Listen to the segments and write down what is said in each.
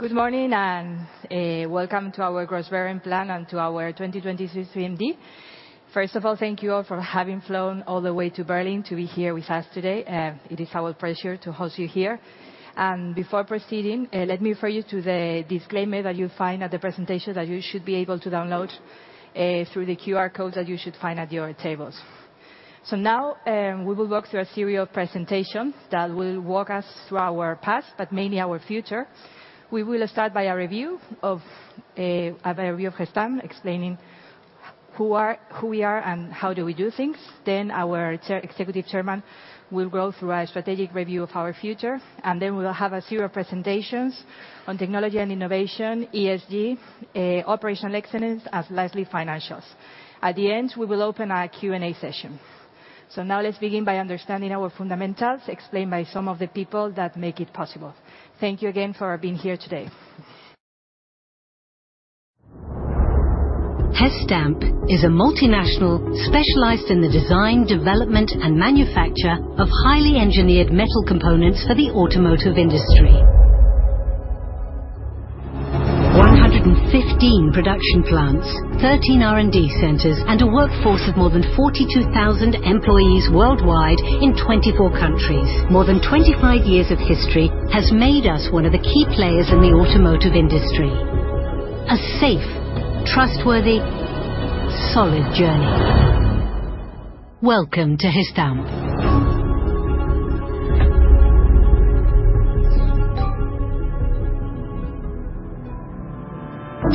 Good morning, welcome to our Growth Planning Plan and to our 2026 R&D. First of all, thank you all for having flown all the way to Berlin to be here with us today. It is our pleasure to host you here. Before proceeding, let me refer you to the disclaimer that you'll find at the presentation, that you should be able to download through the QR code that you should find at your tables. Now, we will walk through a series of presentations that will walk us through our past, but mainly our future. We will start by a review of Gestamp, explaining who we are, and how do we do things. Our Chair, Executive Chairman will go through a strategic review of our future. Then we will have a series of presentations on technology and innovation, ESG, operational excellence, and lastly, financials. At the end, we will open our Q&A session. Now let's begin by understanding our fundamentals, explained by some of the people that make it possible. Thank you again for being here today. Gestamp is a multinational specialized in the design, development, and manufacture of highly engineered metal components for the automotive industry. 115 production plants, 13 R&D centers, and a workforce of more than 42,000 employees worldwide in 24 countries. More than 25 years of history has made us one of the key players in the automotive industry. A safe, trustworthy, solid journey. Welcome to Gestamp.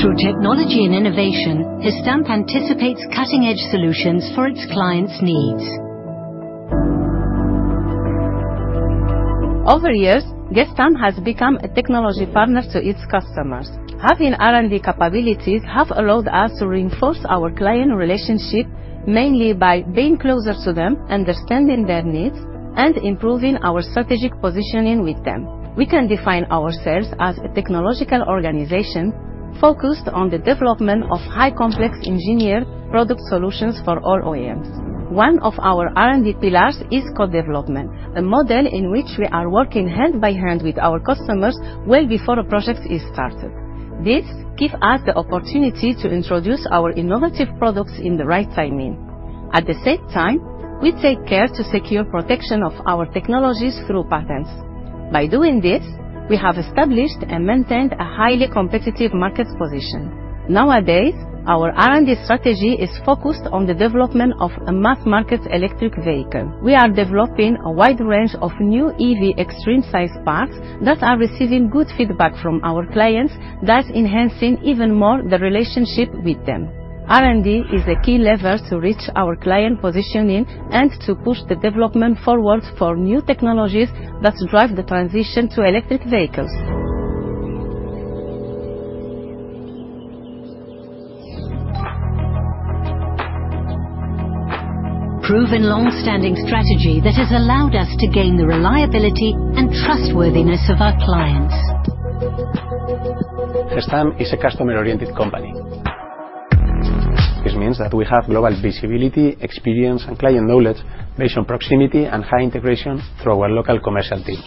Through technology and innovation, Gestamp anticipates cutting-edge solutions for its clients' needs. Over the years, Gestamp has become a technology partner to its customers. Having R&D capabilities have allowed us to reinforce our client relationship, mainly by being closer to them, understanding their needs, and improving our strategic positioning with them. We can define ourselves as a technological organization focused on the development of high, complex engineered product solutions for all OEMs. One of our R&D pillars is co-development, a model in which we are working hand by hand with our customers well before a project is started. This give us the opportunity to introduce our innovative products in the right timing. At the same time, we take care to secure protection of our technologies through patents. By doing this, we have established and maintained a highly competitive market position. Nowadays, our R&D strategy is focused on the development of a mass market electric vehicle. We are developing a wide range of new EV Extreme Size Parts that are receiving good feedback from our clients, thus enhancing even more the relationship with them. R&D is a key lever to reach our client positioning and to push the development forward for new technologies that drive the transition to electric vehicles. Proven long-standing strategy that has allowed us to gain the reliability and trustworthiness of our clients. Gestamp is a customer-oriented company. This means that we have global visibility, experience, and client knowledge based on proximity and high integration through our local commercial teams.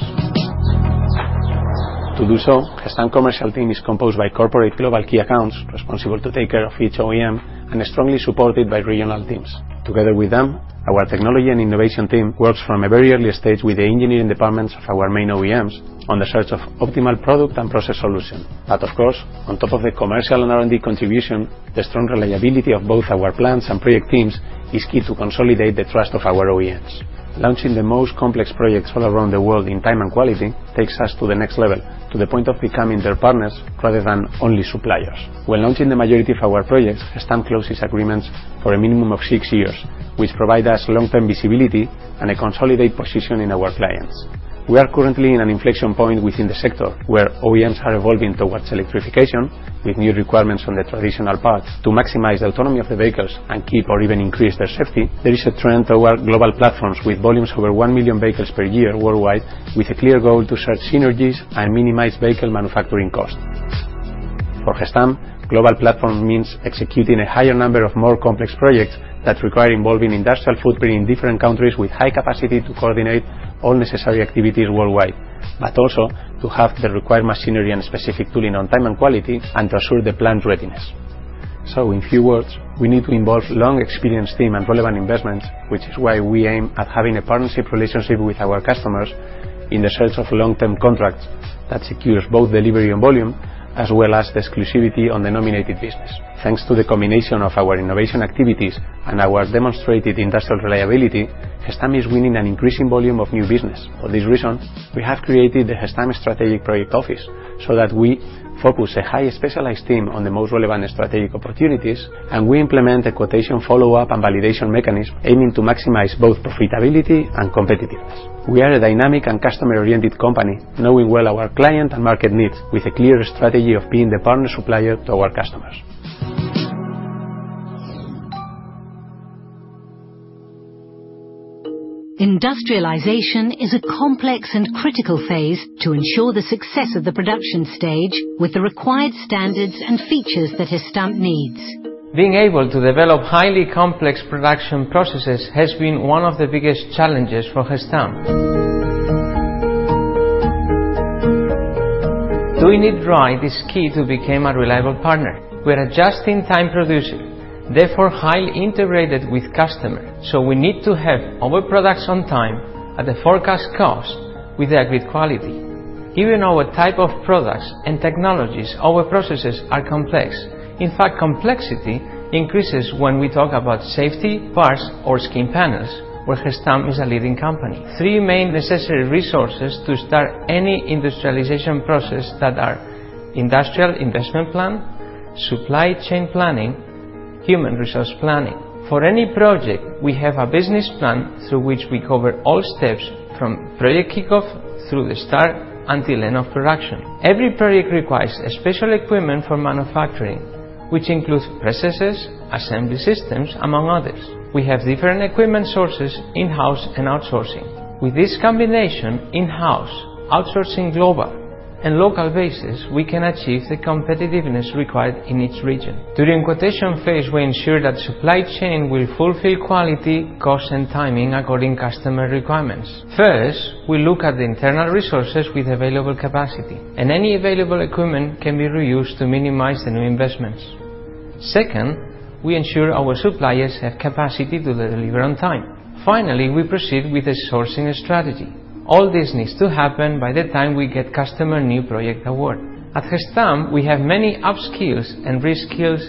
To do so, Gestamp commercial team is composed by corporate global key accounts, responsible to take care of each OEM, and strongly supported by regional teams. Together with them, our technology and innovation team works from a very early stage with the engineering departments of our main OEMs on the search of optimal product and process solution. Of course, on top of the commercial and R&D contribution, the strong reliability of both our plans and project teams is key to consolidate the trust of our OEMs. Launching the most complex projects all around the world in time and quality takes us to the next level, to the point of becoming their partners rather than only suppliers. When launching the majority of our projects, Gestamp closes agreements for a minimum of six years, which provide us long-term visibility and a consolidated position in our clients. We are currently in an inflection point within the sector, where OEMs are evolving towards electrification, with new requirements on the traditional parts. To maximize the autonomy of the vehicles and keep or even increase their safety, there is a trend toward global platforms, with volumes over one million vehicles per year worldwide, with a clear goal to share synergies and minimize vehicle manufacturing costs. For Gestamp, global platform means executing a higher number of more complex projects that require involving industrial footprint in different countries with high capacity to coordinate all necessary activities worldwide, but also to have the required machinery and specific tooling on time and quality, and to assure the plant readiness. In few words, we need to involve long, experienced team and relevant investments, which is why we aim at having a partnership relationship with our customers in the search of long-term contracts that secures both delivery and volume, as well as exclusivity on the nominated business. Thanks to the combination of our innovation activities and our demonstrated industrial reliability, Gestamp is winning an increasing volume of new business. For this reason, we have created the Gestamp Strategic Project Office, so that we focus a high specialized team on the most relevant strategic opportunities, and we implement a quotation follow-up and validation mechanism, aiming to maximize both profitability and competitiveness. We are a dynamic and customer-oriented company, knowing well our client and market needs, with a clear strategy of being the partner supplier to our customers. Industrialization is a complex and critical phase to ensure the success of the production stage with the required standards and features that Gestamp needs. Being able to develop highly complex production processes has been one of the biggest challenges for Gestamp. Doing it right is key to become a reliable partner. We are just-in-time producer, therefore, highly integrated with customer, so we need to have our products on time, at the forecast cost, with the agreed quality. Given our type of products and technologies, our processes are complex. In fact, complexity increases when we talk about safety, parts, or skin panels, where Gestamp is a leading company. Three main necessary resources to start any industrialization process that are: industrial investment plan, supply chain planning, human resource planning. For any project, we have a business plan through which we cover all steps from project kickoff, through the start, until end of production. Every project requires special equipment for manufacturing, which includes processes, assembly systems, among others. We have different equipment sources, in-house and outsourcing. With this combination, in-house, outsourcing global and local basis, we can achieve the competitiveness required in each region. During quotation phase, we ensure that supply chain will fulfill quality, cost, and timing according customer requirements. First, we look at the internal resources with available capacity, and any available equipment can be reused to minimize the new investments. Second, we ensure our suppliers have capacity to deliver on time. Finally, we proceed with a sourcing strategy. All this needs to happen by the time we get customer new project award. At Gestamp, we have many upskills and reskills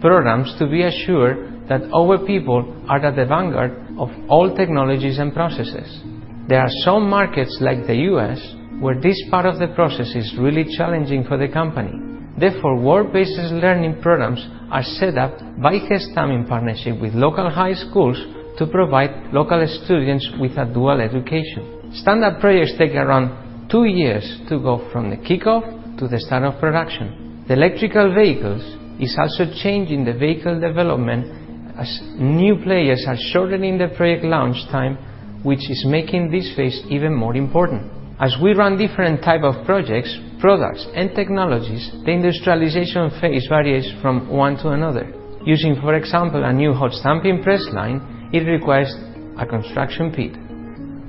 programs to be assured that our people are at the vanguard of all technologies and processes. There are some markets, like the U.S., where this part of the process is really challenging for the company. Therefore, work-based learning programs are set up by Gestamp in partnership with local high schools to provide local students with a dual education. Standard projects take around two years to go from the kickoff to the start of production. The electric vehicles is also changing the vehicle development, as new players are shortening the project launch time, which is making this phase even more important. As we run different type of projects, products, and technologies, the industrialization phase varies from one to another. Using, for example, a new hot stamping press line, it requires a construction pit.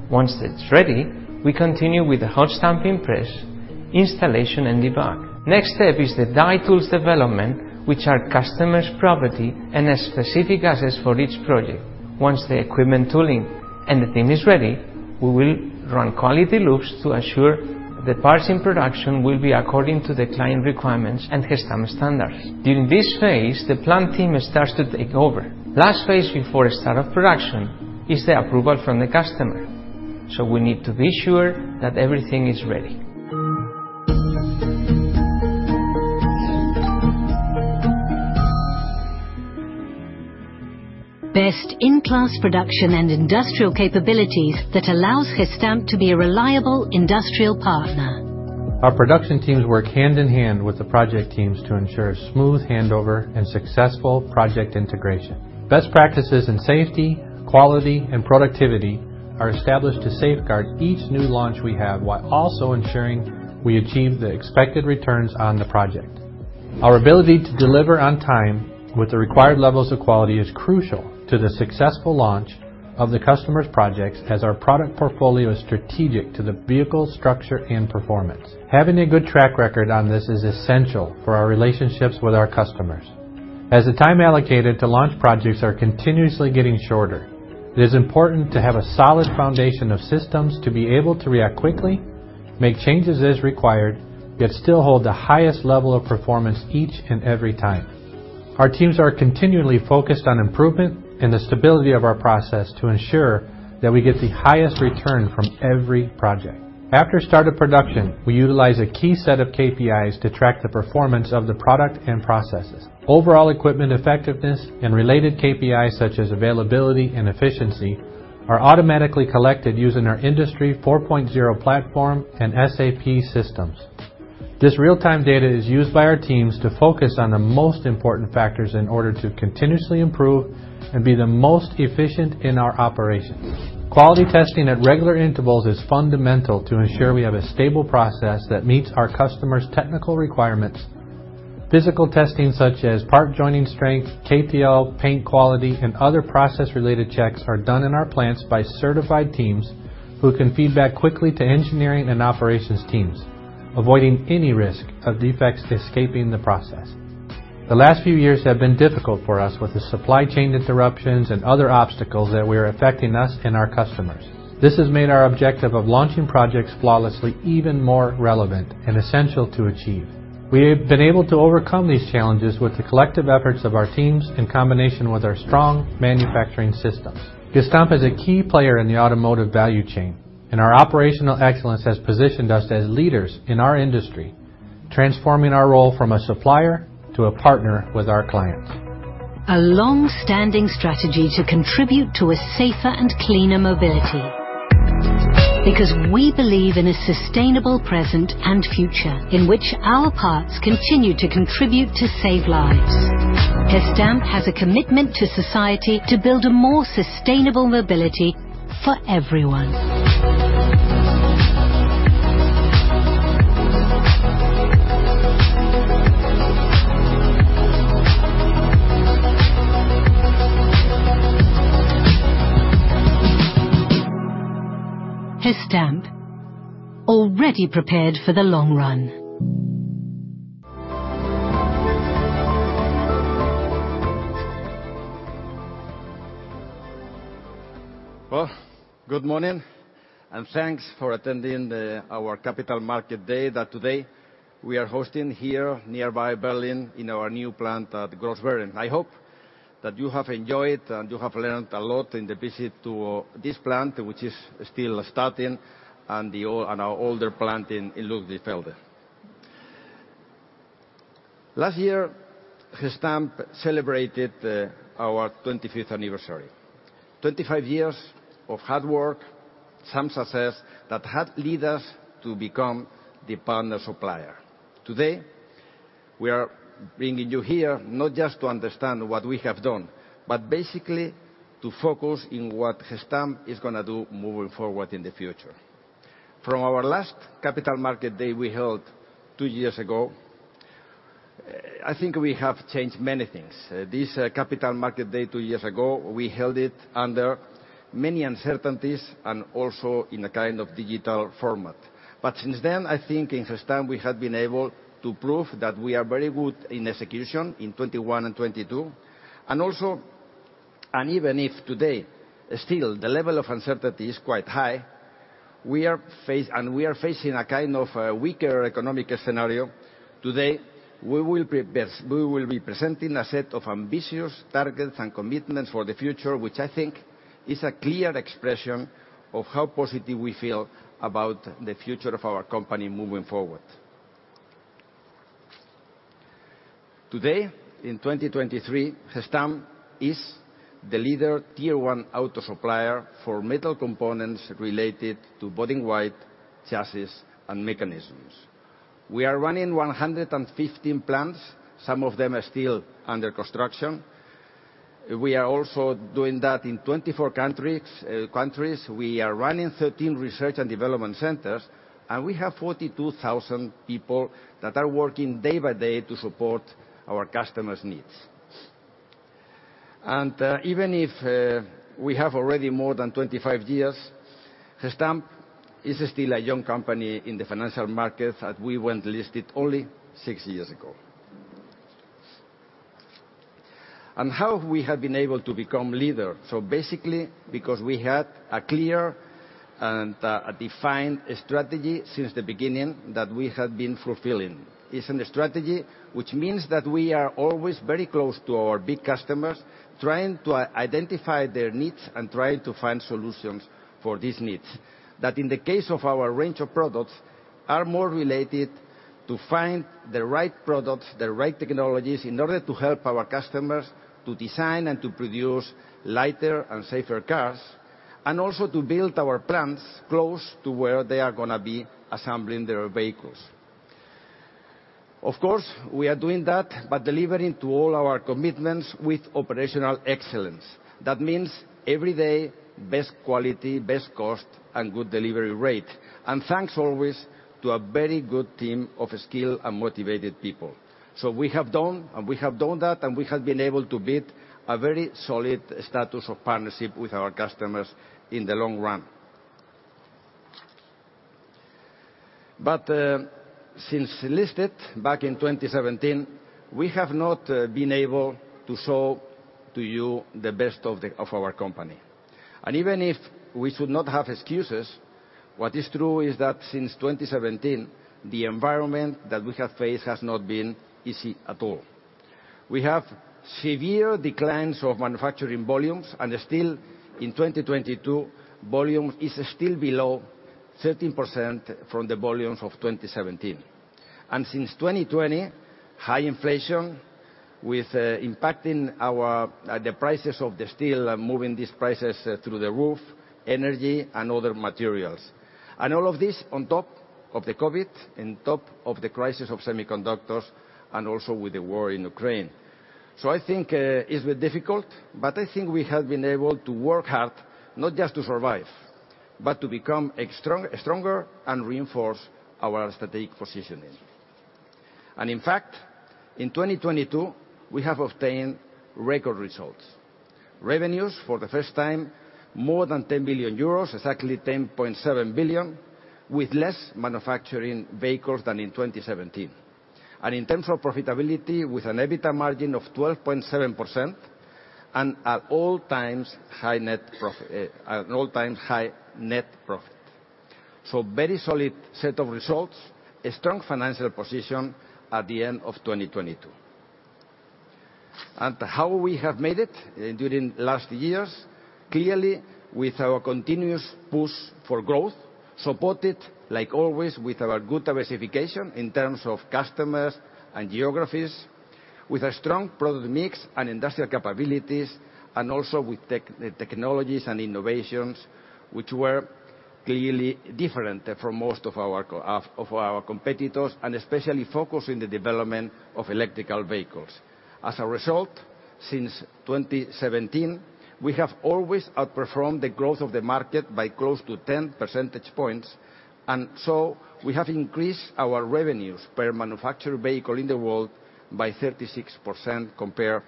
Once it's ready, we continue with the hot stamping press, installation, and debug. Next step is the die tools development, which are customer's property and a specific assets for each project. Once the equipment tooling and the team is ready, we will run quality loops to assure the parts in production will be according to the client requirements and Gestamp standards. During this phase, the plant team starts to take over. Last phase before start of production is the approval from the customer, so we need to be sure that everything is ready. Best-in-class production and industrial capabilities that allows Gestamp to be a reliable industrial partner. Our production teams work hand-in-hand with the project teams to ensure a smooth handover and successful project integration. Best practices in safety, quality, and productivity are established to safeguard each new launch we have, while also ensuring we achieve the expected returns on the project. Our ability to deliver on time with the required levels of quality is crucial to the successful launch of the customer's projects, as our product portfolio is strategic to the vehicle structure and performance. Having a good track record on this is essential for our relationships with our customers. As the time allocated to launch projects are continuously getting shorter, it is important to have a solid foundation of systems to be able to react quickly, make changes as required, yet still hold the highest level of performance each and every time. Our teams are continually focused on improvement and the stability of our process to ensure that we get the highest return from every project. After start of production, we utilize a key set of KPIs to track the performance of the product and processes. Overall equipment effectiveness and related KPIs, such as availability and efficiency, are automatically collected using our Industry 4.0 platform and SAP systems. This real-time data is used by our teams to focus on the most important factors in order to continuously improve and be the most efficient in our operations. Quality testing at regular intervals is fundamental to ensure we have a stable process that meets our customers' technical requirements. Physical testing, such as part joining strength, KTL, paint quality, and other process-related checks, are done in our plants by certified teams, who can feed back quickly to engineering and operations teams, avoiding any risk of defects escaping the process. The last few years have been difficult for us, with the supply chain interruptions and other obstacles that were affecting us and our customers. This has made our objective of launching projects flawlessly even more relevant and essential to achieve. We have been able to overcome these challenges with the collective efforts of our teams, in combination with our strong manufacturing systems. Gestamp is a key player in the automotive value chain, and our operational excellence has positioned us as leaders in our industry, transforming our role from a supplier to a partner with our clients. A long-standing strategy to contribute to a safer and cleaner mobility. We believe in a sustainable present and future, in which our parts continue to contribute to save lives. Gestamp has a commitment to society to build a more sustainable mobility for everyone. Gestamp, already prepared for the long run. Good morning, and thanks for attending our Capital Market Day that today we are hosting here nearby Berlin in our new plant at Grossbeeren. I hope that you have enjoyed and you have learned a lot in the visit to this plant, which is still starting, and our older plant in Ludwigsfelde. Last year, Gestamp celebrated our 25th anniversary. 25 years of hard work, some success, that had lead us to become the partner supplier. Today, we are bringing you here not just to understand what we have done, but basically to focus in what Gestamp is gonna do moving forward in the future. From our last Capital Market Day we held two years ago, I think we have changed many things. This Capital Market Day, two years ago, we held it under many uncertainties and also in a kind of digital format. Since then, I think in Gestamp we have been able to prove that we are very good in execution in 2021 and 2022. Also, even if today, still, the level of uncertainty is quite high, we are facing a kind of weaker economic scenario, today, we will be presenting a set of ambitious targets and commitments for the future, which I think is a clear expression of how positive we feel about the future of our company moving forward. Today, in 2023, Gestamp is the leader Tier 1 auto supplier for metal components related to body in white chassis and mechanisms. We are running 115 plants, some of them are still under construction. We are also doing that in 24 countries. We are running 13 research and development centers, and we have 42,000 people that are working day-by-day to support our customers' needs. Even if we have already more than 25 years, Gestamp is still a young company in the financial market, as we went listed only six years ago. How we have been able to become leader? Basically, because we had a clear and a defined strategy since the beginning that we have been fulfilling. It's in the strategy, which means that we are always very close to our big customers, trying to identify their needs and trying to find solutions for these needs. That in the case of our range of products, are more related to find the right products, the right technologies, in order to help our customers to design and to produce lighter and safer cars, and also to build our plants close to where they are gonna be assembling their vehicles. Of course, we are doing that, but delivering to all our commitments with operational excellence. That means every day, best quality, best cost, and good delivery rate. Thanks always to a very good team of skilled and motivated people. We have done that, and we have been able to build a very solid status of partnership with our customers in the long run. Since listed back in 2017, we have not been able to show to you the best of our company. Even if we should not have excuses, what is true is that since 2017, the environment that we have faced has not been easy at all. We have severe declines of manufacturing volumes, and still in 2022, volume is still below 13% from the volumes of 2017. Since 2020, high inflation, with impacting our the prices of the steel and moving these prices through the roof, energy and other materials. All of this on top of the COVID, on top of the crisis of semiconductors, and also with the war in Ukraine. I think it's been difficult, but I think we have been able to work hard, not just to survive, but to become stronger and reinforce our strategic positioning. In fact, in 2022, we have obtained record results. Revenues for the first time, more than 10 billion euros, exactly 10.7 billion, with less manufacturing vehicles than in 2017. In terms of profitability, with an EBITDA margin of 12.7%, and at all-time high net profit. Very solid set of results, a strong financial position at the end of 2022. How we have made it during last years? Clearly, with our continuous push for growth, supported, like always, with our good diversification in terms of customers and geographies, with a strong product mix and industrial capabilities, and also with technologies and innovations, which were clearly different from most of our competitors, and especially focused in the development of electric vehicles. As a result, since 2017, we have always outperformed the growth of the market by close to 10 percentage points. We have increased our revenues per manufactured vehicle in the world by 36% compared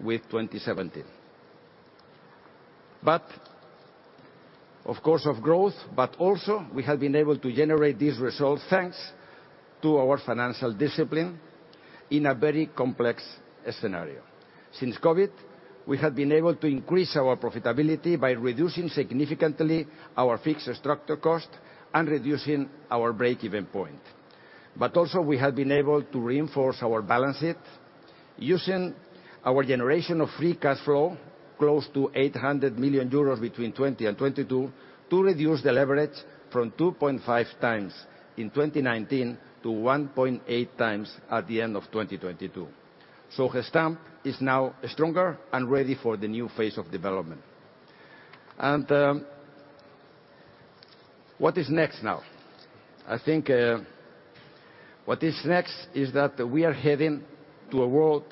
with 2017. Of course, of growth, but also we have been able to generate these results, thanks to our financial discipline in a very complex scenario. Since COVID, we have been able to increase our profitability by reducing significantly our fixed structure cost and reducing our break-even point. Also, we have been able to reinforce our balance sheet using our generation of free cash flow, close to 800 million euros between 2020 and 2022, to reduce the leverage from 2.5x in 2019 to 1.8x at the end of 2022. Gestamp is now stronger and ready for the new phase of development. What is next now? I think, what is next is that we are heading to a world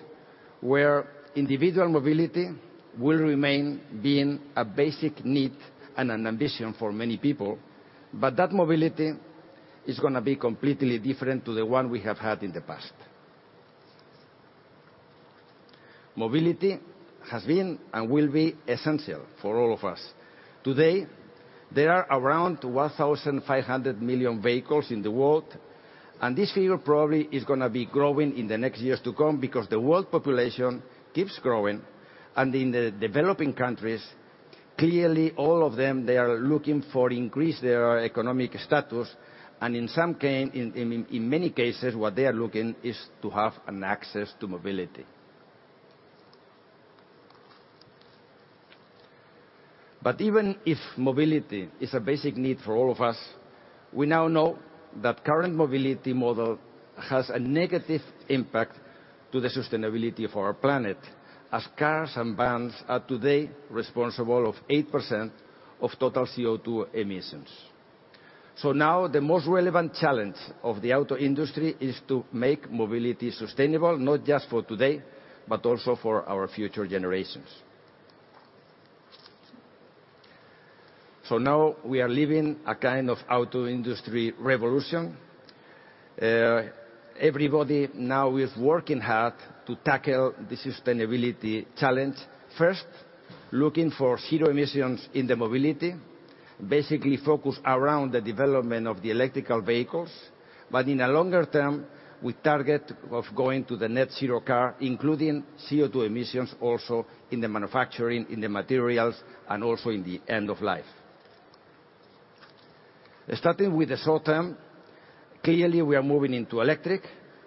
where individual mobility will remain being a basic need and an ambition for many people, but that mobility is going to be completely different to the one we have had in the past. Mobility has been and will be essential for all of us. Today, there are around 1,500 million vehicles in the world, and this figure probably is going to be growing in the next years to come, because the world population keeps growing, and in the developing countries, clearly, all of them, they are looking for increase their economic status, and in many cases, what they are looking is to have an access to mobility. Even if mobility is a basic need for all of us, we now know that current mobility model has a negative impact to the sustainability of our planet, as cars and vans are today responsible of 8% of total CO₂ emissions. Now, the most relevant challenge of the auto industry is to make mobility sustainable, not just for today, but also for our future generations. Now we are living a kind of auto industry revolution. Everybody now is working hard to tackle the sustainability challenge. First, looking for zero emissions in the mobility, basically focused around the development of the electrical vehicles, but in a longer term, we target of going to the Net Zero Car, including CO₂ emissions, also in the manufacturing, in the materials, and also in the end of life. Starting with the short term, clearly, we are moving into electric.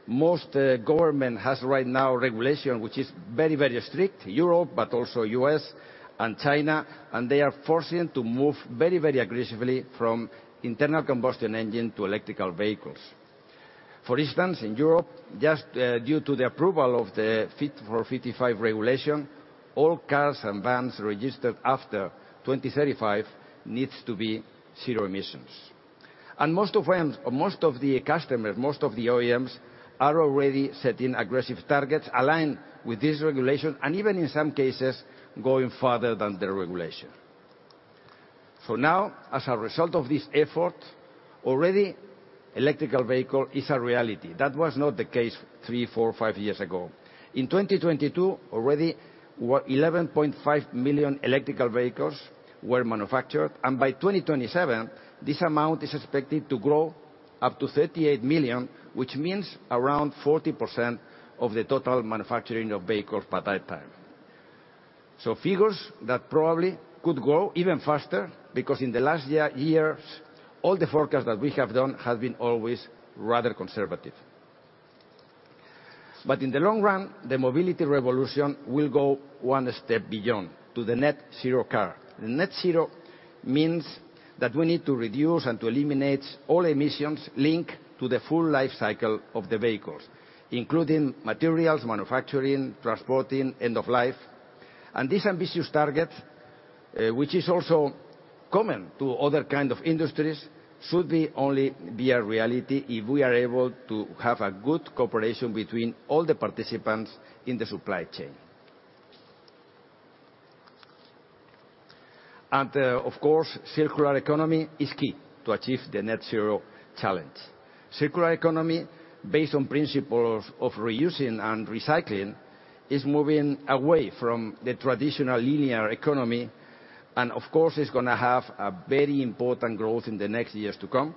Most government has right now regulation, which is very, very strict, Europe, but also U.S. and China, and they are forcing to move very, very aggressively from internal combustion engine to electric vehicles. For instance, in Europe, just due to the approval of the Fit for 55 regulation, all cars and vans registered after 2035 needs to be zero emissions. Most of them, most of the customers, most of the OEMs, are already setting aggressive targets aligned with this regulation, and even in some cases, going farther than the regulation. Now, as a result of this effort, already electric vehicle is a reality. That was not the case three, four, five years ago. In 2022, already 11.5 million electrical vehicles were manufactured, and by 2027, this amount is expected to grow up to 38 million, which means around 40% of the total manufacturing of vehicles by that time. Figures that probably could grow even faster, because in the last years, all the forecast that we have done has been always rather conservative. In the long run, the mobility revolution will go one step beyond to the Net Zero Car. Net Zero means that we need to reduce and to eliminate all emissions linked to the full life cycle of the vehicles, including materials, manufacturing, transporting, end of life. This ambitious target, which is also common to other kind of industries, should be only be a reality if we are able to have a good cooperation between all the participants in the supply chain. Of course, circular economy is key to achieve the net zero challenge. Circular economy, based on principles of reusing and recycling, is moving away from the traditional linear economy, and of course, is going to have a very important growth in the next years to come.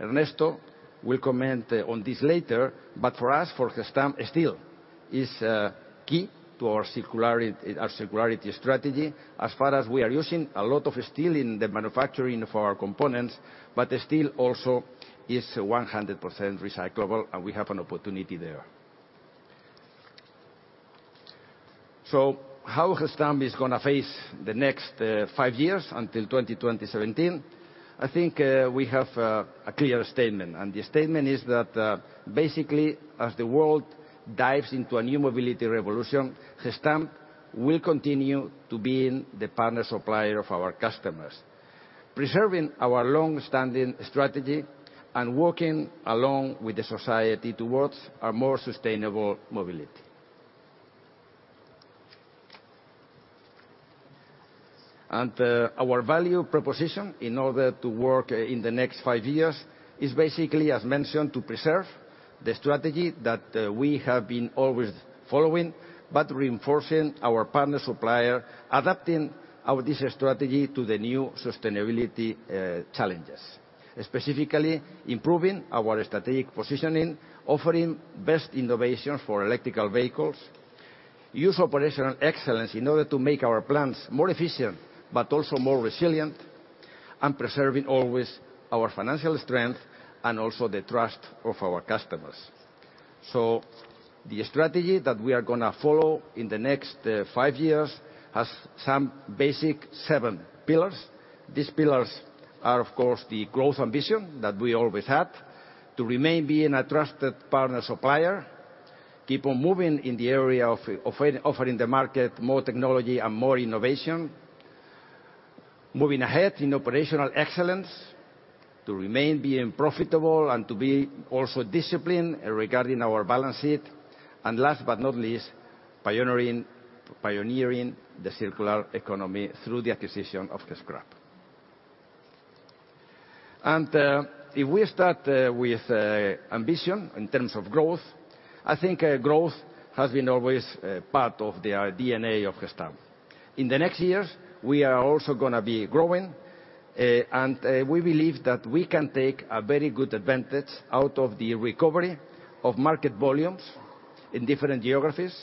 Ernesto will comment on this later, but for us, for Gestamp, steel is key to our circularity strategy. As far as we are using a lot of steel in the manufacturing for our components, but the steel also is 100% recyclable, and we have an opportunity there. How Gestamp is going to face the next five years until 2027? I think we have a clear statement, and the statement is that basically, as the world dives into a new mobility revolution, Gestamp will continue to be in the partner supplier of our customers, preserving our long-standing strategy and working along with the society towards a more sustainable mobility. Our value proposition in order to work in the next five years is basically, as mentioned, to preserve the strategy that we have been always following, but reinforcing our partner supplier, adapting our this strategy to the new sustainability challenges. Specifically improving our strategic positioning, offering best innovation for electrical vehicles, use operational excellence in order to make our plants more efficient, but also more resilient, and preserving always our financial strength and also the trust of our customers. The strategy that we are going to follow in the next five years has some basic seven pillars. These pillars are, of course, the growth ambition that we always had, to remain being a trusted partner supplier, keep on moving in the area of offering the market more technology and more innovation, moving ahead in operational excellence, to remain being profitable and to be also disciplined regarding our balance sheet, and last but not least, pioneering the circular economy through the acquisition of the scrap. If we start with ambition in terms of growth, I think growth has been always part of the DNA of Gestamp. In the next years, we are also going to be growing, and we believe that we can take a very good advantage out of the recovery of market volumes in different geographies.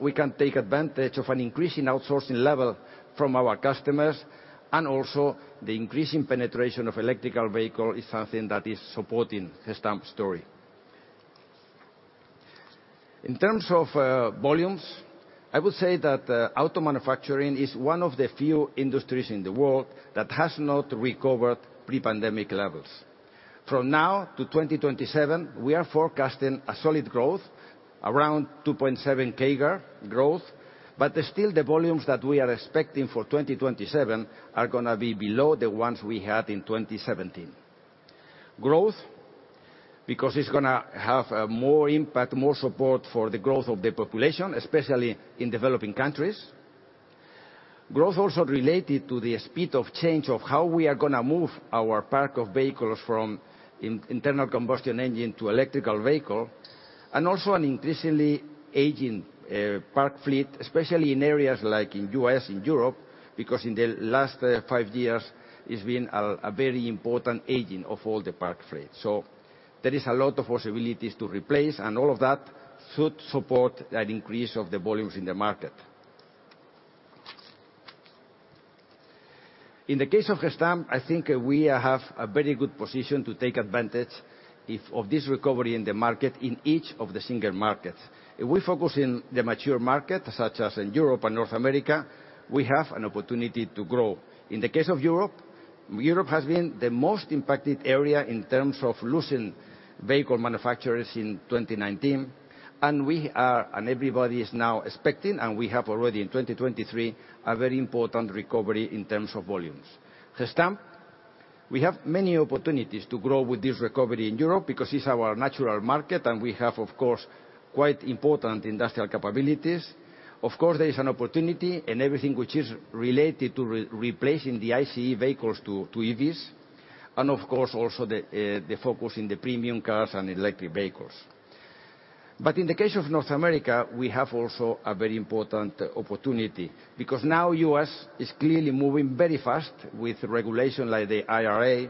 We can take advantage of an increasing outsourcing level from our customers, and the increasing penetration of electrical vehicle is something that is supporting the Gestamp story. In terms of volumes, I would say that auto manufacturing is one of the few industries in the world that has not recovered pre-pandemic levels. From now to 2027, we are forecasting a solid growth, around 2.7% CAGR growth. Still the volumes that we are expecting for 2027 are going to be below the ones we had in 2017. Growth, because it's going to have more impact, more support for the growth of the population, especially in developing countries. Growth also related to the speed of change of how we are going to move our park of vehicles from internal combustion engine to electric vehicle, and also an increasingly aging park fleet, especially in areas like in U.S. and Europe, because in the last five years, it's been a very important aging of all the park fleet. There is a lot of possibilities to replace, and all of that should support that increase of the volumes in the market. In the case of Gestamp, I think we have a very good position to take advantage of this recovery in the market in each of the single markets. If we focus in the mature market, such as in Europe and North America, we have an opportunity to grow. In the case of Europe has been the most impacted area in terms of losing vehicle manufacturers in 2019, and we are, and everybody is now expecting, and we have already in 2023, a very important recovery in terms of volumes. Gestamp, we have many opportunities to grow with this recovery in Europe because it's our natural market, and we have, of course, quite important industrial capabilities. Of course, there is an opportunity in everything which is related to replacing the ICE vehicles to EVs, and of course, also the focus in the premium cars and electric vehicles. In the case of North America, we have also a very important opportunity because now U.S. is clearly moving very fast with regulation like the IRA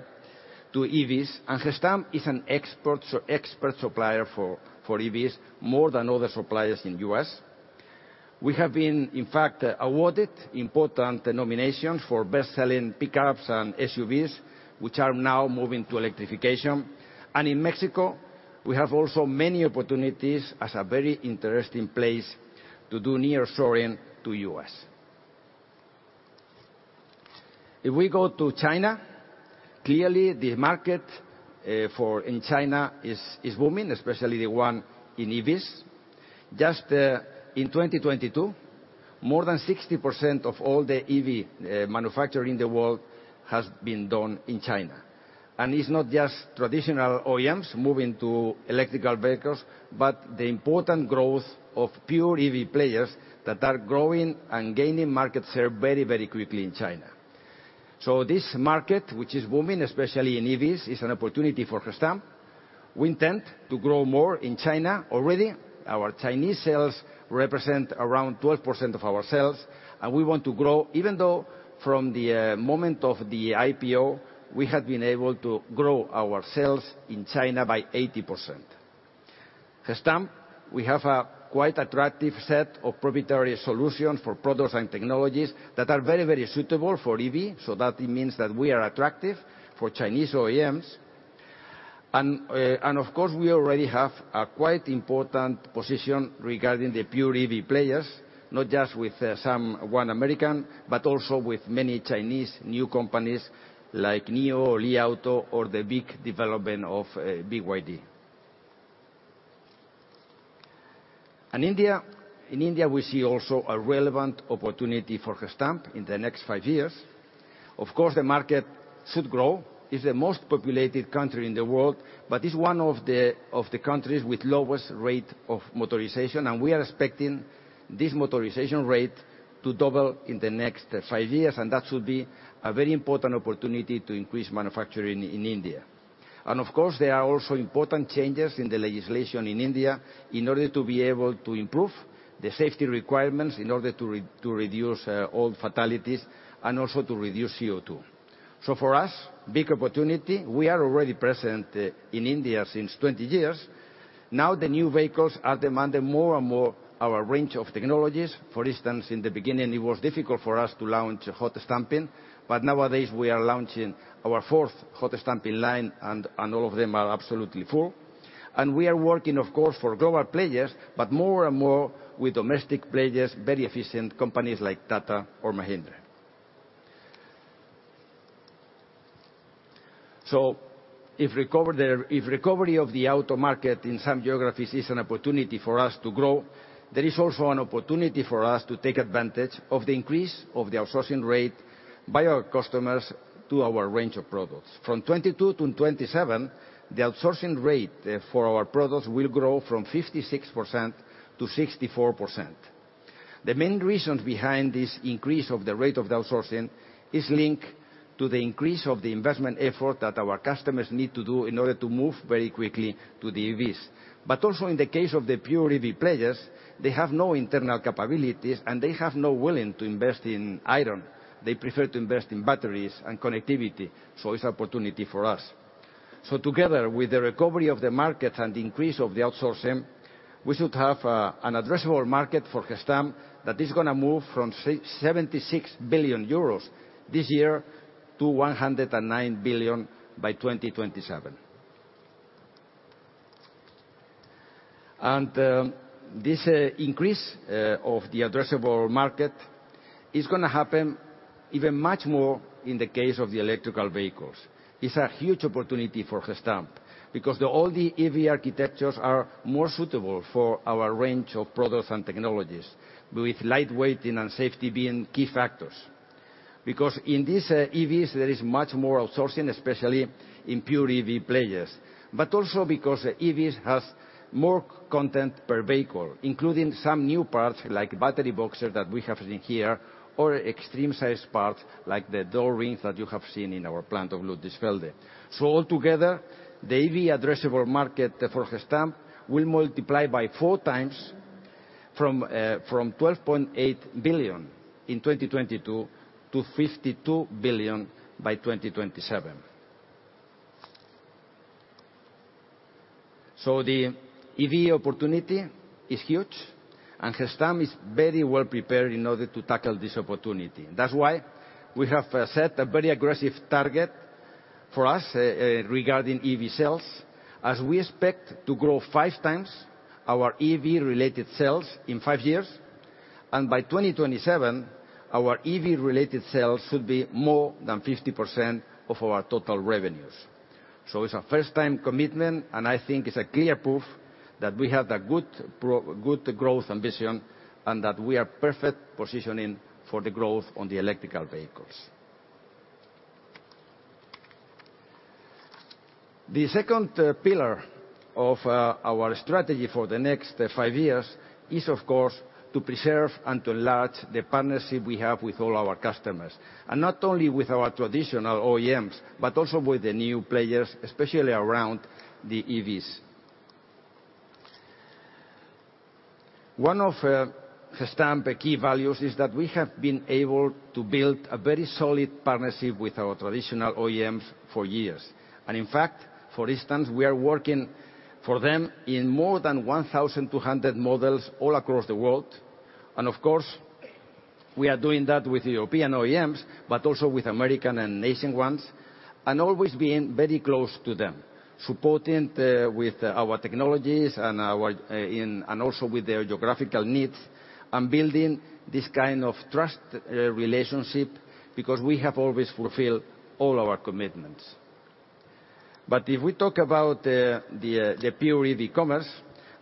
to EVs, and Gestamp is an expert supplier for EVs, more than other suppliers in U.S. We have been, in fact, awarded important nominations for best-selling pickups and SUVs, which are now moving to electrification. In Mexico, we have also many opportunities as a very interesting place to do nearshoring to U.S. If we go to China, clearly, the market in China is booming, especially the one in EVs. Just in 2022, more than 60% of all the EV manufacturing in the world has been done in China. It's not just traditional OEMs moving to electrical vehicles, but the important growth of pure EV players that are growing and gaining market share very, very quickly in China. This market, which is booming, especially in EVs, is an opportunity for Gestamp. We intend to grow more in China. Already, our Chinese sales represent around 12% of our sales, and we want to grow, even though from the moment of the IPO, we have been able to grow our sales in China by 80%. Gestamp, we have a quite attractive set of proprietary solutions for products and technologies that are very, very suitable for EV, so that it means that we are attractive for Chinese OEMs. Of course, we already have a quite important position regarding the pure EV players, not just with some one American, but also with many Chinese new companies like NIO or Li Auto, or the big development of BYD. In India, in India, we see also a relevant opportunity for Gestamp in the next five years. Of course, the market should grow. It's the most populated country in the world, but it's one of the, of the countries with lowest rate of motorization, and we are expecting this motorization rate to double in the next five years, and that should be a very important opportunity to increase manufacturing in India. Of course, there are also important changes in the legislation in India in order to be able to improve the safety requirements, in order to reduce all fatalities, and also to reduce CO₂. For us, big opportunity. We are already present in India since 20 years. Now, the new vehicles are demanding more and more our range of technologies. For instance, in the beginning, it was difficult for us to launch hot stamping, but nowadays we are launching our fourth hot stamping line, and all of them are absolutely full. We are working, of course, for global players, but more and more with domestic players, very efficient companies like Tata or Mahindra. If recovery of the auto market in some geographies is an opportunity for us to grow, there is also an opportunity for us to take advantage of the increase of the outsourcing rate by our customers to our range of products. From 2022-2027, the outsourcing rate for our products will grow from 56%-64%. The main reasons behind this increase of the rate of outsourcing is linked to the increase of the investment effort that our customers need to do in order to move very quickly to the EVs. Also in the case of the pure EV players, they have no internal capabilities, and they have no willing to invest in iron. They prefer to invest in batteries and connectivity, so it's an opportunity for us. Together with the recovery of the market and the increase of the outsourcing, we should have an addressable market for Gestamp that is gonna move from 76 billion euros this year to 109 billion by 2027. This increase of the addressable market is gonna happen even much more in the case of the electrical vehicles. It's a huge opportunity for Gestamp because the all the EV architectures are more suitable for our range of products and technologies, with lightweighting and safety being key factors. Because in these EVs, there is much more outsourcing, especially in pure EV players, but also because the EVs has more content per vehicle, including some new parts, like battery box that we have in here, or Extreme Size Parts, like the Door Rings that you have seen in our plant of Ludwigsfelde. Altogether, the EV addressable market for Gestamp will multiply by four times from 12.8 billion in 2022 to 52 billion by 2027. The EV opportunity is huge, and Gestamp is very well prepared in order to tackle this opportunity. That's why we have set a very aggressive target for us regarding EV sales, as we expect to grow five times our EV-related sales in five years. By 2027, our EV-related sales should be more than 50% of our total revenues. It's a first-time commitment, and I think it's a clear proof that we have a good growth ambition, and that we are perfect positioning for the growth on the electrical vehicles. The second pillar of our strategy for the next five years is, of course, to preserve and to enlarge the partnership we have with all our customers, and not only with our traditional OEMs, but also with the new players, especially around the EVs. One of Gestamp key values is that we have been able to build a very solid partnership with our traditional OEMs for years. In fact, for instance, we are working for them in more than 1,200 models all across the world. Of course, we are doing that with European OEMs, but also with American and Asian ones, and always being very close to them, supporting with our technologies and our, and also with their geographical needs, and building this kind of trust relationship, because we have always fulfilled all our commitments. If we talk about the pure EV commerce,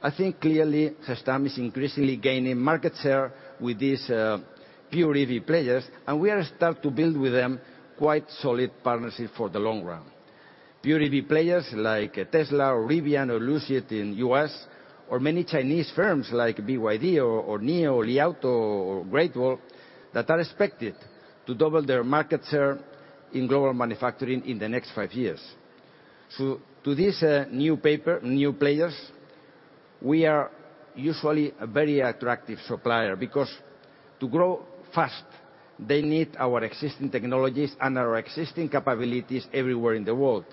I think clearly, Gestamp is increasingly gaining market share with these pure EV players, and we are start to build with them quite solid partnership for the long run. Pure EV players like Tesla or Rivian or Lucid in U.S., or many Chinese firms like BYD or NIO, Li Auto or Great Wall, that are expected to double their market share in global manufacturing in the next five years. To these new players, we are usually a very attractive supplier, because to grow fast, they need our existing technologies and our existing capabilities everywhere in the world.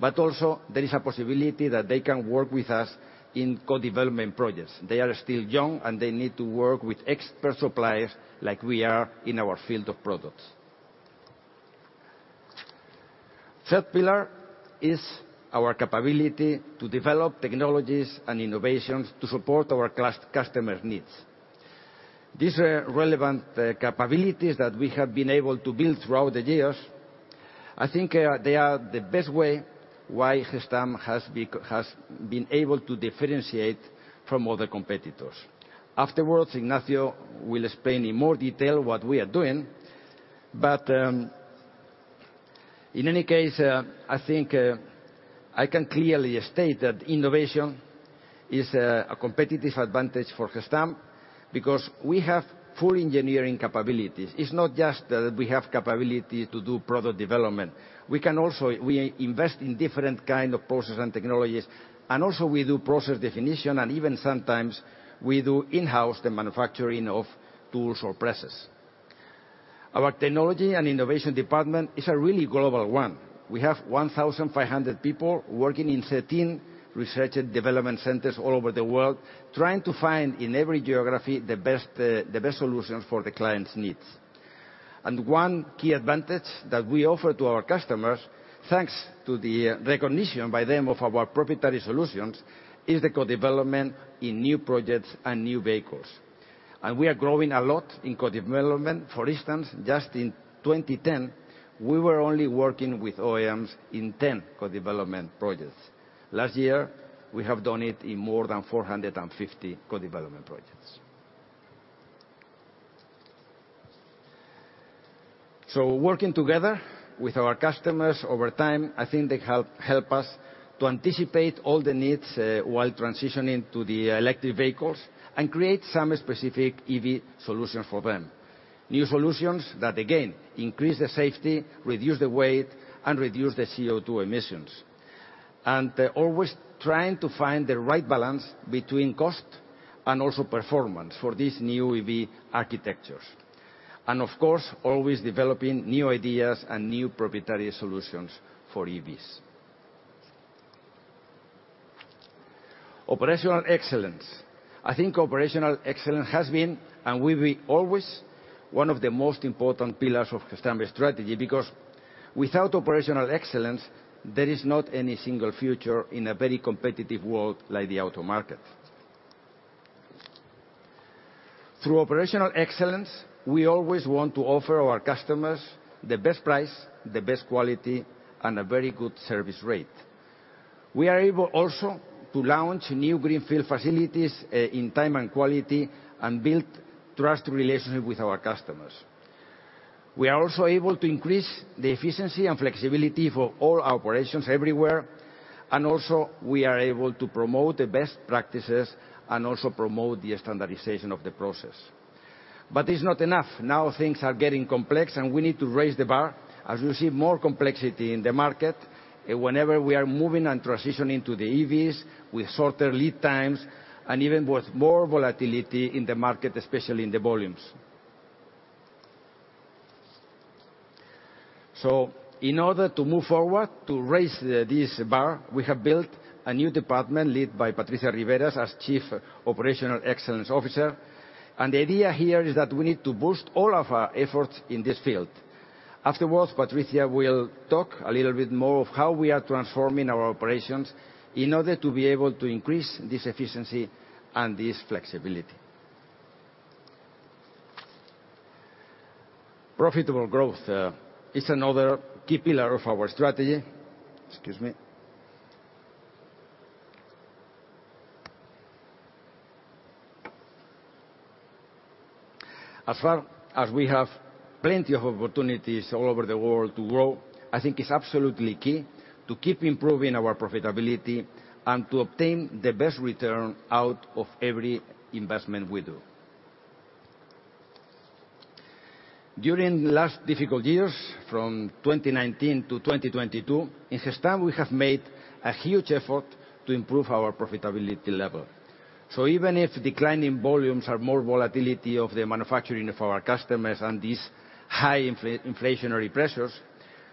Also, there is a possibility that they can work with us in co-development projects. They are still young, and they need to work with expert suppliers like we are in our field of products. Third pillar is our capability to develop technologies and innovations to support our customers' needs. These relevant capabilities that we have been able to build throughout the years, I think, they are the best way why Gestamp has been able to differentiate from other competitors. Afterwards, Ignacio will explain in more detail what we are doing, but in any case, I think I can clearly state that innovation is a competitive advantage for Gestamp because we have full engineering capabilities. It's not just that we have capability to do product development, we can also we invest in different kind of process and technologies, and also we do process definition, and even sometimes we do in-house the manufacturing of tools or presses. Our technology and innovation department is a really global one. We have 1,500 people working in 13 research and development centers all over the world, trying to find, in every geography, the best, the best solutions for the clients' needs. One key advantage that we offer to our customers, thanks to the recognition by them of our proprietary solutions, is the co-development in new projects and new vehicles. We are growing a lot in co-development. For instance, just in 2010, we were only working with OEMs in 10 co-development projects. Last year, we have done it in more than 450 co-development projects. Working together with our customers over time, I think they help us to anticipate all the needs, while transitioning to the electric vehicles, and create some specific EV solutions for them. New solutions that, again, increase the safety, reduce the weight, and reduce the CO₂ emissions. Always trying to find the right balance between cost and also performance for these new EV architectures. Of course, always developing new ideas and new proprietary solutions for EVs. Operational excellence. I think operational excellence has been, and will be, always one of the most important pillars of Gestamp's strategy, because without operational excellence, there is not any single future in a very competitive world like the auto market. Through operational excellence, we always want to offer our customers the best price, the best quality, and a very good service rate. We are able also to launch new greenfield facilities in time and quality, and build trusted relationship with our customers. We are also able to increase the efficiency and flexibility for all operations everywhere, and also we are able to promote the best practices, and also promote the standardization of the process. It's not enough. Now, things are getting complex, and we need to raise the bar. As you see more complexity in the market, whenever we are moving and transitioning to the EVs, with shorter lead times, and even with more volatility in the market, especially in the volumes. In order to move forward, to raise this bar, we have built a new department led by Patricia Riberas as Chief Operational Excellence Officer. The idea here is that we need to boost all of our efforts in this field. Afterwards, Patricia will talk a little bit more of how we are transforming our operations in order to be able to increase this efficiency and this flexibility. Profitable growth is another key pillar of our strategy. Excuse me. As far as we have plenty of opportunities all over the world to grow, I think it's absolutely key to keep improving our profitability and to obtain the best return out of every investment we do. During last difficult years, from 2019-2022, in Gestamp, we have made a huge effort to improve our profitability level. Even if declining volumes are more volatility of the manufacturing of our customers and these high inflationary pressures,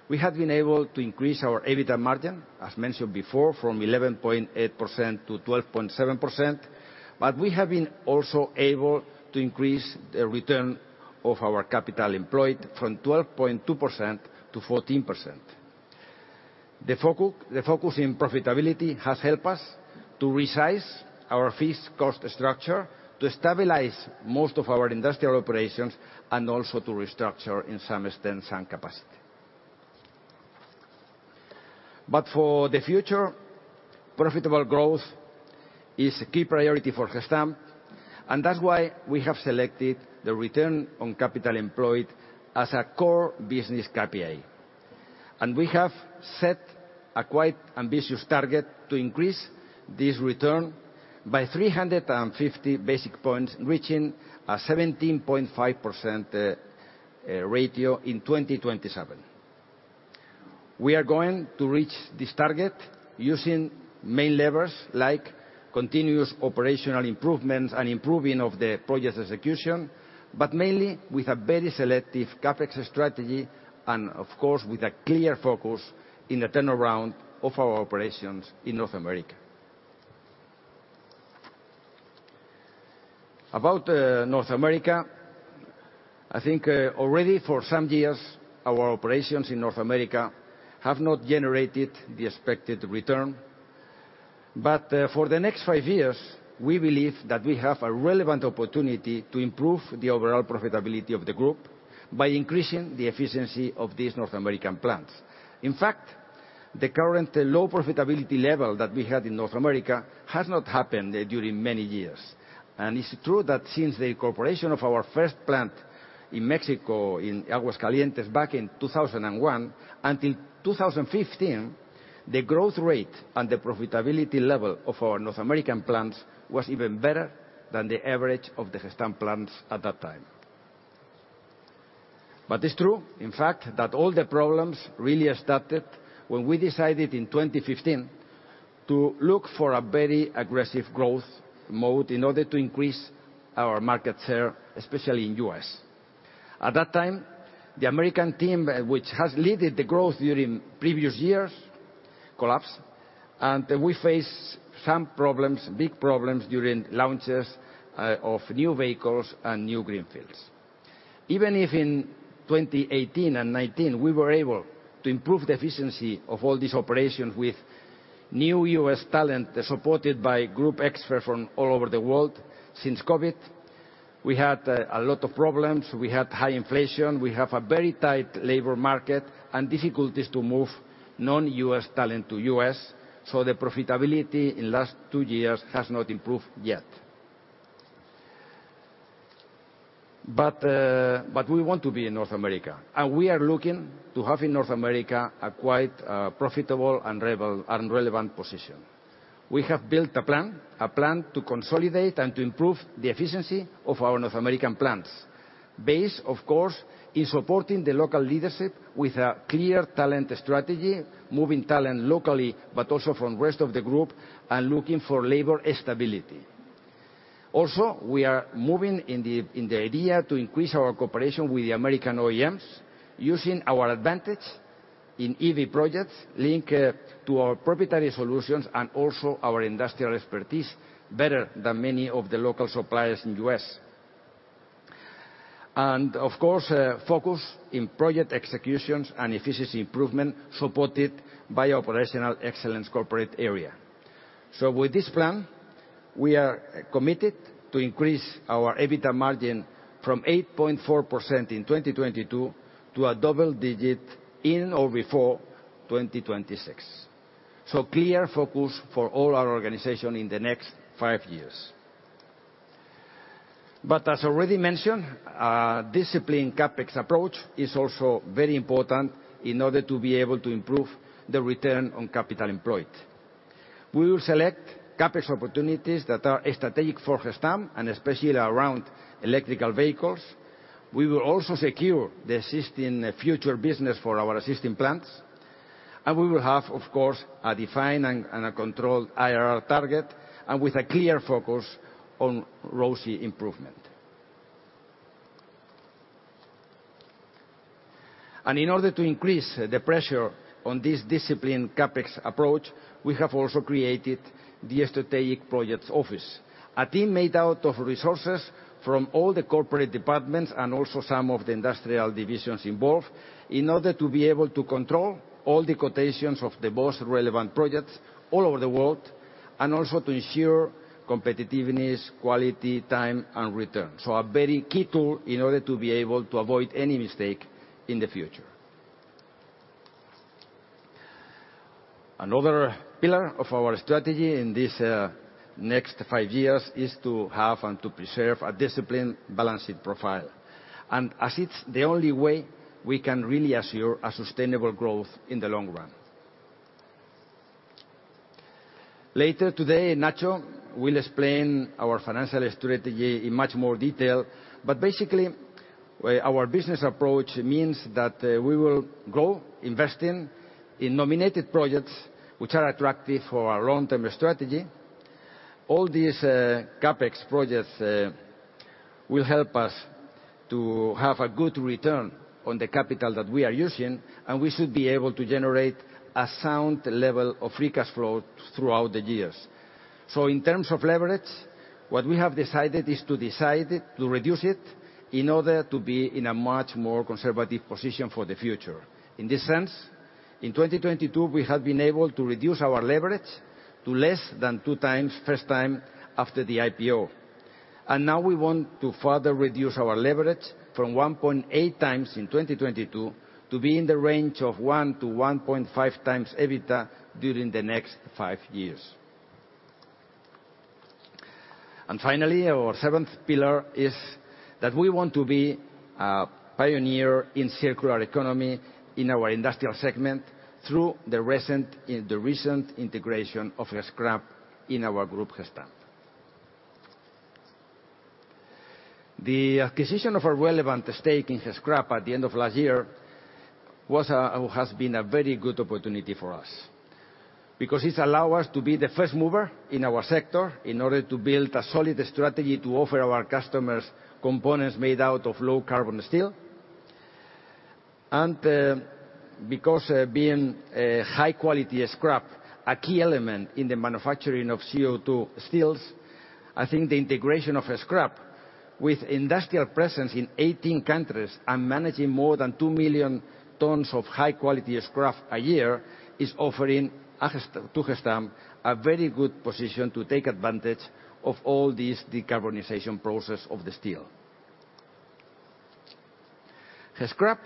we have been able to increase our EBITDA margin, as mentioned before, from 11.8%-12.7%, but we have been also able to increase the return of our capital employed from 12.2%-14%. The focus in profitability has helped us to resize our fixed cost structure, to stabilize most of our industrial operations, and also to restructure, in some extent, some capacity. For the future, profitable growth is a key priority for Gestamp, and that's why we have selected the return on capital employed as a core business KPI. We have set a quite ambitious target to increase this return by 350 basis points, reaching a 17.5% ratio in 2027. We are going to reach this target using main levers like continuous operational improvements and improving of the project execution, but mainly with a very selective CapEx strategy, and of course, with a clear focus in the turnaround of our operations in North America. North America, I think, already for some years, our operations in North America have not generated the expected return. For the next five years, we believe that we have a relevant opportunity to improve the overall profitability of the group by increasing the efficiency of these North American plants. In fact, the current low profitability level that we had in North America has not happened during many years. It's true that since the incorporation of our first plant in Mexico, in Aguascalientes, back in 2001, until 2015, the growth rate and the profitability level of our North American plants was even better than the average of the Gestamp plants at that time. It's true, in fact, that all the problems really started when we decided in 2015 to look for a very aggressive growth mode in order to increase our market share, especially in U.S. At that time, the American team, which has leaded the growth during previous years, collapsed, and we faced some problems, big problems, during launches of new vehicles and new greenfields. Even if in 2018 and 2019, we were able to improve the efficiency of all these operations with new U.S. talent, supported by group experts from all over the world, since COVID, we had a lot of problems. We had high inflation. We have a very tight labor market and difficulties to move non-U.S. talent to U.S., so the profitability in last two years has not improved yet. We want to be in North America, and we are looking to have in North America a quite profitable and relevant position. We have built a plan to consolidate and to improve the efficiency of our North American plants, based, of course, in supporting the local leadership with a clear talent strategy, moving talent locally, but also from rest of the group, and looking for labor stability. We are moving in the idea to increase our cooperation with the American OEMs, using our advantage in EV projects linked to our proprietary solutions and also our industrial expertise better than many of the local suppliers in U.S. Of course, focus in project executions and efficiency improvement, supported by Operational Excellence corporate area. With this plan, we are committed to increase our EBITDA margin from 8.4% in 2022 to a double-digit in or before 2026. Clear focus for all our organization in the next five years. As already mentioned, a disciplined CapEx approach is also very important in order to be able to improve the return on capital employed. We will select CapEx opportunities that are strategic for Gestamp, and especially around electrical vehicles. We will also secure the existing future business for our existing plants, and we will have, of course, a defined and a controlled IRR target, with a clear focus on ROCE improvement. In order to increase the pressure on this disciplined CapEx approach, we have also created the Strategic Projects Office, a team made out of resources from all the corporate departments and also some of the industrial divisions involved, in order to be able to control all the quotations of the most relevant projects all over the world, and also to ensure competitiveness, quality, time, and return. A very key tool in order to be able to avoid any mistake in the future. Another pillar of our strategy in this next five years is to have and to preserve a disciplined balancing profile. As it's the only way we can really assure a sustainable growth in the long run. Later today, Ignacio will explain our financial strategy in much more detail. Basically, well, our business approach means that we will go investing in nominated projects which are attractive for our long-term strategy. All these CapEx projects will help us to have a good return on the capital that we are using. We should be able to generate a sound level of free cash flow throughout the years. In terms of leverage, what we have decided is to decide to reduce it in order to be in a much more conservative position for the future. In this sense, in 2022, we have been able to reduce our leverage to less than two times, first time after the IPO. Now we want to further reduce our leverage from 1.8x in 2022, to be in the range of one to 1.5x EBITDA during the next five years. Finally, our seventh pillar is that we want to be a pioneer in circular economy in our industrial segment through the recent, in the recent integration of Gescrap in our group, Gestamp. The acquisition of a relevant stake in Gescrap at the end of last year was a, or has been a very good opportunity for us because it allow us to be the first mover in our sector in order to build a solid strategy to offer our customers components made out of low-carbon steel. Because being a high-quality scrap, a key element in the manufacturing of CO₂ steels, I think the integration of Gescrap, with industrial presence in 18 countries and managing more than two million tons of high-quality scrap a year, is offering to Gestamp, a very good position to take advantage of all this decarbonization process of the steel. Gescrap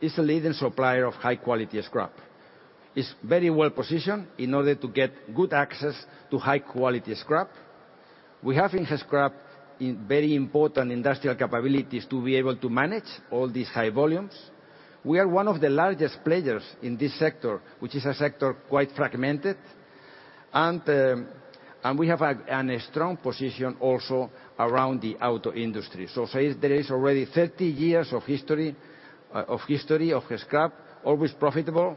is a leading supplier of high-quality scrap. It's very well positioned in order to get good access to high-quality scrap. We have in Gescrap, in very important industrial capabilities to be able to manage all these high volumes. We are one of the largest players in this sector, which is a sector quite fragmented. And we have a strong position also around the auto industry. So say there is already 30 years of history of scrap, always profitable.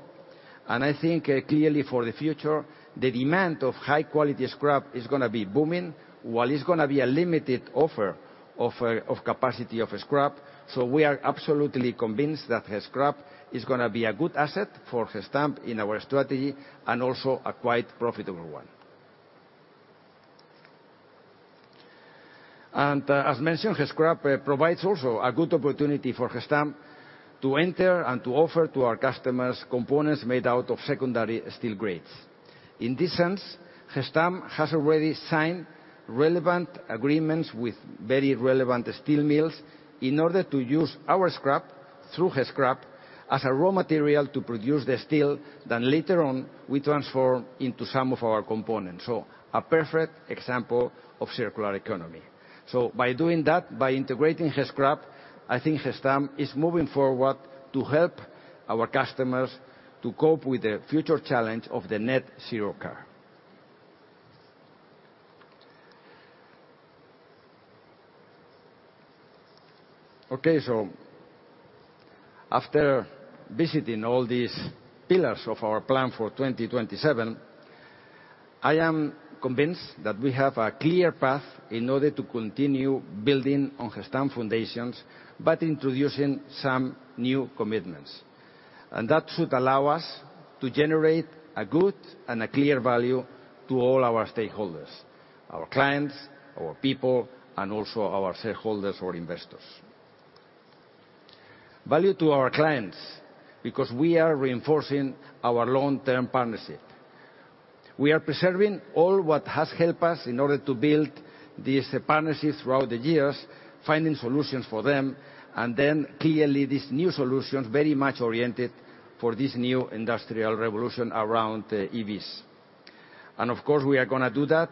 I think, clearly for the future, the demand of high-quality scrap is gonna be booming, while it's gonna be a limited offer of capacity of scrap. We are absolutely convinced that scrap is gonna be a good asset for Gestamp in our strategy, and also a quite profitable one. As mentioned, scrap provides also a good opportunity for Gestamp to enter and to offer to our customers components made out of secondary steel grades. In this sense, Gestamp has already signed relevant agreements with very relevant steel mills in order to use our scrap, through scrap, as a raw material to produce the steel, that later on, we transform into some of our components. A perfect example of circular economy. By doing that, by integrating scrap, I think Gestamp is moving forward to help our customers to cope with the future challenge of the Net Zero Car. After visiting all these pillars of our plan for 2027, I am convinced that we have a clear path in order to continue building on Gestamp foundations, but introducing some new commitments. That should allow us to generate a good and a clear value to all our stakeholders, our clients, our people, and also our shareholders or investors. Value to our clients, because we are reinforcing our long-term partnership. We are preserving all what has helped us in order to build these partnerships throughout the years, finding solutions for them, and then clearly, these new solutions, very much oriented for this new industrial revolution around EVs. Of course, we are gonna do that,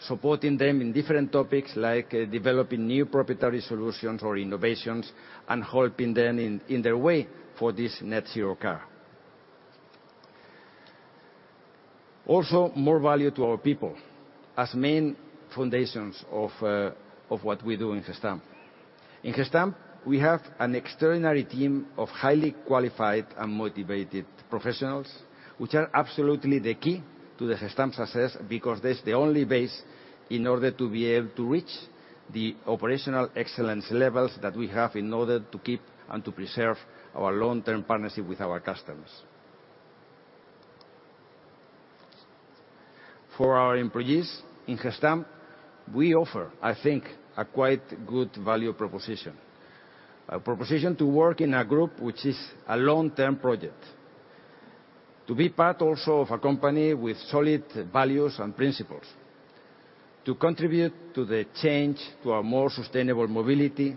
supporting them in different topics, like developing new proprietary solutions or innovations, and helping them in their way for this Net Zero Car. More value to our people, as main foundations of what we do in Gestamp. In Gestamp, we have an extraordinary team of highly qualified and motivated professionals, which are absolutely the key to the Gestamp success, because that's the only base in order to be able to reach the operational excellence levels that we have in order to keep and to preserve our long-term partnership with our customers. For our employees in Gestamp, we offer, I think, a quite good value proposition. A proposition to work in a group which is a long-term project, to be part also of a company with solid values and principles, to contribute to the change to a more sustainable mobility,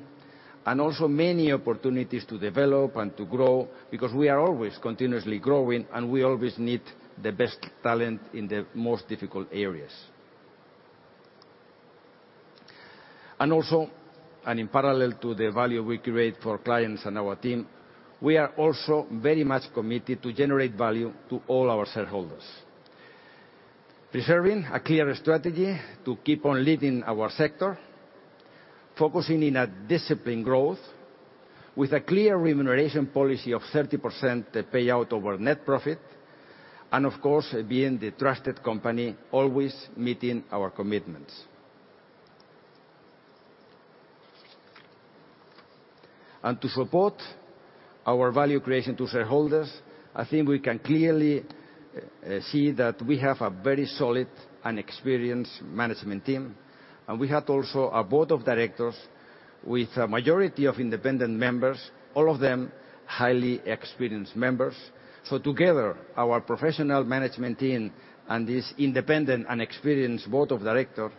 and also many opportunities to develop and to grow, because we are always continuously growing, and we always need the best talent in the most difficult areas. Also, and in parallel to the value we create for clients and our team, we are also very much committed to generate value to all our shareholders. Preserving a clear strategy to keep on leading our sector, focusing in a disciplined growth, with a clear remuneration policy of 30% payout over net profit, and of course, being the trusted company, always meeting our commitments. To support our value creation to shareholders, I think we can clearly see that we have a very solid and experienced management team, and we have also a board of directors with a majority of independent members, all of them highly experienced members. Together, our professional management team and this independent and experienced board of director,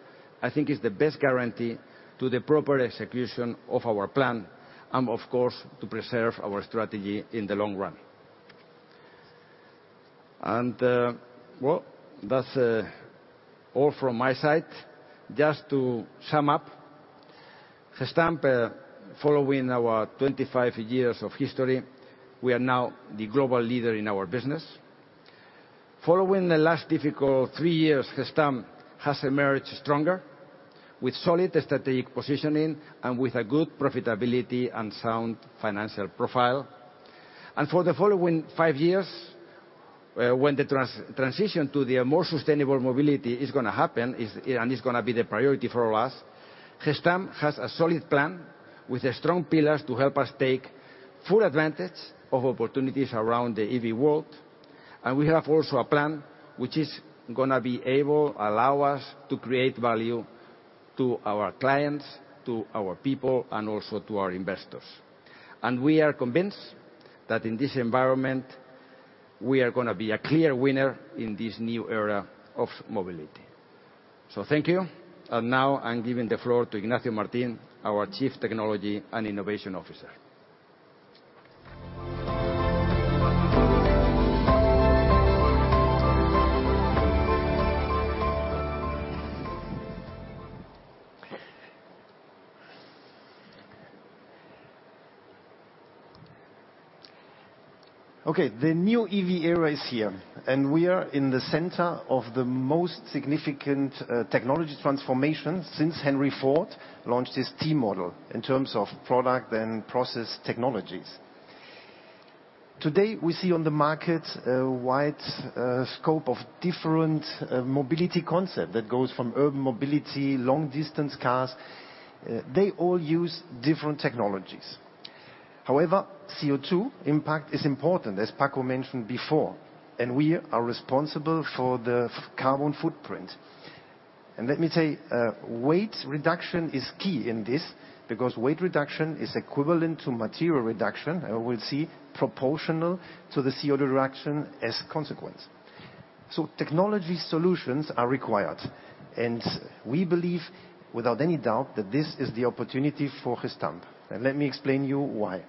I think is the best guarantee to the proper execution of our plan, and of course, to preserve our strategy in the long run. Well, that's all from my side. Just to sum up, Gestamp, following our 25 years of history, we are now the global leader in our business. Following the last difficult 3 years, Gestamp has emerged stronger, with solid strategic positioning and with a good profitability and sound financial profile. For the following five years, when the transition to the more sustainable mobility is gonna happen, and is gonna be the priority for all of us, Gestamp has a solid plan with strong pillars to help us take full advantage of opportunities around the EV world. We have also a plan which is gonna allow us to create value to our clients, to our people, and also to our investors. We are convinced that in this environment, we are gonna be a clear winner in this new era of mobility. Thank you. Now I'm giving the floor to Ignacio Martin, our Chief Technology and Innovation Officer. Okay, the new EV era is here, we are in the center of the most significant technology transformation since Henry Ford launched his Model T, in terms of product and process technologies. Today, we see on the market a wide scope of different mobility concept that goes from urban mobility, long-distance cars. They all use different technologies. However, CO₂ impact is important, as Paco mentioned before, we are responsible for the carbon footprint. Let me tell you, weight reduction is key in this, because weight reduction is equivalent to material reduction, and we'll see, proportional to the CO₂ reduction as a consequence. Technology solutions are required, and we believe, without any doubt, that this is the opportunity for Gestamp. Let me explain to you why.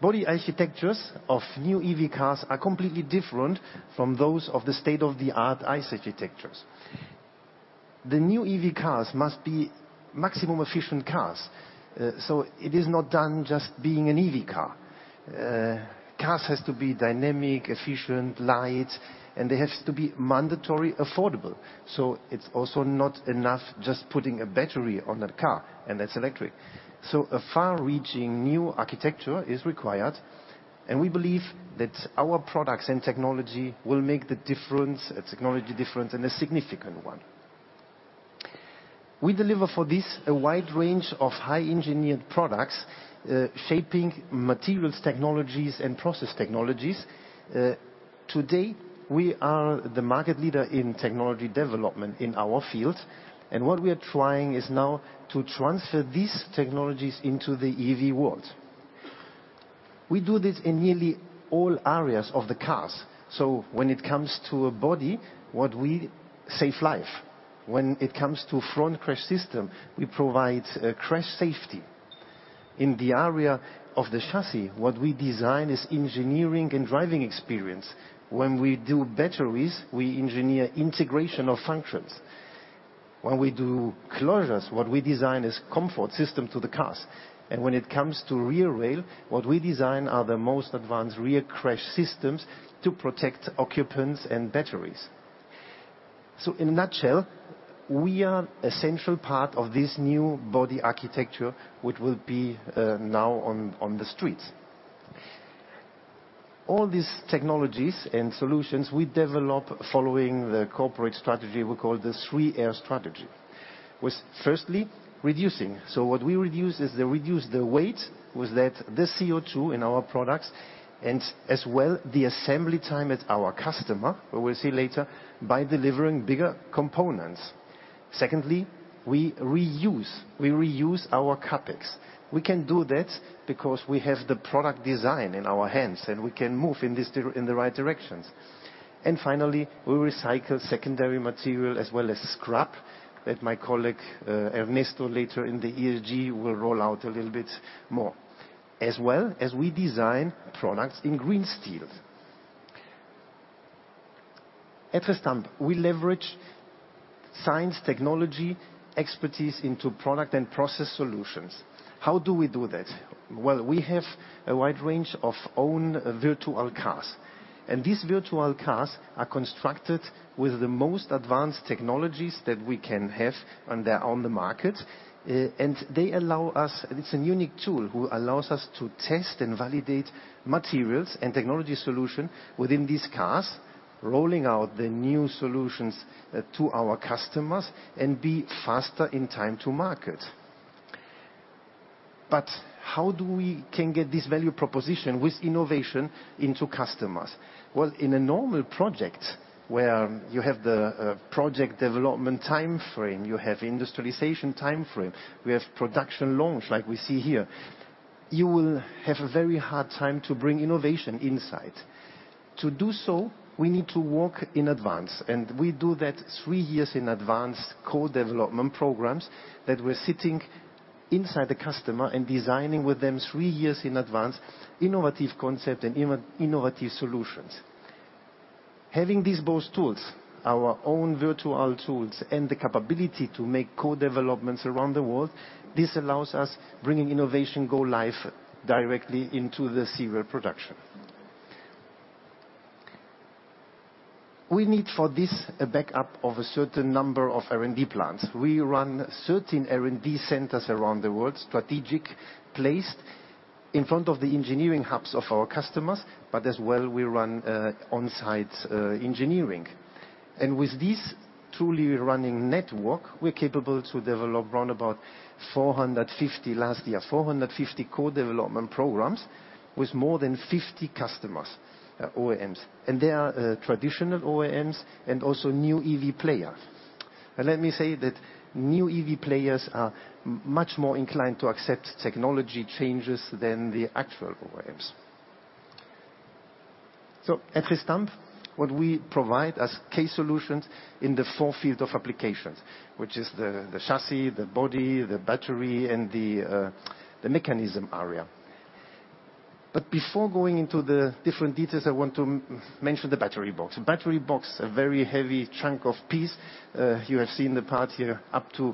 Body architectures of new EV cars are completely different from those of the state-of-the-art ICE architectures. The new EV cars must be maximum efficient cars, it is not done just being an EV car. Cars has to be dynamic, efficient, light, and they have to be mandatory affordable. It's also not enough just putting a battery on that car, and that's electric. A far-reaching new architecture is required, and we believe that our products and technology will make the difference, a technology difference, and a significant one. We deliver for this, a wide range of high-engineered products, shaping materials, technologies, and process technologies. Today, we are the market leader in technology development in our field, and what we are trying is now to transfer these technologies into the EV world. We do this in nearly all areas of the cars, so when it comes to a body, what we save life. When it comes to front crash system, we provide crash safety. In the area of the chassis, what we design is engineering and driving experience. When we do batteries, we engineer integration of functions. When we do closures, what we design is comfort system to the cars, and when it comes to rear rail, what we design are the most advanced rear crash systems to protect occupants and batteries. In a nutshell, we are essential part of this new body architecture, which will be now on the streets. All these technologies and solutions we develop following the corporate strategy, we call the 3R strategy. With firstly, reducing. What we reduce is the, reduce the weight, with that the CO₂ in our products, and as well, the assembly time at our customer, we will see later, by delivering bigger components. Secondly, we reuse. We reuse our CapEx. We can do that because we have the product design in our hands, and we can move in the right directions. Finally, we recycle secondary material as well as scrap, that my colleague, Ernesto, later in the ESG, will roll out a little bit more. As well as we design products in green steel. At Gestamp, we leverage science, technology, expertise into product and process solutions. How do we do that? We have a wide range of own virtual cars. These virtual cars are constructed with the most advanced technologies that we can have, and they are on the market. They allow us, and it's a unique tool, who allows us to test and validate materials and technology solution within these cars, rolling out the new solutions to our customers and be faster in time to market. How do we can get this value proposition with innovation into customers? In a normal project, where you have the project development timeframe, you have industrialization timeframe, we have production launch like we see here, you will have a very hard time to bring innovation inside. To do so, we need to work in advance, and we do that three years in advance co-development programs, that we're sitting inside the customer and designing with them three years in advance, innovative concept and innovative solutions. Having these both tools, our own virtual tools and the capability to make co-developments around the world, this allows us bringing innovation go live directly into the serial production. We need for this, a backup of a certain number of R&D plants. We run certain R&D centers around the world, strategic placed in front of the engineering hubs of our customers, as well, we run on-site engineering. With this truly running network, we're capable to develop around about 450 last year, 450 co-development programs with more than 50 customers, OEMs. They are traditional OEMs and also new EV players. Let me say that new EV players are much more inclined to accept technology changes than the actual OEMs. At Gestamp, what we provide as key solutions in the four field of applications, which is the chassis, the body, the battery, and the mechanism area. Before going into the different details, I want to mention the battery box. The battery box, a very heavy chunk of piece. You have seen the part here, up to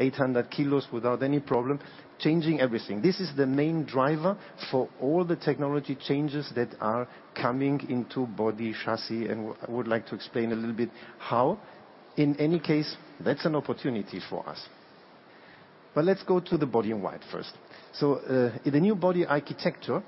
800 kg without any problem, changing everything. This is the main driver for all the technology changes that are coming into body chassis, and I would like to explain a little bit how. In any case, that's an opportunity for us. Let's go to the body in white first. The new body architecture,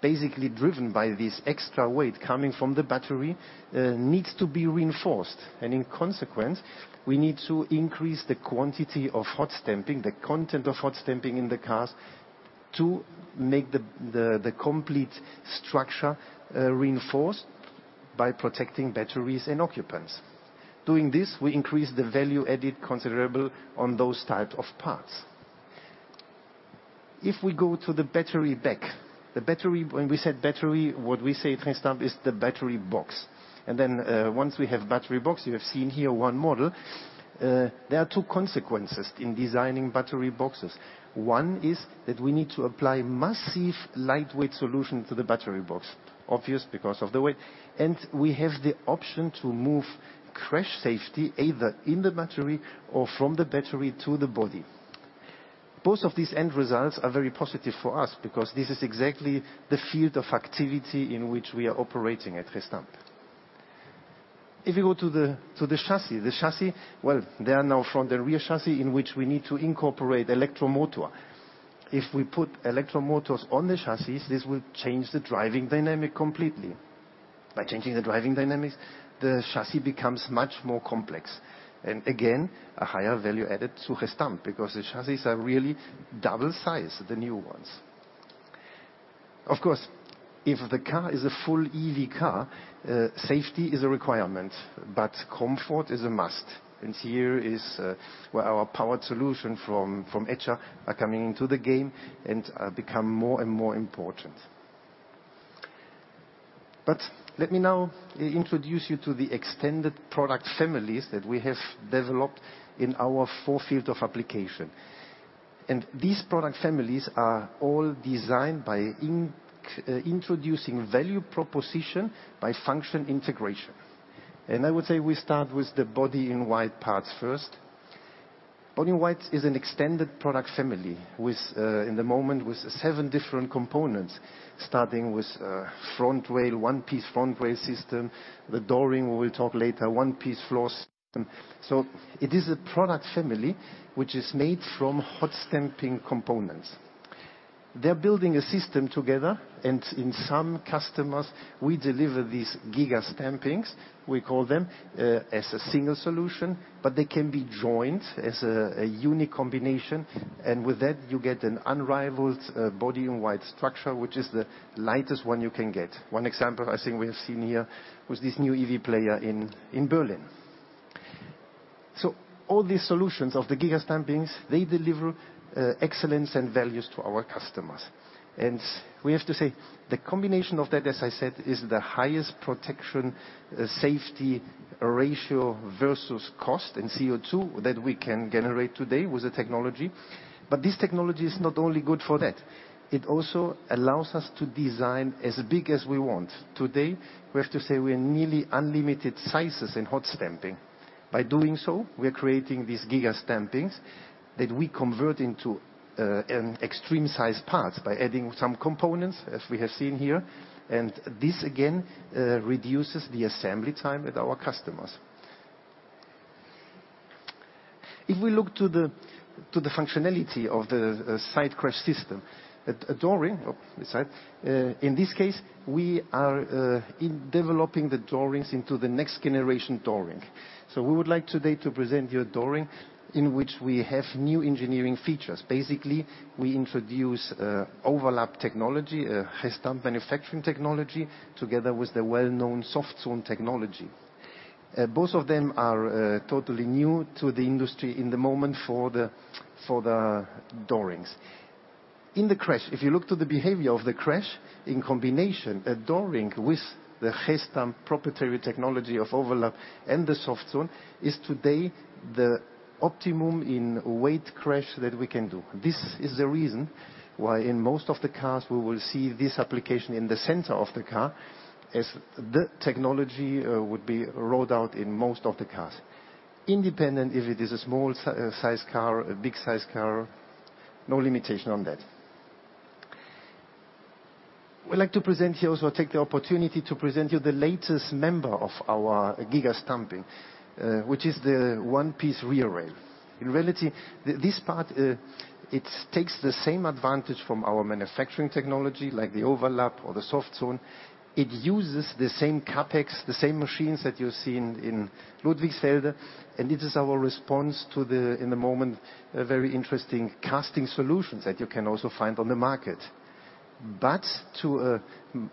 basically driven by this extra weight coming from the battery, needs to be reinforced, and in consequence, we need to increase the quantity of hot stamping, the content of hot stamping in the cars, to make the complete structure reinforced by protecting batteries and occupants. Doing this, we increase the value added considerable on those type of parts. If we go to the battery back, the battery, when we said battery, what we say at Gestamp is the battery box. Once we have battery box, you have seen here one model. There are two consequences in designing battery boxes. One is that we need to apply massive lightweight solution to the battery box, obvious because of the weight, and we have the option to move crash safety either in the battery or from the battery to the body. Both of these end results are very positive for us because this is exactly the field of activity in which we are operating at Gestamp. If you go to the chassis, well, they are now from the rear chassis, in which we need to incorporate electro motor. If we put electro motors on the chassis, this will change the driving dynamic completely. By changing the driving dynamics, the chassis becomes much more complex, and again, a higher value added to Gestamp, because the chassis are really double size, the new ones. Of course, if the car is a full EV car, safety is a requirement, but comfort is a must. Here is where our powered solution from Edscha are coming into the game and become more and more important. Let me now introduce you to the extended product families that we have developed in our four field of application. These product families are all designed by introducing value proposition by function integration. I would say we start with the body in white parts first. Body in white is an extended product family with in the moment, with seven different components, starting with front rail, one-piece front rail system, the Door Ring, we will talk later, one-piece floor system. It is a product family which is made from hot stamping components. They're building a system together. In some customers, we deliver these giga stampings, we call them, as a single solution, but they can be joined as a unique combination, and with that, you get an unrivaled body in white structure, which is the lightest one you can get. One example, I think we have seen here, was this new EV player in Berlin. All these solutions of the giga stampings, they deliver excellence and values to our customers. We have to say the combination of that, as I said, is the highest protection, safety, ratio versus cost and CO₂ that we can generate today with the technology. This technology is not only good for that, it also allows us to design as big as we want. Today, we have to say we are nearly unlimited sizes in hot stamping. By doing so, we are creating these giga stampings that we convert into an Extreme Size Parts by adding some components, as we have seen here. This again reduces the assembly time with our customers. If we look to the functionality of the side crash system, a Door Ring, oh, this side. In this case, we are developing the Door Rings into the next generation Door Ring. We would like today to present you a Door Ring in which we have new engineering features. Basically, we introduce overlap technology, hot stamping manufacturing technology, together with the well-known soft zone technology. Both of them are totally new to the industry in the moment for the Door Rings. In the crash, if you look to the behavior of the crash, in combination, a Door Ring with hot stamping proprietary technology of overlap and the Soft Zone, is today the optimum in weight crash that we can do. This is the reason why in most of the cars, we will see this application in the center of the car, as the technology would be rolled out in most of the cars. Independent, if it is a small size car, a big size car, no limitation on that. We'd like to present here also, take the opportunity to present you the latest member of our giga stamping, which is the one piece rear rail. In reality, this part, it takes the same advantage from our manufacturing technology, like the overlap or the Soft Zone. It uses the same CapEx, the same machines that you've seen in Ludwigsfelde. It is our response to the, in the moment, a very interesting casting solutions that you can also find on the market, but to a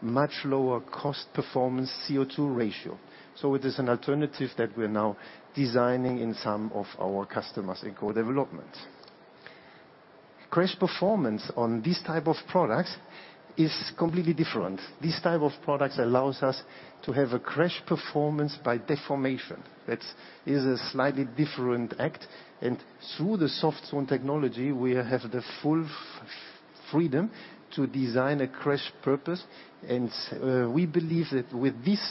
much lower cost performance CO₂ ratio. It is an alternative that we are now designing in some of our customers in co-development. Crash performance on these type of products is completely different. This type of products allows us to have a crash performance by deformation. That is a slightly different act, and through the Soft Zone technology, we have the full freedom to design a crash purpose, and we believe that with this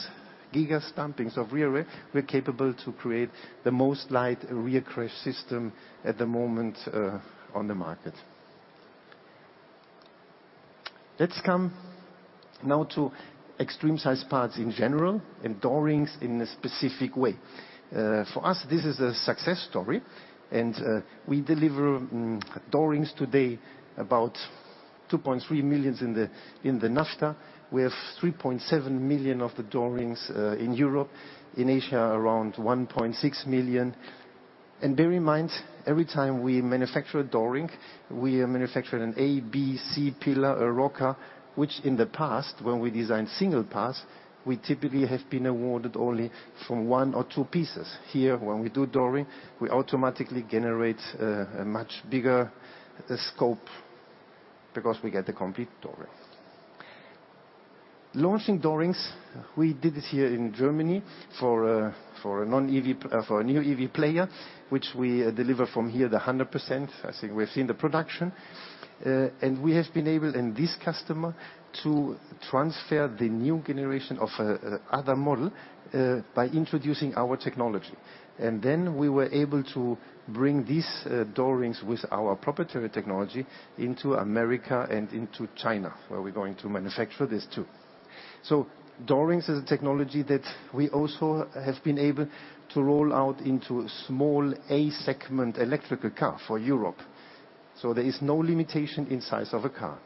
giga stampings of rear array, we're capable to create the most light rear crash system at the moment on the market. Let's come now to Extreme Size Parts in general, and Door Rings in a specific way. For us, this is a success story, and we deliver Door Rings today about 2.3 million in the NAFTA. We have 3.7 million of the Door Rings in Europe. In Asia, around 1.6 million. Bear in mind, every time we manufacture a Door Ring, we are manufacturing an A, B, C pillar, a rocker, which in the past, when we designed single parts, we typically have been awarded only from one or two pieces. Here, when we do Door Ring, we automatically generate a much bigger scope because we get the complete Door Ring. Launching door rings, we did this here in Germany for a, for a non-EV, for a new EV player, which we deliver from here, the 100%. I think we've seen the production. We have been able, and this customer, to transfer the new generation of a other model by introducing our technology. We were able to bring these door rings with our proprietary technology into America and into China, where we're going to manufacture this, too. Door rings is a technology that we also have been able to roll out into a small A-segment electrical car for Europe, there is no limitation in size of a car.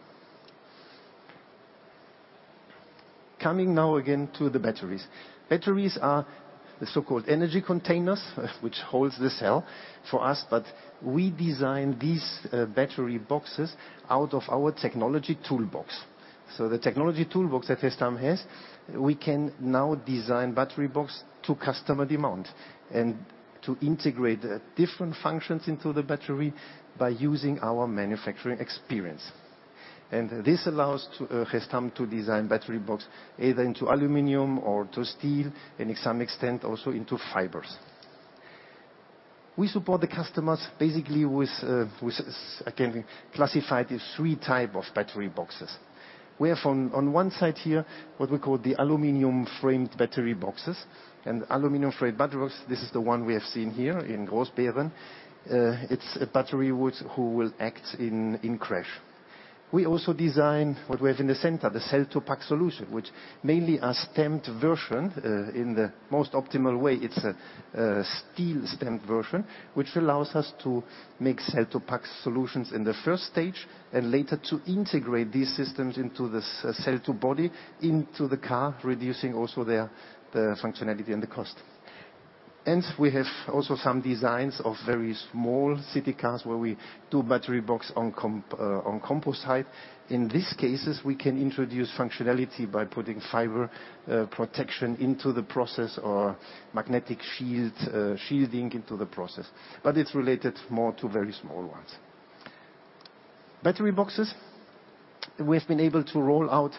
Coming now again to the batteries. Batteries are the so-called energy containers, which holds the cell for us, we design these battery boxes out of our technology toolbox. The technology toolbox that Gestamp has, we can now design battery box to customer demand, and to integrate different functions into the battery by using our manufacturing experience. This allows Gestamp to design battery box either into aluminum or to steel, and some extent, also into fibers. We support the customers basically with, again, classified as three type of battery boxes. We have on one side here, what we call the aluminum framed battery boxes. Aluminum framed battery box, this is the one we have seen here in Grossbeeren. It's a battery which, who will act in crash. We also design what we have in the center, the cell to pack solution, which mainly a stamped version in the most optimal way. It's a steel stamped version, which allows us to make cell to pack solutions in the first stage, later to integrate these systems into this cell to body into the car, reducing also the functionality and the cost. We have also some designs of very small city cars, where we do battery box on composite. In these cases, we can introduce functionality by putting fiber protection into the process or magnetic shielding into the process, it's related more to very small ones. Battery boxes, we have been able to roll out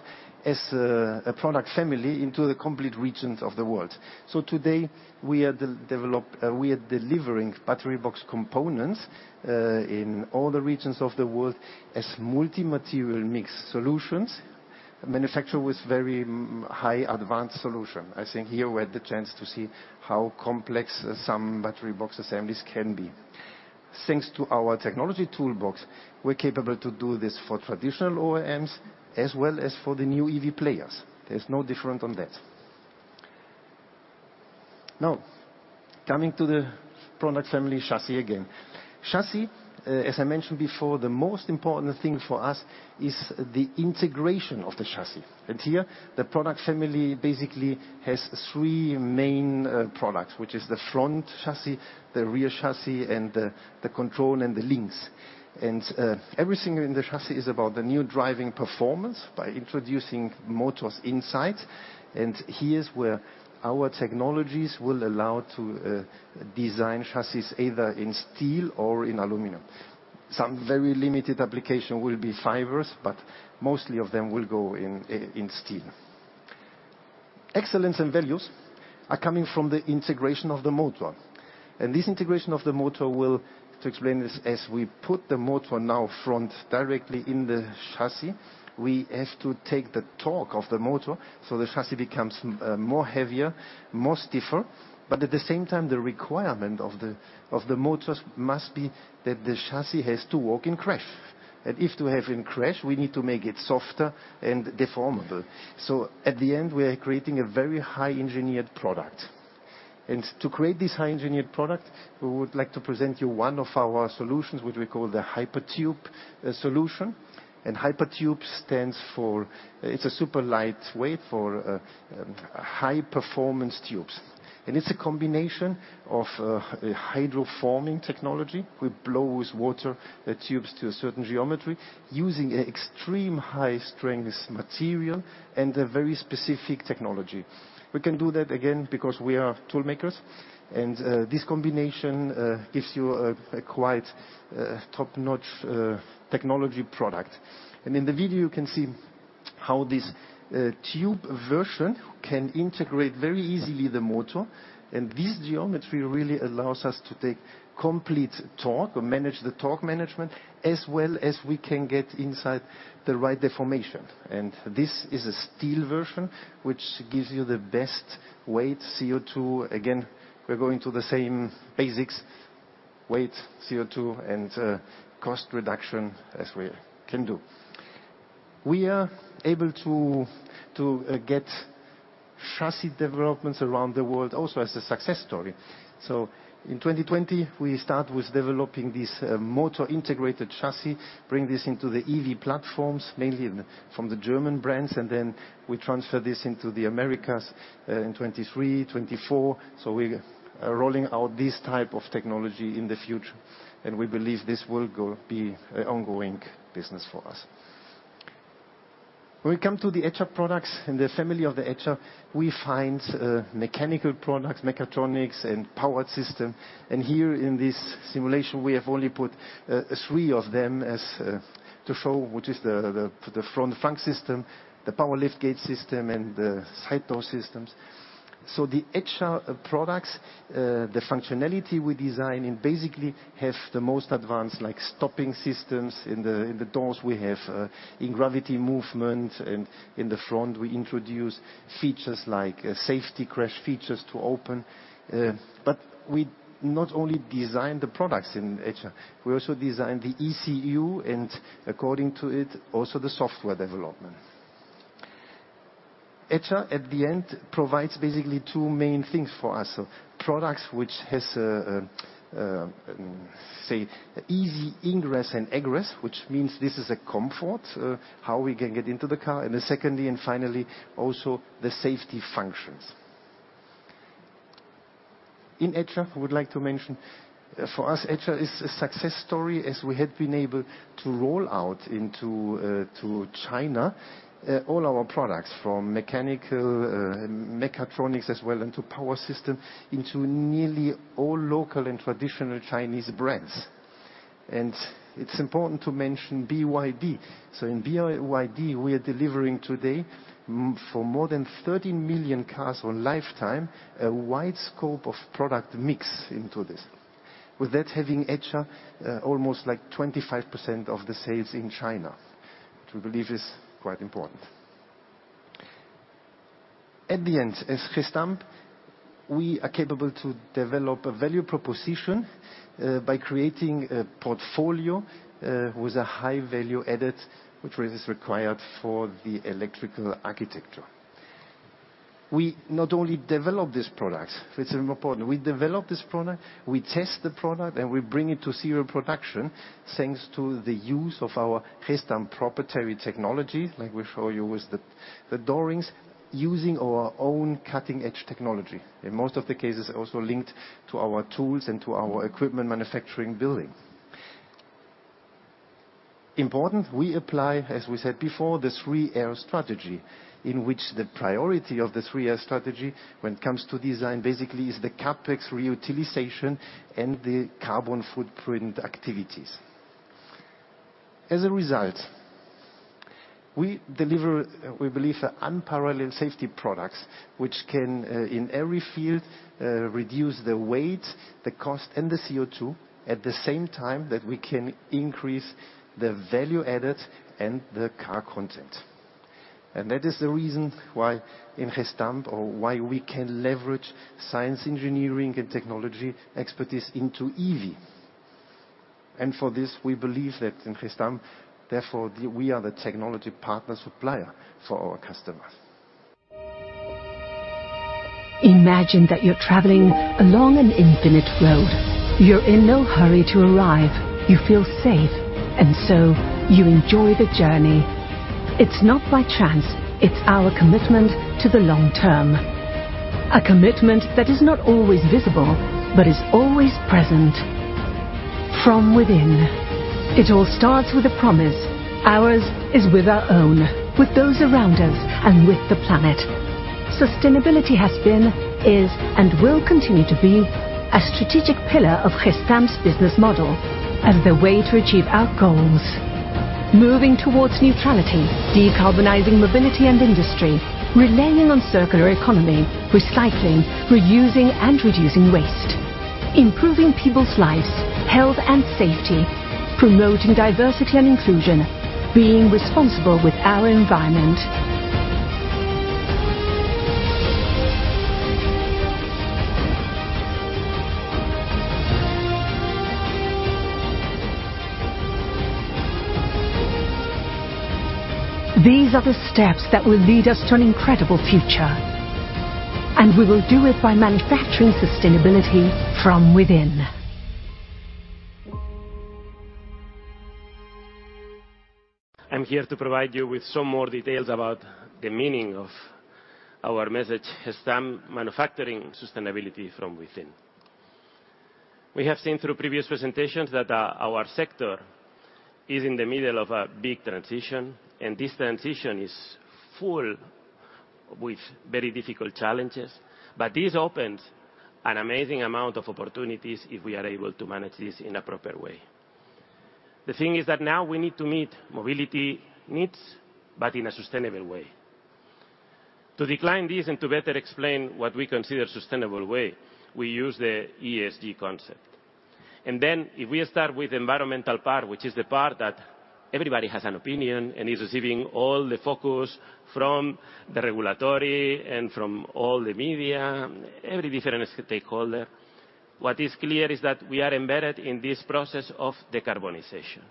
as a product family into the complete regions of the world. Today, we are delivering battery box components in all the regions of the world as multi-material mixed solutions, manufactured with Very High-Advanced Solution. I think here we had the chance to see how complex some battery box assemblies can be. Thanks to our technology toolbox, we're capable to do this for traditional OEMs as well as for the new EV players. There's no different on that. Coming to the product family chassis again. Chassis, as I mentioned before, the most important thing for us is the integration of the chassis, here, the product family basically has three main products, which is the front chassis, the rear chassis, and the control and the links. Everything in the chassis is about the new driving performance by introducing motors inside, here's where our technologies will allow to design chassis either in steel or in aluminum. Some very limited application will be fibers, but mostly of them will go in steel. Excellence and values are coming from the integration of the motor, this integration of the motor will, to explain this, as we put the motor now front directly in the chassis, we have to take the torque of the motor, the chassis becomes more heavier, more stiffer, at the same time, the requirement of the motors must be that the chassis has to work in crash. If to have in crash, we need to make it softer and deformable. At the end, we are creating a very high engineered product. To create this high engineered product, we would like to present you one of our solutions, which we call the Hypertube solution. Hypertube stands for, it's a super lightweight for high performance tubes. It's a combination of a hydroforming technology, which blows water the tubes to a certain geometry using an extreme high-strength material and a very specific technology. We can do that, again, because we are toolmakers, this combination gives you a quite top-notch technology product. In the video, you can see how this tube version can integrate very easily the motor, and this geometry really allows us to take complete torque, or manage the torque management, as well as we can get inside the right deformation. This is a steel version, which gives you the best weight, CO₂. Again, we're going to the same basics: weight, CO₂, and cost reduction as we can do. We are able to get chassis developments around the world also as a success story. In 2020, we start with developing this motor-integrated chassis, bring this into the EV platforms, mainly from the German brands, then we transfer this into the Americas in 2023, 2024. We are rolling out this type of technology in the future, we believe this will be an ongoing business for us. When we come to the Edscha products, in the family of the Edscha, we find mechanical products, mechatronics, and powered system. Here in this simulation, we have only put three of them as to show, which is the front flank system, the power liftgate system, and the side door systems. The Edscha products, the functionality we design in, basically have the most advanced, like, stopping systems. In the doors, we have in gravity movement, and in the front, we introduce features like safety crash features to open. We not only design the products in Edscha, we also design the ECU, and according to it, also the software development. Edscha, at the end, provides basically two main things for us. Products, which has, say, easy ingress and egress, which means this is a comfort, how we can get into the car, and then secondly, and finally, also the safety functions. In Edscha, I would like to mention, for us, Edscha is a success story, as we have been able to roll out into to China, all our products, from mechanical, mechatronics as well, into power system, into nearly all local and traditional Chinese brands. It's important to mention BYD. In BYD, we are delivering today for more than 30 million cars on lifetime, a wide scope of product mix into this. With that, having Edscha almost like 25% of the sales in China, which we believe is quite important. At the end, as Gestamp, we are capable to develop a value proposition by creating a portfolio with a high-value added, which is required for the electrical architecture. We not only develop these products, it's important. We develop this product, we test the product, and we bring it to serial production, thanks to the use of our Gestamp proprietary technology, like we show you with the Door Rings, using our own cutting-edge technology. In most of the cases, also linked to our tools and to our equipment manufacturing building. Important, we apply, as we said before, the 3R strategy, in which the priority of the 3R strategy, when it comes to design, basically is the CapEx reutilization and the carbon footprint activities. As a result, we deliver, we believe, unparalleled safety products, which can, in every field, reduce the weight, the cost, and the CO₂, at the same time that we can increase the value added and the car content. That is the reason why in Gestamp, or why we can leverage science, engineering, and technology expertise into EV. For this, we believe that in Gestamp, therefore, we are the technology partner supplier for our customers. Imagine that you're traveling along an infinite road. You're in no hurry to arrive. You feel safe, and so you enjoy the journey. It's not by chance. It's our commitment to the long term. A commitment that is not always visible, but is always present from within. It all starts with a promise. Ours is with our own, with those around us, and with the planet. Sustainability has been, is, and will continue to be a strategic pillar of Gestamp's business model and the way to achieve our goals. Moving towards neutrality, decarbonizing mobility and industry, relying on circular economy, recycling, reusing, and reducing waste, improving people's lives, health, and safety, promoting diversity and inclusion, being responsible with our environment. These are the steps that will lead us to an incredible future, and we will do it by manufacturing sustainability from within. I'm here to provide you with some more details about the meaning of our message, "Gestamp Manufacturing Sustainability from Within." We have seen through previous presentations that our sector is in the middle of a big transition, and this transition is. with very difficult challenges, but this opens an amazing amount of opportunities if we are able to manage this in a proper way. The thing is that now we need to meet mobility needs, but in a sustainable way. To decline this, and to better explain what we consider sustainable way, we use the ESG concept. If we start with the environmental part, which is the part that everybody has an opinion and is receiving all the focus from the regulatory and from all the media, every different stakeholder, what is clear is that we are embedded in this process of decarbonization.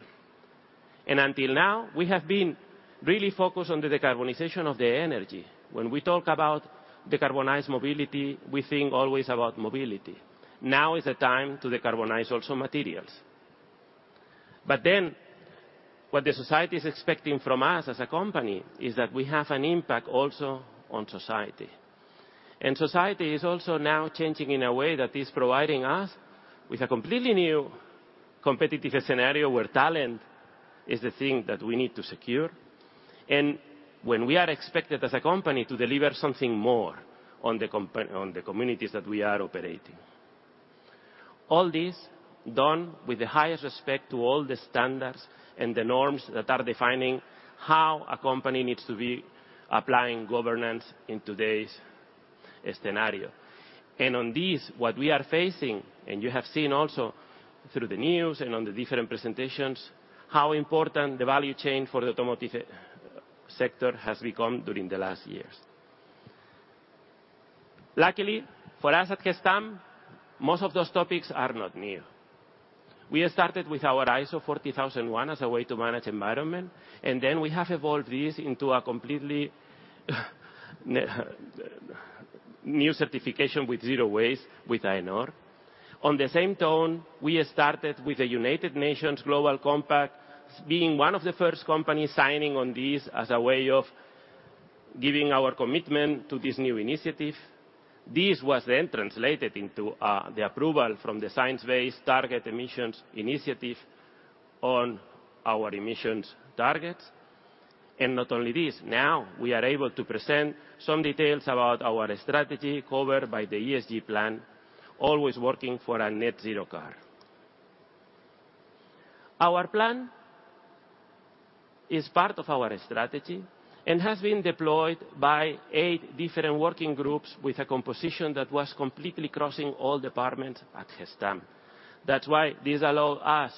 Until now, we have been really focused on the decarbonization of the energy. When we talk about decarbonized mobility, we think always about mobility. Now is the time to decarbonize also materials. What the society is expecting from us as a company, is that we have an impact also on society. Society is also now changing in a way that is providing us with a completely new competitive scenario, where talent is the thing that we need to secure. When we are expected, as a company, to deliver something more on the communities that we are operating. All this done with the highest respect to all the standards and the norms that are defining how a company needs to be applying governance in today's scenario. On this, what we are facing, and you have seen also through the news and on the different presentations, how important the value chain for the automotive sector has become during the last years. Luckily, for us at Gestamp, most of those topics are not new. We have started with our ISO 14001 as a way to manage environment. Then we have evolved this into a completely new certification with Zero Waste, with AENOR. On the same tone, we have started with the United Nations Global Compact, being one of the first companies signing on this as a way of giving our commitment to this new initiative. This was then translated into the approval from the Science Based Targets initiative on our emissions targets. Not only this, now we are able to present some details about our strategy covered by the ESG plan, always working for a Net Zero Car. Our plan is part of our strategy and has been deployed by eight different working groups with a composition that was completely crossing all departments at Gestamp. That's why this allow us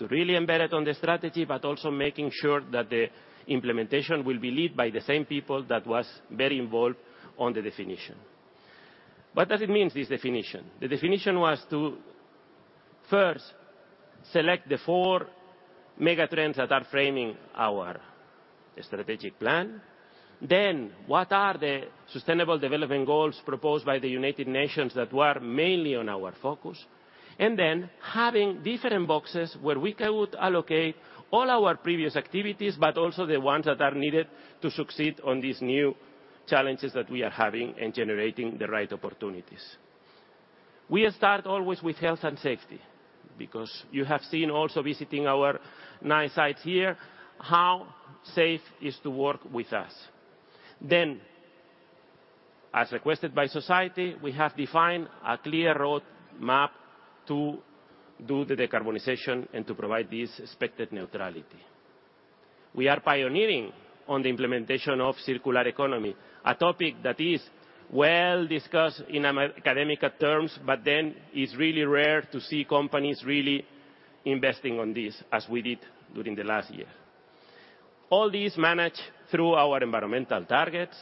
to really embed it on the strategy, but also making sure that the implementation will be led by the same people that was very involved on the definition. What does it mean, this definition? The definition was to, first, select the four mega trends that are framing our strategic plan. What are the Sustainable Development Goals proposed by the United Nations that were mainly on our focus? Having different boxes where we could allocate all our previous activities, but also the ones that are needed to succeed on these new challenges that we are having and generating the right opportunities. We start always with health and safety, because you have seen also, visiting our nine sites here, how safe is to work with us. As requested by society, we have defined a clear road map to do the decarbonization and to provide this expected neutrality. We are pioneering on the implementation of circular economy, a topic that is well discussed in academical terms, but then it's really rare to see companies really investing on this, as we did during the last year. All this managed through our environmental targets,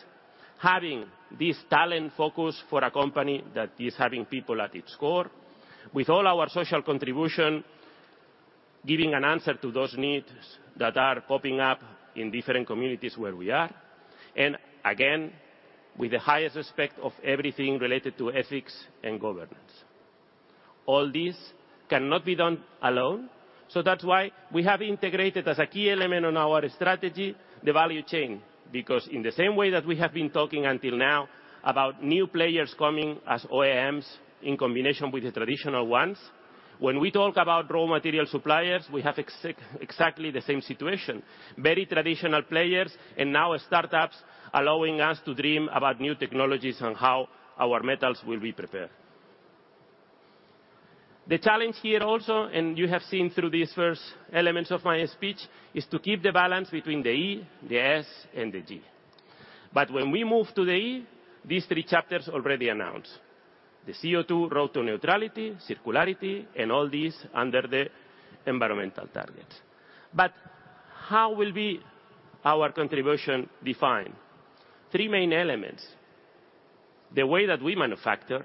having this talent focus for a company that is having people at its core, with all our social contribution, giving an answer to those needs that are popping up in different communities where we are, and again, with the highest respect of everything related to ethics and governance. All this cannot be done alone. That's why we have integrated as a key element on our strategy, the value chain. In the same way that we have been talking until now about new players coming as OEMs in combination with the traditional ones, when we talk about raw material suppliers, we have exactly the same situation. Very traditional players and now startups allowing us to dream about new technologies on how our metals will be prepared. The challenge here also, and you have seen through these first elements of my speech, is to keep the balance between the E, the S, and the G. When we move to the E, these three chapters already announced: the CO₂ road to neutrality, circularity, and all these under the environmental target. How will be our contribution defined? Three main elements. The way that we manufacture,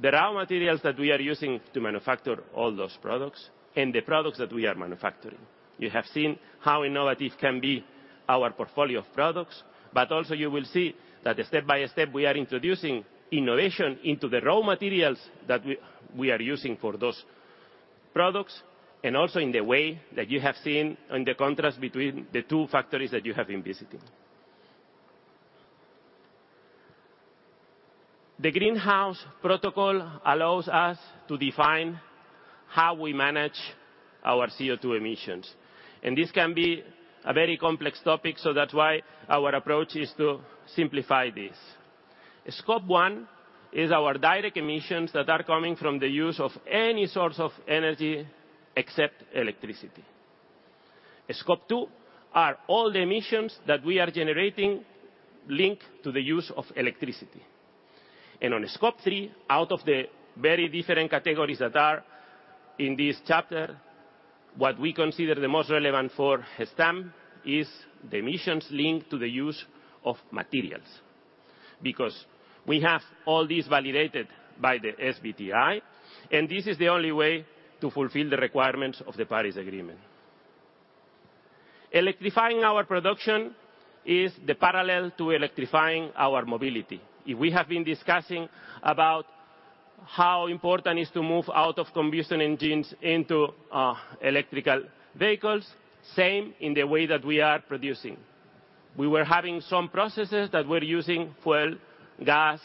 the raw materials that we are using to manufacture all those products, and the products that we are manufacturing. You have seen how innovative can be our portfolio of products, but also you will see that step by step, we are introducing innovation into the raw materials that we are using for those products, and also in the way that you have seen and the contrast between the two factories that you have been visiting. The GHG Protocol allows us to define how we manage our CO₂ emissions, and this can be a very complex topic, so that's why our approach is to simplify this. Scope 1 is our direct emissions that are coming from the use of any source of energy except electricity. Scope 2 are all the emissions that we are generating linked to the use of electricity. On Scope 3, out of the very different categories that are in this chapter, what we consider the most relevant for Gestamp is the emissions linked to the use of materials, because we have all these validated by the SBTi, and this is the only way to fulfill the requirements of the Paris Agreement. Electrifying our production is the parallel to electrifying our mobility. If we have been discussing about how important is to move out of combustion engines into electric vehicles, same in the way that we are producing. We were having some processes that were using fuel, gas,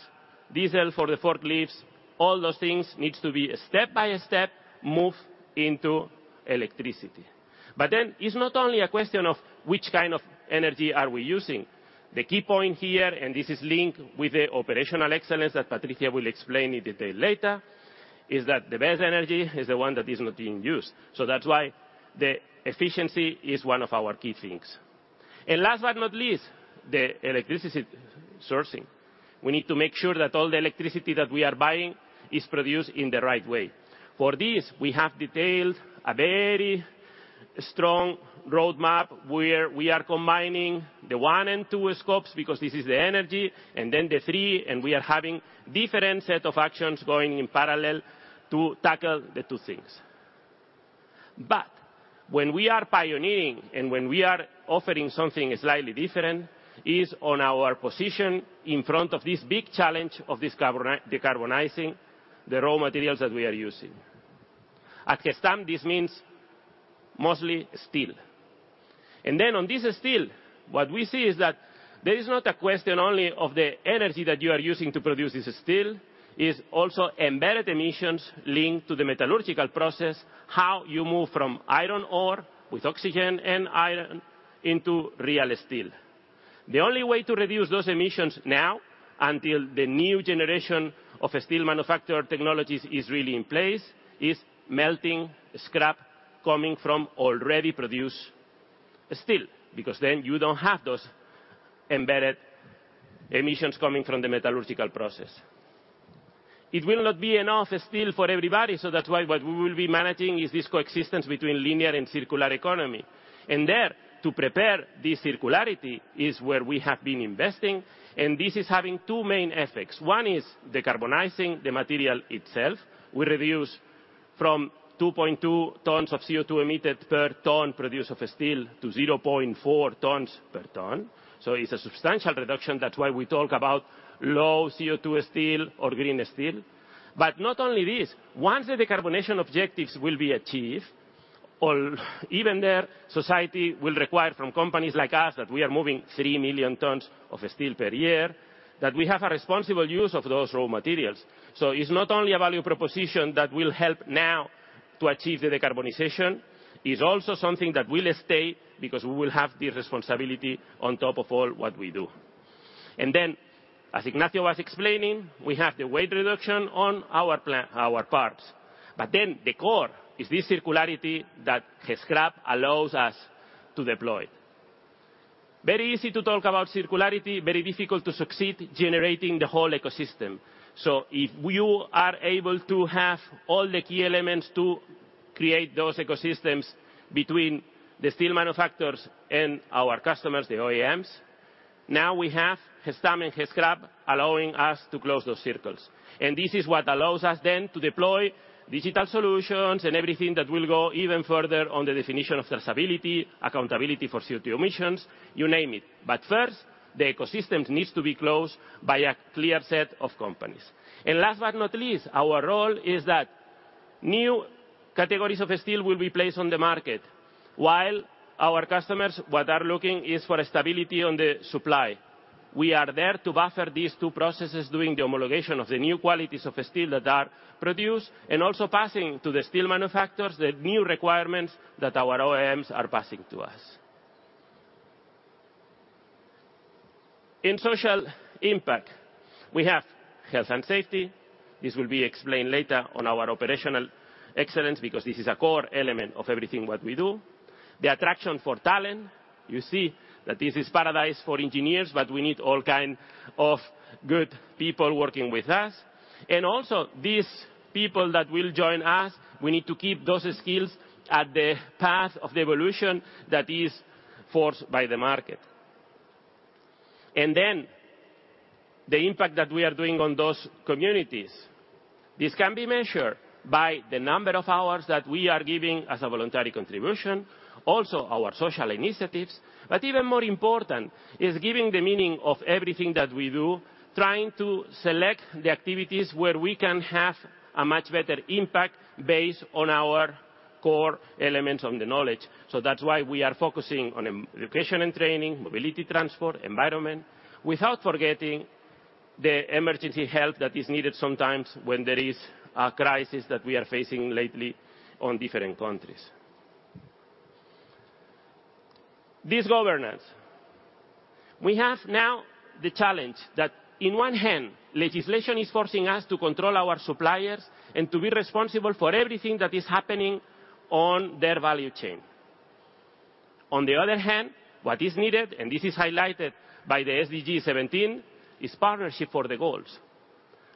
diesel for the forklifts. All those things needs to be step by step, moved into electricity. It's not only a question of which kind of energy are we using. The key point here, and this is linked with the operational excellence that Patricia will explain in detail later, is that the best energy is the one that is not being used. That's why the efficiency is one of our key things. Last but not least, the electricity sourcing. We need to make sure that all the electricity that we are buying is produced in the right way. For this, we have detailed a very strong roadmap, where we are combining the Scope 1 and Scope 2, because this is the energy, and then the Scope 3, and we are having different set of actions going in parallel to tackle the two things. When we are pioneering and when we are offering something slightly different, is on our position in front of this big challenge of decarbonizing the raw materials that we are using. At Gestamp, this means mostly steel. On this steel, what we see is that there is not a question only of the energy that you are using to produce this steel, is also embedded emissions linked to the metallurgical process, how you move from iron ore with oxygen and iron into real steel. The only way to reduce those emissions now, until the new generation of steel manufacture technologies is really in place, is melting scrap coming from already produced steel, because then you don't have those embedded emissions coming from the metallurgical process. It will not be enough steel for everybody, that's why what we will be managing is this coexistence between linear and circular economy. There, to prepare this circularity, is where we have been investing, and this is having two main effects. One is decarbonizing the material itself. We reduce from 2.2 tons of CO₂ emitted per ton produced of steel to 0.4 tons per ton, so it's a substantial reduction. That's why we talk about low-CO₂ steel or green steel. Not only this, once the decarbonization objectives will be achieved, or even there, society will require from companies like us, that we are moving three million tons of steel per year, that we have a responsible use of those raw materials. It's not only a value proposition that will help now to achieve the decarbonization, it's also something that will stay because we will have the responsibility on top of all what we do. As Ignacio was explaining, we have the weight reduction on our parts. The core is this circularity that Gescrap allows us to deploy. Very easy to talk about circularity, very difficult to succeed generating the whole ecosystem. If you are able to have all the key elements to create those ecosystems between the steel manufacturers and our customers, the OEMs, now we have Gestamp and Gescrap allowing us to close those circles. This is what allows us then to deploy digital solutions and everything that will go even further on the definition of traceability, accountability for CO₂ emissions, you name it. First, the ecosystems needs to be closed by a clear set of companies. Last but not least, our role is that new categories of steel will be placed on the market, while our customers, what are looking is for stability on the supply. We are there to buffer these two processes during the homologation of the new qualities of steel that are produced, and also passing to the steel manufacturers the new requirements that our OEMs are passing to us. In social impact, we have health and safety. This will be explained later on our operational excellence, because this is a core element of everything what we do. The attraction for talent. You see that this is paradise for engineers, but we need all kind of good people working with us. These people that will join us, we need to keep those skills at the path of the evolution that is forced by the market. The impact that we are doing on those communities. This can be measured by the number of hours that we are giving as a voluntary contribution, also our social initiatives. Even more important is giving the meaning of everything that we do, trying to select the activities where we can have a much better impact based on our core elements on the knowledge. That's why we are focusing on education and training, mobility, transport, environment, without forgetting the emergency help that is needed sometimes when there is a crisis that we are facing lately on different countries. This governance, we have now the challenge that in one hand, legislation is forcing us to control our suppliers and to be responsible for everything that is happening on their value chain. On the other hand, what is needed, and this is highlighted by the SDG 17, is partnership for the goals.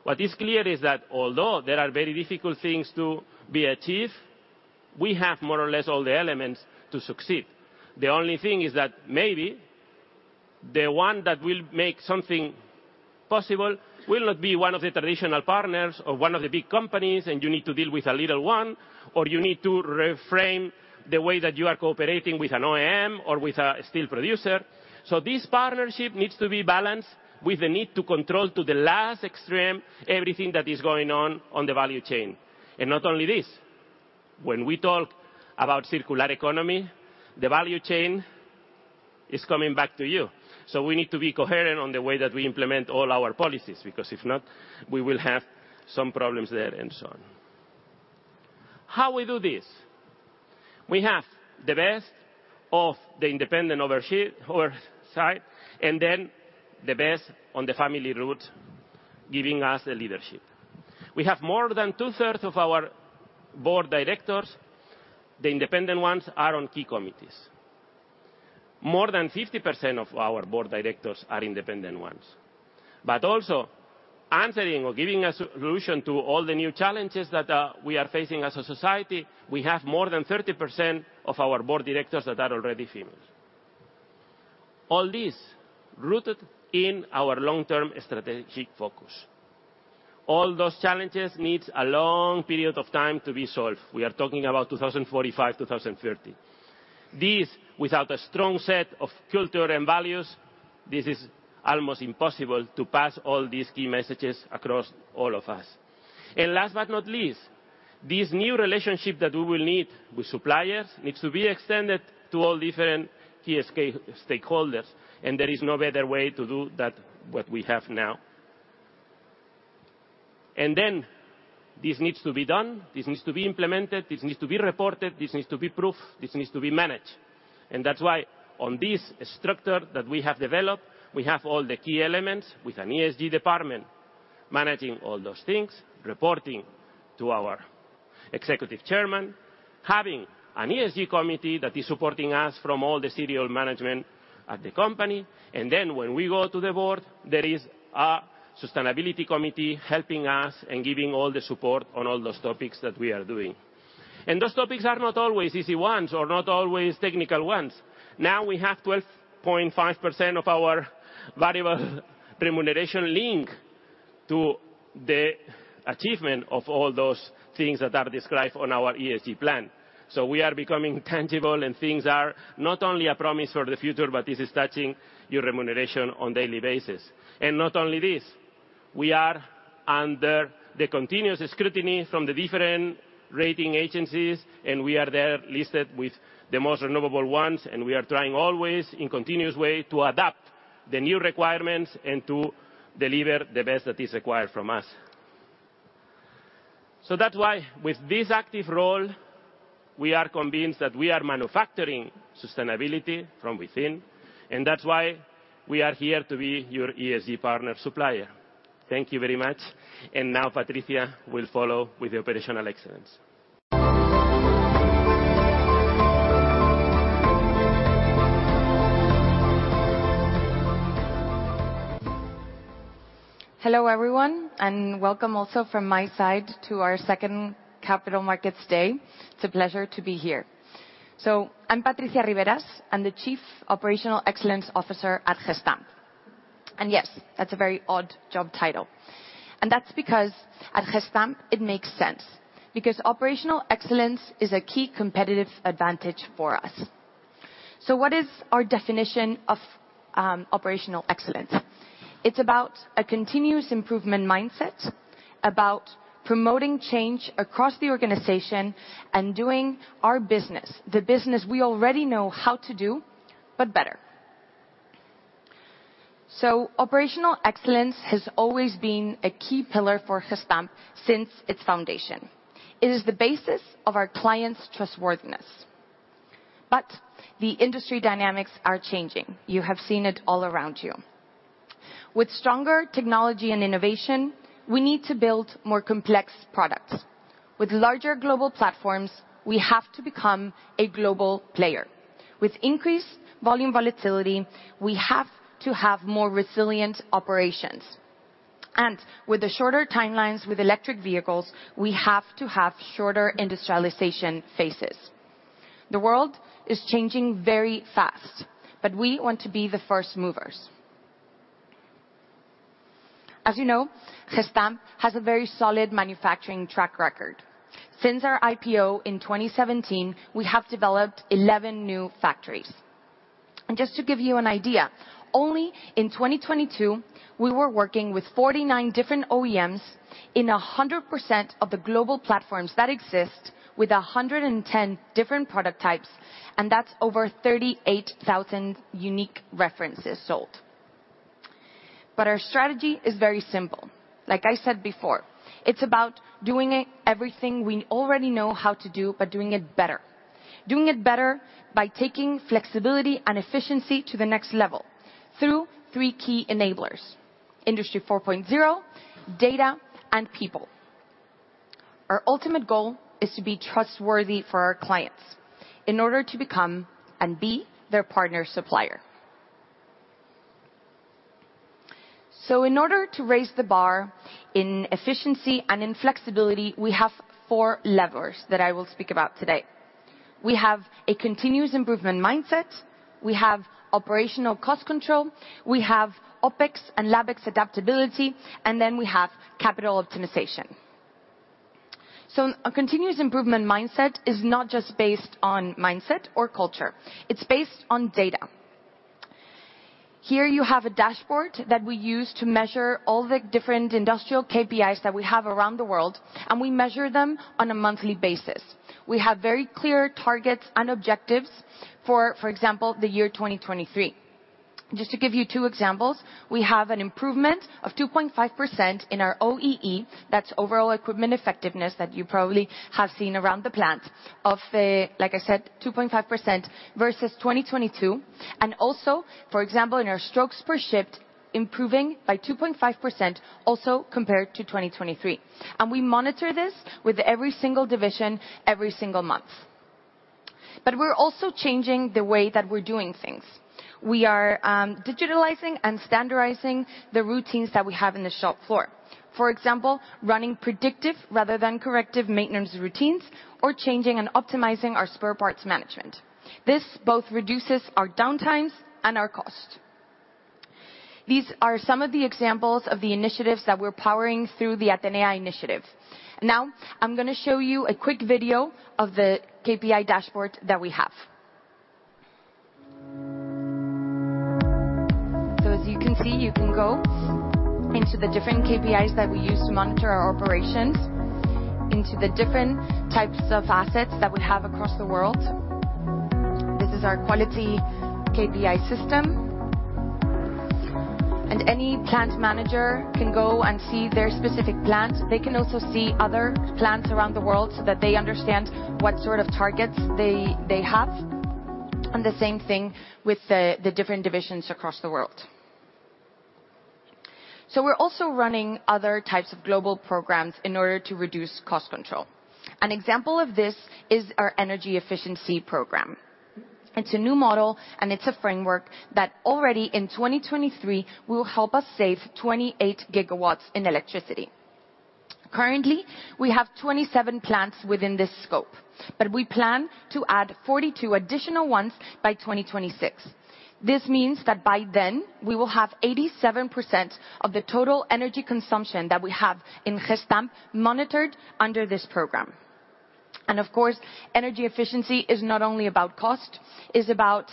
What is clear is that although there are very difficult things to be achieved, we have more or less all the elements to succeed. The only thing is that maybe the one that will make something possible will not be one of the traditional partners or one of the big companies, and you need to deal with a little one, or you need to reframe the way that you are cooperating with an OEM or with a steel producer. This partnership needs to be balanced with the need to control, to the last extreme, everything that is going on on the value chain. Not only this, when we talk about circular economy, the value chain is coming back to you. We need to be coherent on the way that we implement all our policies, because if not, we will have some problems there and so on. How we do this? We have the best of the independent oversight, and then the best on the family route, giving us the leadership. We have more than 2/3 of our board directors, the independent ones, are on key committees. More than 50% of our board directors are independent ones. Also, answering or giving a solution to all the new challenges that we are facing as a society, we have more than 30% of our board directors that are already females. All this rooted in our long-term strategic focus. All those challenges needs a long period of time to be solved. We are talking about 2045, 2030. This, without a strong set of culture and values, this is almost impossible to pass all these key messages across all of us. Last but not least, this new relationship that we will need with suppliers needs to be extended to all different KSK stakeholders, and there is no better way to do that, what we have now. Then, this needs to be done, this needs to be implemented, this needs to be reported, this needs to be proved, this needs to be managed. That's why on this structure that we have developed, we have all the key elements with an ESG department managing all those things, reporting to our executive chairman, having an ESG committee that is supporting us from all the serial management at the company. When we go to the board, there is a sustainability committee helping us and giving all the support on all those topics that we are doing. Those topics are not always easy ones or not always technical ones. We have 12.5% of our variable remuneration link to the achievement of all those things that are described on our ESG plan. We are becoming tangible, and things are not only a promise for the future, but this is touching your remuneration on daily basis. Not only this, we are under the continuous scrutiny from the different rating agencies, and we are there listed with the most renewable ones, and we are trying always, in continuous way, to adapt the new requirements and to deliver the best that is required from us. That's why, with this active role, we are convinced that we are manufacturing sustainability from within, and that's why we are here to be your ESG partner supplier. Thank you very much. Now Patricia will follow with the operational excellence. Hello, everyone, and welcome also from my side to our second Capital Markets Day. It's a pleasure to be here. I'm Patricia Riberas. I'm the Chief Operational Excellence Officer at Gestamp. Yes, that's a very odd job title. That's because at Gestamp, it makes sense, because operational excellence is a key competitive advantage for us. What is our definition of operational excellence? It's about a continuous improvement mindset, about promoting change across the organization and doing our business, the business we already know how to do, but better. Operational excellence has always been a key pillar for Gestamp since its foundation. It is the basis of our clients' trustworthiness. The industry dynamics are changing. You have seen it all around you. With stronger technology and innovation, we need to build more complex products. With larger global platforms, we have to become a global player. With increased volume volatility, we have to have more resilient operations. With the shorter timelines with electric vehicles, we have to have shorter industrialization phases. The world is changing very fast, but we want to be the first movers. As you know, Gestamp has a very solid manufacturing track record. Since our IPO in 2017, we have developed 11 new factories. Just to give you an idea, only in 2022, we were working with 49 different OEMs in 100% of the global platforms that exist, with 110 different product types, and that's over 38,000 unique references sold. Our strategy is very simple. Like I said before, it's about doing everything we already know how to do, but doing it better. Doing it better by taking flexibility and efficiency to the next level through three key enablers: Industry 4.0, data, and people. Our ultimate goal is to be trustworthy for our clients in order to become and be their partner supplier. In order to raise the bar in efficiency and in flexibility, we have four levers that I will speak about today. We have a continuous improvement mindset, we have operational cost control, we have OpEx and LabEx adaptability, and then we have capital optimization. A continuous improvement mindset is not just based on mindset or culture. It's based on data. Here you have a dashboard that we use to measure all the different industrial KPIs that we have around the world, and we measure them on a monthly basis. We have very clear targets and objectives for example, the year 2023. Just to give you two examples, we have an improvement of 2.5% in our OEE, that's overall equipment effectiveness, that you probably have seen around the plant, like I said, 2.5% versus 2022. Also, for example, in our strokes per shift, improving by 2.5% also compared to 2023. We monitor this with every single division, every single month. We're also changing the way that we're doing things. We are digitalizing and standardizing the routines that we have in the shop floor. For example, running predictive rather than corrective maintenance routines or changing and optimizing our spare parts management. This both reduces our downtimes and our cost. These are some of the examples of the initiatives that we're powering through the Atenea initiative. I'm gonna show you a quick video of the KPI dashboard that we have. As you can see, you can go into the different KPIs that we use to monitor our operations, into the different types of assets that we have across the world. This is our quality KPI system. Any plant manager can go and see their specific plant. They can also see other plants around the world so that they understand what sort of targets they have, and the same thing with the different divisions across the world. We're also running other types of global programs in order to reduce cost control. An example of this is our energy efficiency program. It's a new model, and it's a framework that already in 2023, will help us save 28 GW in electricity. Currently, we have 27 plants within this scope, but we plan to add 42 additional ones by 2026. This means that by then, we will have 87% of the total energy consumption that we have in Gestamp monitored under this program. Of course, energy efficiency is not only about cost, it's about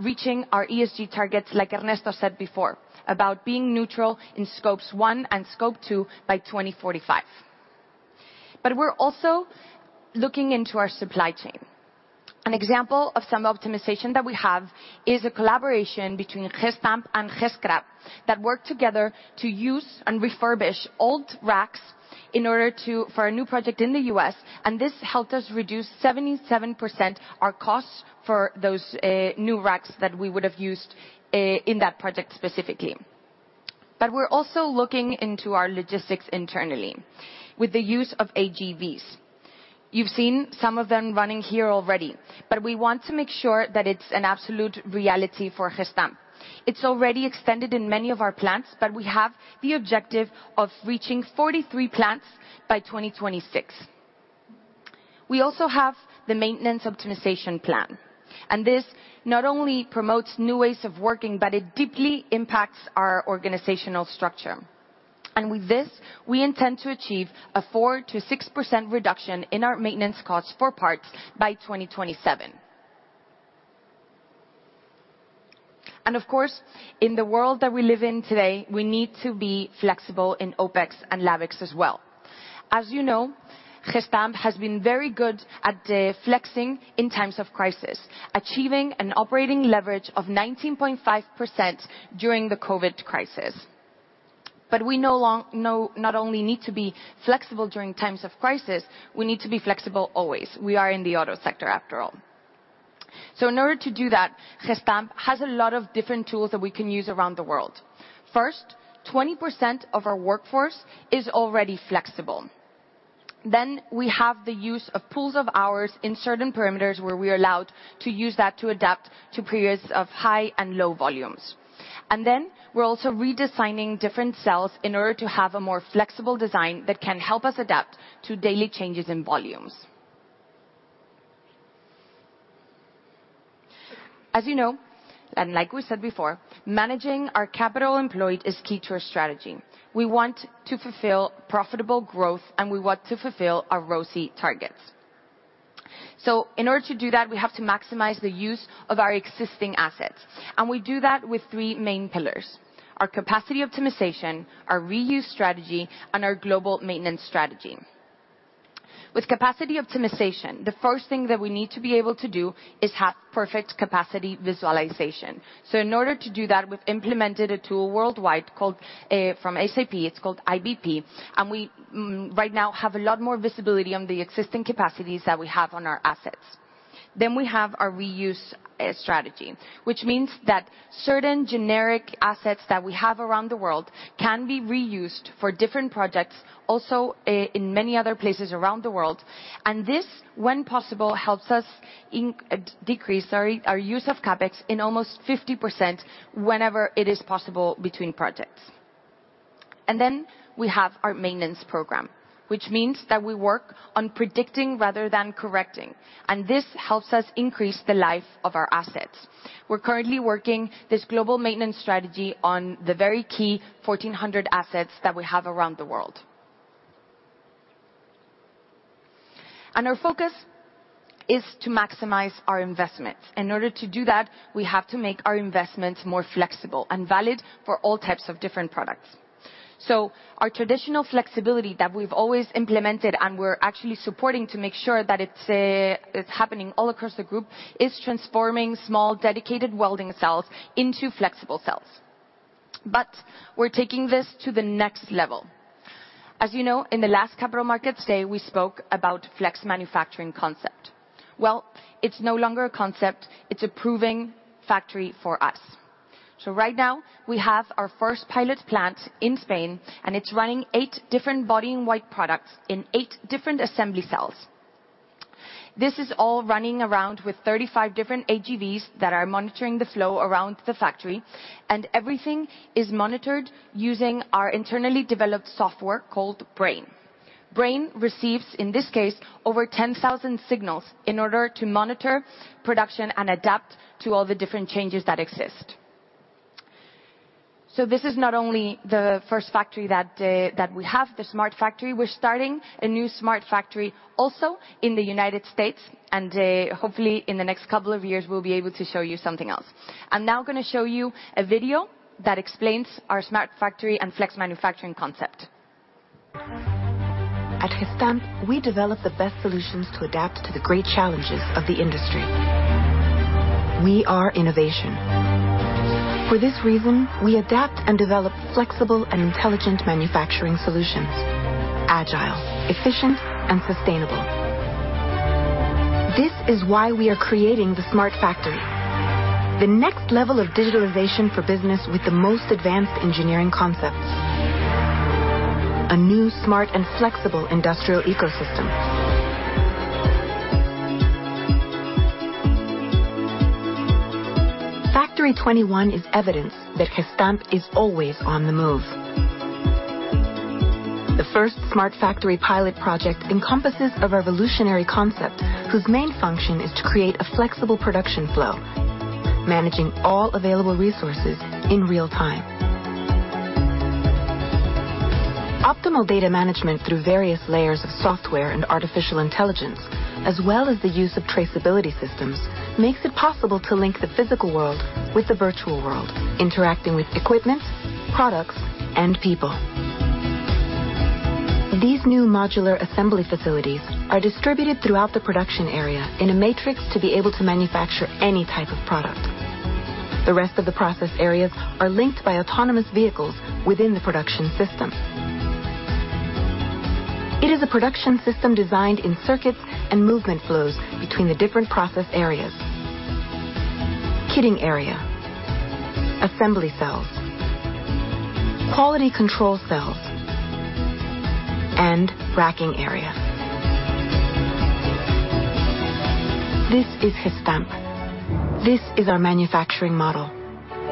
reaching our ESG targets, like Ernesto said before, about being neutral in Scope 1 and Scope 2 by 2045. We're also looking into our supply chain. An example of some optimization that we have is a collaboration between Gestamp and Gescrap, that work together to use and refurbish old racks for a new project in the U.S., and this helped us reduce 77% our costs for those new racks that we would have used in that project specifically. We're also looking into our logistics internally with the use of AGVs. You've seen some of them running here already, but we want to make sure that it's an absolute reality for Gestamp. It's already extended in many of our plants, but we have the objective of reaching 43 plants by 2026. We also have the maintenance optimization plan, this not only promotes new ways of working, but it deeply impacts our organizational structure. With this, we intend to achieve a 4%-6% reduction in our maintenance costs for parts by 2027. Of course, in the world that we live in today, we need to be flexible in OpEx and CapEx as well. As you know, Gestamp has been very good at flexing in times of crisis, achieving an operating leverage of 19.5% during the COVID crisis. We not only need to be flexible during times of crisis, we need to be flexible always. We are in the auto sector, after all. In order to do that, Gestamp has a lot of different tools that we can use around the world. First, 20% of our workforce is already flexible. We have the use of pools of hours in certain perimeters, where we are allowed to use that to adapt to periods of high and low volumes. We're also redesigning different cells in order to have a more flexible design that can help us adapt to daily changes in volumes. As you know, and like we said before, managing our capital employed is key to our strategy. We want to fulfill profitable growth, and we want to fulfill our ROCE targets. In order to do that, we have to maximize the use of our existing assets, and we do that with three main pillars: our capacity optimization, our reuse strategy, and our global maintenance strategy. With capacity optimization, the first thing that we need to be able to do is have perfect capacity visualization. In order to do that, we've implemented a tool worldwide called from SAP, it's called IBP, and we right now have a lot more visibility on the existing capacities that we have on our assets. We have our reuse strategy, which means that certain generic assets that we have around the world can be reused for different projects, also, in many other places around the world. This, when possible, helps us decrease our use of CapEx in almost 50% whenever it is possible between projects. We have our maintenance program, which means that we work on predicting rather than correcting, and this helps us increase the life of our assets. We're currently working this global maintenance strategy on the very key 1,400 assets that we have around the world. Our focus is to maximize our investments. In order to do that, we have to make our investments more flexible and valid for all types of different products. Our traditional flexibility that we've always implemented, and we're actually supporting to make sure that it's happening all across the group, is transforming small, dedicated welding cells into flexible cells. We're taking this to the next level. As you know, in the last Capital Markets Day, we spoke about flex manufacturing concept. It's no longer a concept, it's a proving factory for us. Right now, we have our first pilot plant in Spain, and it's running eight different body in white products in eight different assembly cells. This is all running around with 35 different AGVs that are monitoring the flow around the factory, and everything is monitored using our internally developed software called Brain. Brain receives, in this case, over 10,000 signals in order to monitor production and adapt to all the different changes that exist. This is not only the first factory that we have, the smart factory, we're starting a new smart factory also in the United States, and hopefully, in the next couple of years, we'll be able to show you something else. I'm now gonna show you a video that explains our smart factory and flex manufacturing concept. At Gestamp, we develop the best solutions to adapt to the great challenges of the industry. We are innovation. For this reason, we adapt and develop flexible and intelligent manufacturing solutions: agile, efficient, and sustainable. This is why we are creating the smart factory, the next level of digitalization for business with the most advanced engineering concepts. A new, smart, and flexible industrial ecosystem. Factory 21 is evidence that Gestamp is always on the move. The first smart factory pilot project encompasses a revolutionary concept, whose main function is to create a flexible production flow, managing all available resources in real time. Optimal data management through various layers of software and artificial intelligence, as well as the use of traceability systems, makes it possible to link the physical world with the virtual world, interacting with equipment, products, and people. These new modular assembly facilities are distributed throughout the production area in a matrix to be able to manufacture any type of product. The rest of the process areas are linked by autonomous vehicles within the production system. It is a production system designed in circuits and movement flows between the different process areas: kitting area, assembly cells, quality control cells, and racking areas. This is Gestamp. This is our manufacturing model.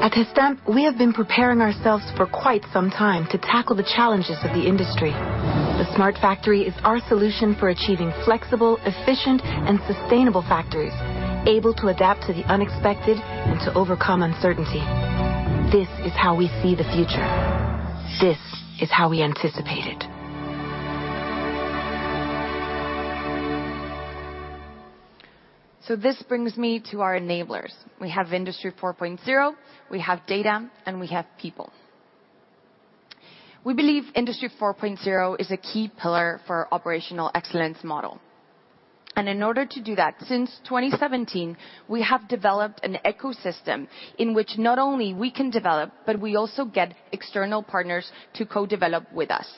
At Gestamp, we have been preparing ourselves for quite some time to tackle the challenges of the industry. The smart factory is our solution for achieving flexible, efficient, and sustainable factories, able to adapt to the unexpected and to overcome uncertainty. This is how we see the future. This is how we anticipate it. This brings me to our enablers. We have Industry 4.0, we have data, and we have people. We believe Industry 4.0 is a key pillar for our operational excellence model. In order to do that, since 2017, we have developed an ecosystem in which not only we can develop, but we also get external partners to co-develop with us.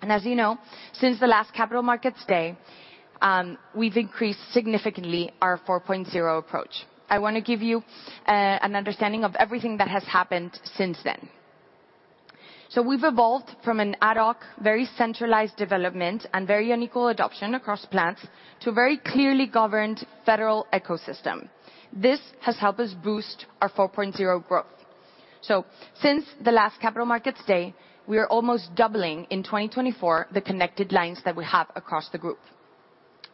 As you know, since the last Capital Markets Day, we've increased significantly our 4.0 approach. I want to give you an understanding of everything that has happened since then. We've evolved from an ad hoc, very centralized development and very unequal adoption across plants, to a very clearly governed federal ecosystem. This has helped us boost our 4.0 growth. Since the last Capital Markets Day, we are almost doubling in 2024 the connected lines that we have across the group.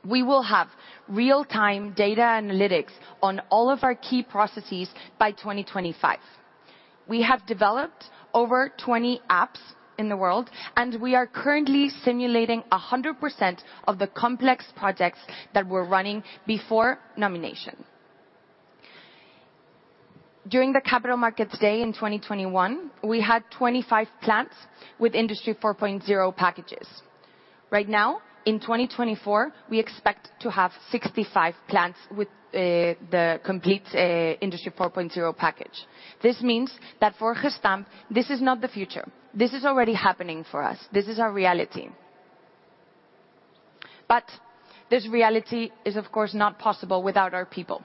We will have real-time data analytics on all of our key processes by 2025. We have developed over 20 apps in the world, and we are currently simulating 100% of the complex projects that we're running before nomination. During the Capital Markets Day in 2021, we had 25 plants with Industry 4.0 packages. Right now, in 2024, we expect to have 65 plants with the complete Industry 4.0 package. This means that for Gestamp, this is not the future. This is already happening for us. This is our reality. This reality is, of course, not possible without our people.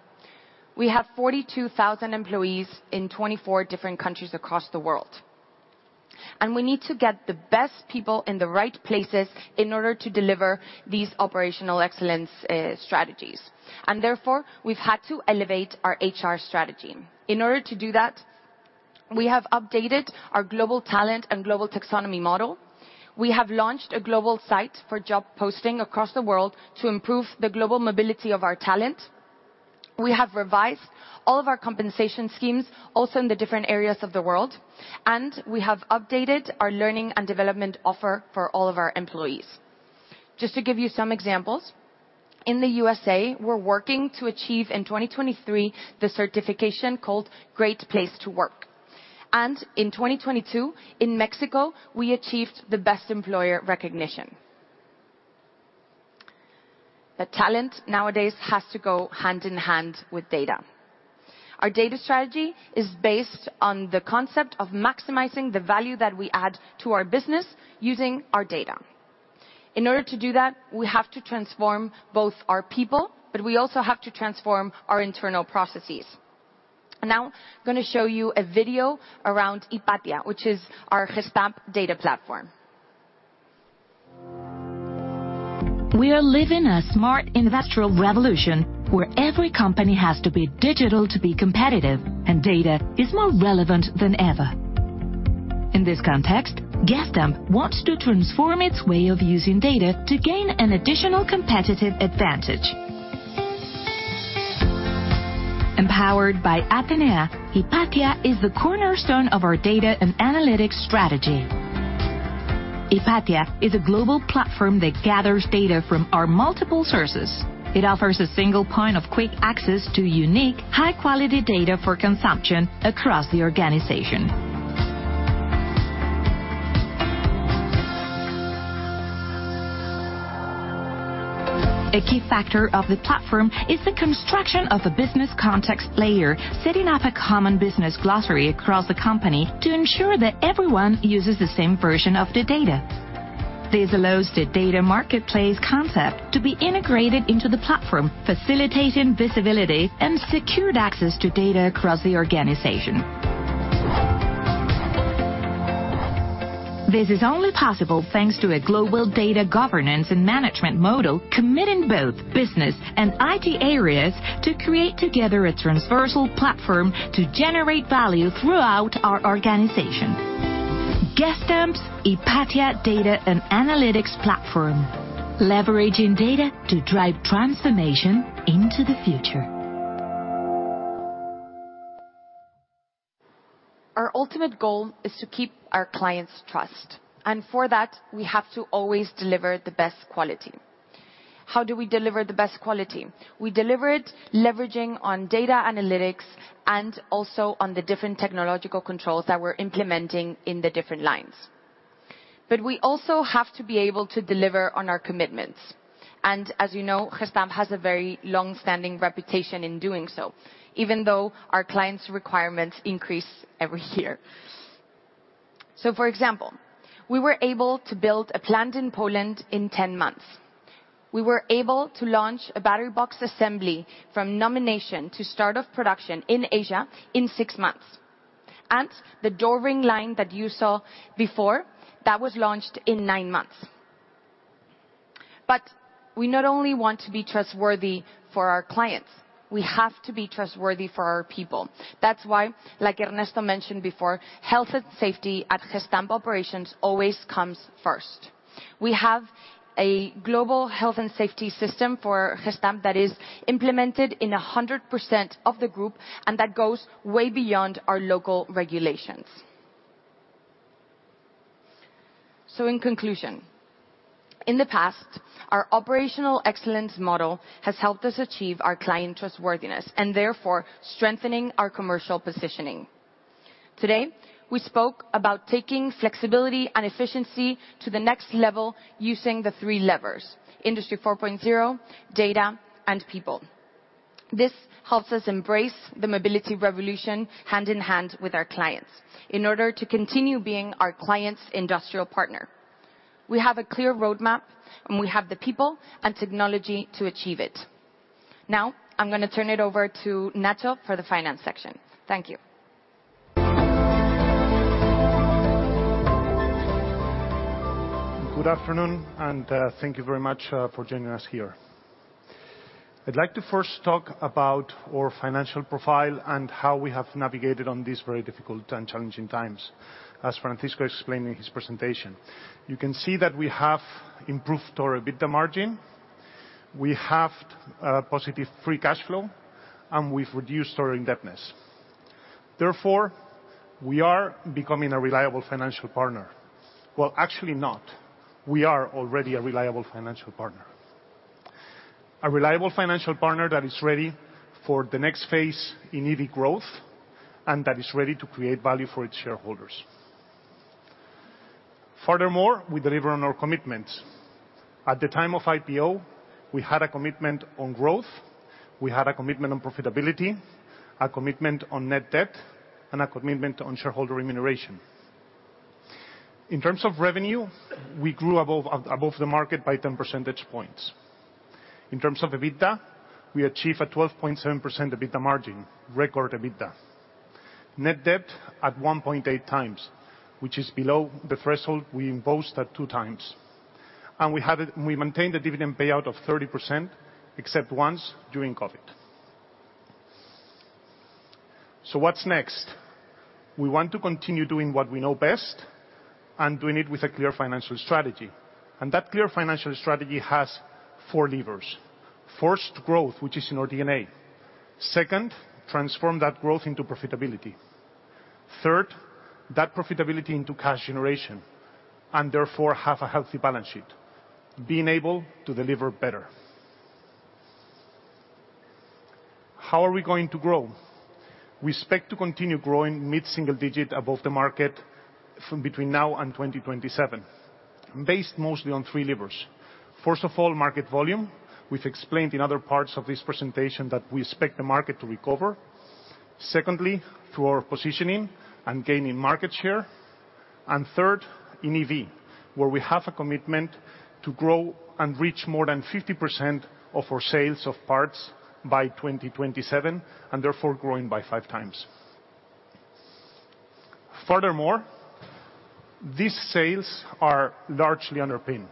We have 42,000 employees in 24 different countries across the world, and we need to get the best people in the right places in order to deliver these operational excellence strategies. Therefore, we've had to elevate our HR strategy. In order to do that, we have updated our global talent and global taxonomy model. We have launched a global site for job posting across the world to improve the global mobility of our talent. We have revised all of our compensation schemes, also in the different areas of the world, and we have updated our learning and development offer for all of our employees. Just to give you some examples, in the USA, we're working to achieve in 2023, the certification called Great Place To Work, and in 2022, in Mexico, we achieved the Best Employer recognition. Talent nowadays has to go hand in hand with data. Our data strategy is based on the concept of maximizing the value that we add to our business using our data. In order to do that, we have to transform both our people, but we also have to transform our internal processes. Now I'm going to show you a video around Ipatia, which is our Gestamp data platform. We are living a smart industrial revolution, where every company has to be digital to be competitive, and data is more relevant than ever. In this context, Gestamp wants to transform its way of using data to gain an additional competitive advantage. Empowered by Atenea, Ipatia is the cornerstone of our data and analytics strategy. Ipatia is a global platform that gathers data from our multiple sources. It offers a single point of quick access to unique, high-quality data for consumption across the organization. A key factor of the platform is the construction of a business context layer, setting up a common business glossary across the company to ensure that everyone uses the same version of the data. This allows the data marketplace concept to be integrated into the platform, facilitating visibility and secured access to data across the organization. This is only possible thanks to a global data governance and management model, committing both business and IT areas to create together a transversal platform to generate value throughout our organization. Gestamp's Ipatia data and analytics platform, leveraging data to drive transformation into the future. Our ultimate goal is to keep our clients' trust, and for that, we have to always deliver the best quality. How do we deliver the best quality? We deliver it leveraging on data analytics and also on the different technological controls that we're implementing in the different lines. We also have to be able to deliver on our commitments, and as you know, Gestamp has a very long-standing reputation in doing so, even though our clients' requirements increase every year. For example, we were able to build a plant in Poland in 10 months. We were able to launch a battery box assembly from nomination to start of production in Asia in six months. The Door Ring line that you saw before, that was launched in nine months. We not only want to be trustworthy for our clients, we have to be trustworthy for our people. That's why, like Ernesto mentioned before, health and safety at Gestamp operations always comes first. We have a global health and safety system for Gestamp that is implemented in 100% of the group. That goes way beyond our local regulations. In conclusion, in the past, our operational excellence model has helped us achieve our client trustworthiness and therefore strengthening our commercial positioning. Today, we spoke about taking flexibility and efficiency to the next level using the three levers: Industry 4.0, data, and people. This helps us embrace the mobility revolution hand in hand with our clients in order to continue being our client's industrial partner. We have a clear roadmap. We have the people and technology to achieve it. Now, I'm gonna turn it over to Nacho for the finance section. Thank you. Good afternoon. Thank you very much for joining us here. I'd like to first talk about our financial profile and how we have navigated on these very difficult and challenging times, as Francisco explained in his presentation. You can see that we have improved our EBITDA margin. We have positive free cash flow, and we've reduced our indebtedness. Therefore, we are becoming a reliable financial partner. Well, actually not. We are already a reliable financial partner. A reliable financial partner that is ready for the next phase in EV growth, and that is ready to create value for its shareholders. Furthermore, we deliver on our commitments. At the time of IPO, we had a commitment on growth, we had a commitment on profitability, a commitment on net debt, and a commitment on shareholder remuneration. In terms of revenue, we grew above the market by 10 percentage points. In terms of EBITDA, we achieved a 12.7% EBITDA margin, record EBITDA. Net debt at 1.8x, which is below the threshold we imposed at 2x, we maintained a dividend payout of 30%, except once during COVID. What's next? We want to continue doing what we know best and doing it with a clear financial strategy. That clear financial strategy has four levers. First, growth, which is in our DNA. Second, transform that growth into profitability. Third, that profitability into cash generation, and therefore have a healthy balance sheet, being able to deliver better. How are we going to grow? We expect to continue growing mid-single digit above the market from between now and 2027, based mostly on three levers. First of all, market volume. We've explained in other parts of this presentation that we expect the market to recover. Secondly, through our positioning and gaining market share. Third, in EV, where we have a commitment to grow and reach more than 50% of our sales of parts by 2027, and therefore growing by 5x. Furthermore, these sales are largely underpinned.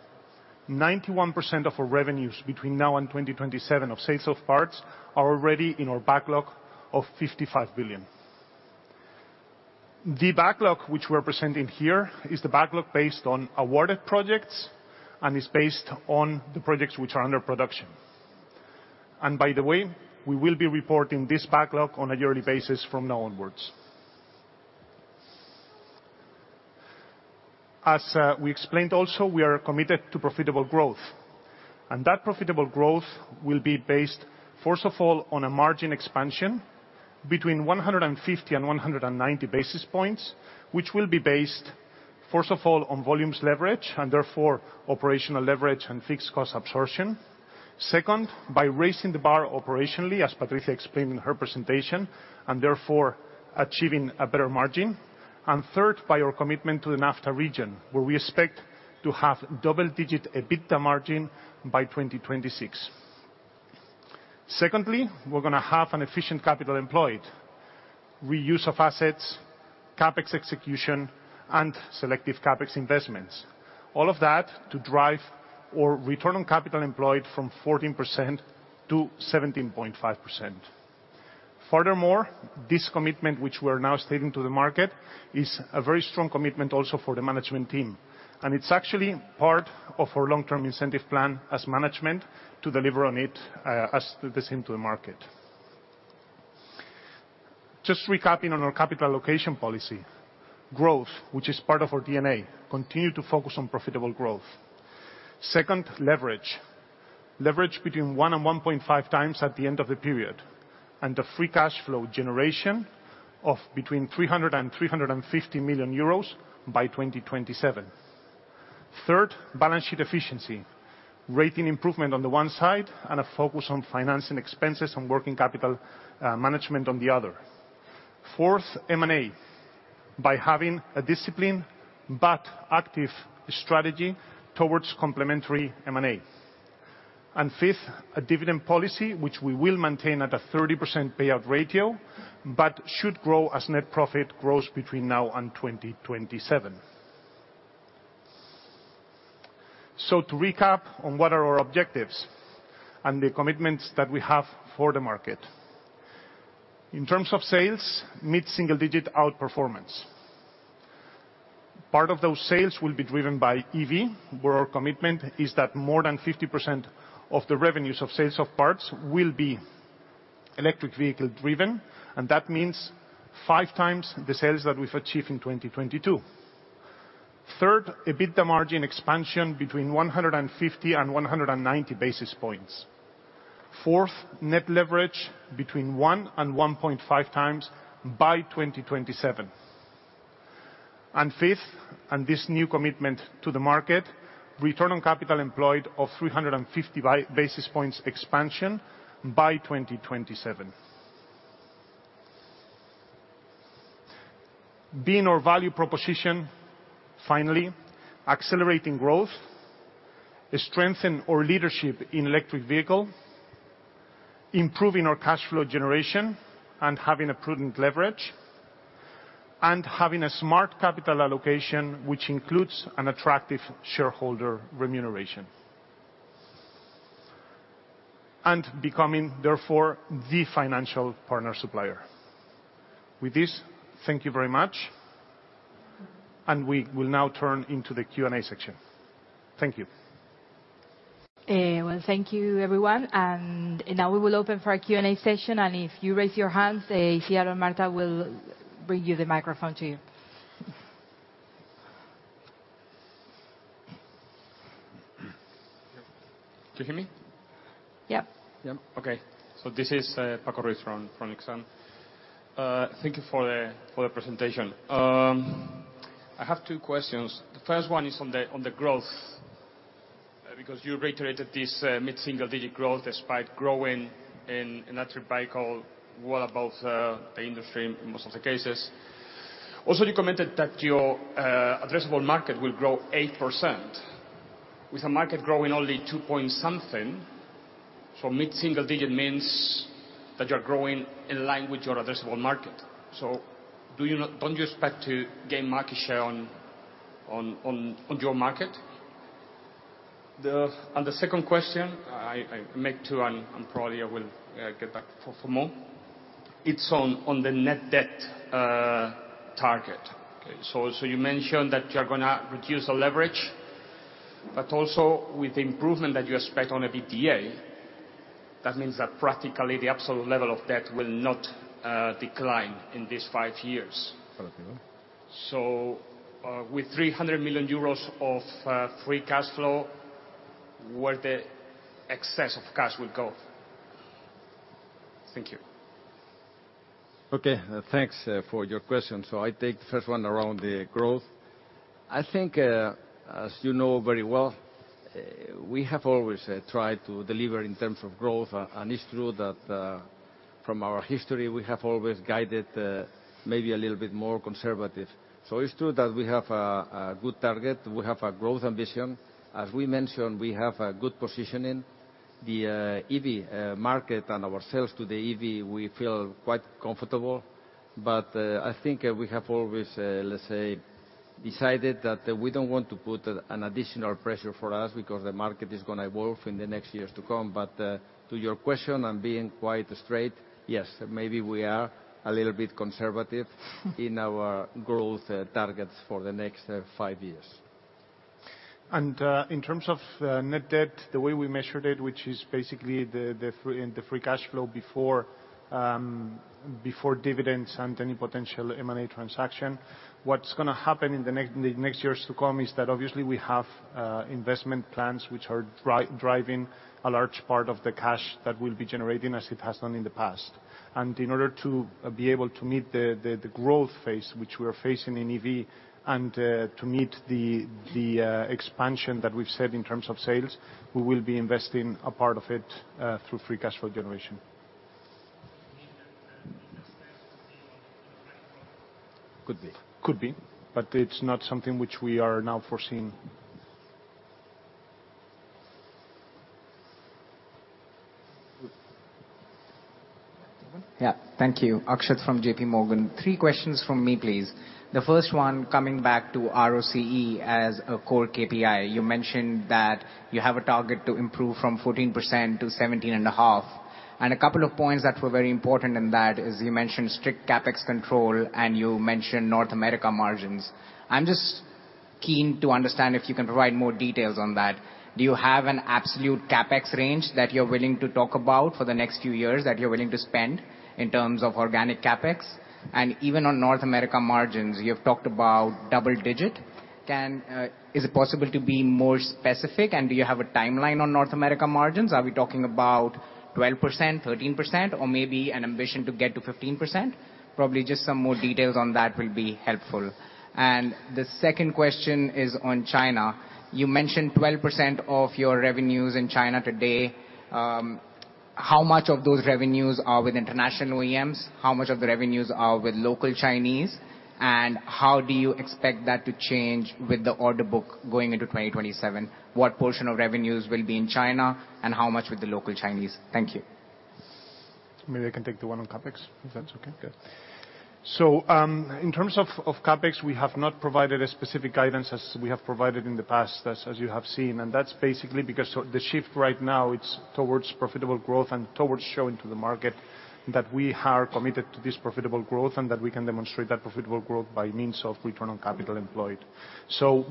91% of our revenues between now and 2027 of sales of parts are already in our backlog of 55 billion. The backlog, which we're presenting here, is the backlog based on awarded projects and is based on the projects which are under production. By the way, we will be reporting this backlog on a yearly basis from now onwards. As we explained also, we are committed to profitable growth, and that profitable growth will be based, first of all, on a margin expansion between 150 and 190 basis points, which will be based, first of all, on volumes leverage, and therefore operational leverage and fixed cost absorption. Second, by raising the bar operationally, as Patricia explained in her presentation, and therefore achieving a better margin. Third, by our commitment to the NAFTA region, where we expect to have double-digit EBITDA margin by 2026. Secondly, we're gonna have an efficient capital employed, reuse of assets, CapEx execution, and selective CapEx investments. All of that to drive or return on capital employed from 14% to 17.5%. This commitment, which we're now stating to the market, is a very strong commitment also for the management team, and it's actually part of our long-term incentive plan as management to deliver on it as the same to the market. Just recapping on our capital allocation policy. Growth, which is part of our DNA, continue to focus on profitable growth. Second, leverage. Leverage between one and 1.5x at the end of the period, and the free cash flow generation of between 300 million euros and 350 million euros by 2027. Third, balance sheet efficiency, rating improvement on the one side and a focus on financing expenses and working capital management on the other. Fourth, M&A, by having a discipline, but active strategy towards complementary M&A. Fifth, a dividend policy, which we will maintain at a 30% payout ratio, but should grow as net profit grows between now and 2027. To recap on what are our objectives and the commitments that we have for the market. In terms of sales, mid-single digit outperformance. Part of those sales will be driven by EV, where our commitment is that more than 50% of the revenues of sales of parts will be electric vehicle driven, and that means 5x the sales that we've achieved in 2022. Third, EBITDA margin expansion between 150 and 190 basis points. Fourth, net leverage between one and 1.5x by 2027. Fifth, and this new commitment to the market, return on capital employed of 350 basis points expansion by 2027. Being our value proposition, finally, accelerating growth, strengthen our leadership in electric vehicle, improving our cash flow generation, and having a prudent leverage, and having a smart capital allocation, which includes an attractive shareholder remuneration. Becoming, therefore, the financial partner supplier. With this, thank you very much. We will now turn into the Q&A section. Thank you. Well, thank you, everyone. Now we will open for our Q&A session, and if you raise your hands, Sierra or Martha will bring you the microphone to you. Can you hear me? Yep. Yep, okay. This is Francisco Ruiz from Exane BNP Paribas. Thank you for the presentation. I have two questions. The first one is on the growth because you reiterated this mid-single digit growth, despite growing in natural bicycle, well above the industry in most of the cases. Also, you commented that your addressable market will grow 8%. With a market growing only two point something, mid-single digit means that you're growing in line with your addressable market. Don't you expect to gain market share on your market? The second question, I make two, and probably I will get back for more. It's on the net debt target. You mentioned that you're gonna reduce the leverage, also with the improvement that you expect on EBITDA, that means that practically, the absolute level of debt will not decline in these five years. With 300 million euros of free cash flow, where the excess of cash will go? Thank you. Okay, thanks for your question. I take the first one around the growth. I think, as you know very well, we have always tried to deliver in terms of growth. It's true that, from our history, we have always guided, maybe a little bit more conservative. It's true that we have a good target. We have a growth ambition. As we mentioned, we have a good positioning. The EV market and our sales to the EV, we feel quite comfortable, I think, we have always, let's say, decided that we don't want to put an additional pressure for us because the market is gonna evolve in the next years to come. To your question, I'm being quite straight, yes, maybe we are a little bit conservative in our growth targets for the next five years. In terms of net debt, the way we measured it, which is basically the free cash flow before dividends and any potential M&A transaction, what's gonna happen in the next years to come is that obviously we have investment plans which are driving a large part of the cash that we'll be generating, as it has done in the past. In order to be able to meet the growth phase, which we are facing in EV, to meet the expansion that we've said in terms of sales, we will be investing a part of it through free cash flow generation. Could be. Could be, but it's not something which we are now foreseeing. Thank you. Akshat from J.P. Morgan. Three questions from me, please. The first one, coming back to ROCE as a core KPI. You mentioned that you have a target to improve from 14%-17.5%, and a couple of points that were very important in that is, you mentioned strict CapEx control, and you mentioned North America margins. I'm just keen to understand if you can provide more details on that. Do you have an absolute CapEx range that you're willing to talk about for the next few years, that you're willing to spend in terms of organic CapEx? Even on North America margins, you have talked about double-digit. Is it possible to be more specific, and do you have a timeline on North America margins? Are we talking about 12%, 13%, or maybe an ambition to get to 15%? Probably just some more details on that will be helpful. The second question is on China. You mentioned 12% of your revenues in China today. How much of those revenues are with international OEMs? How much of the revenues are with local Chinese, and how do you expect that to change with the order book going into 2027? What portion of revenues will be in China, and how much with the local Chinese? Thank you. Maybe I can take the one on CapEx, if that's okay. Yeah. In terms of CapEx, we have not provided a specific guidance as we have provided in the past, as you have seen, and that's basically because the shift right now, it's towards profitable growth and towards showing to the market that we are committed to this profitable growth, and that we can demonstrate that profitable growth by means of return on capital employed.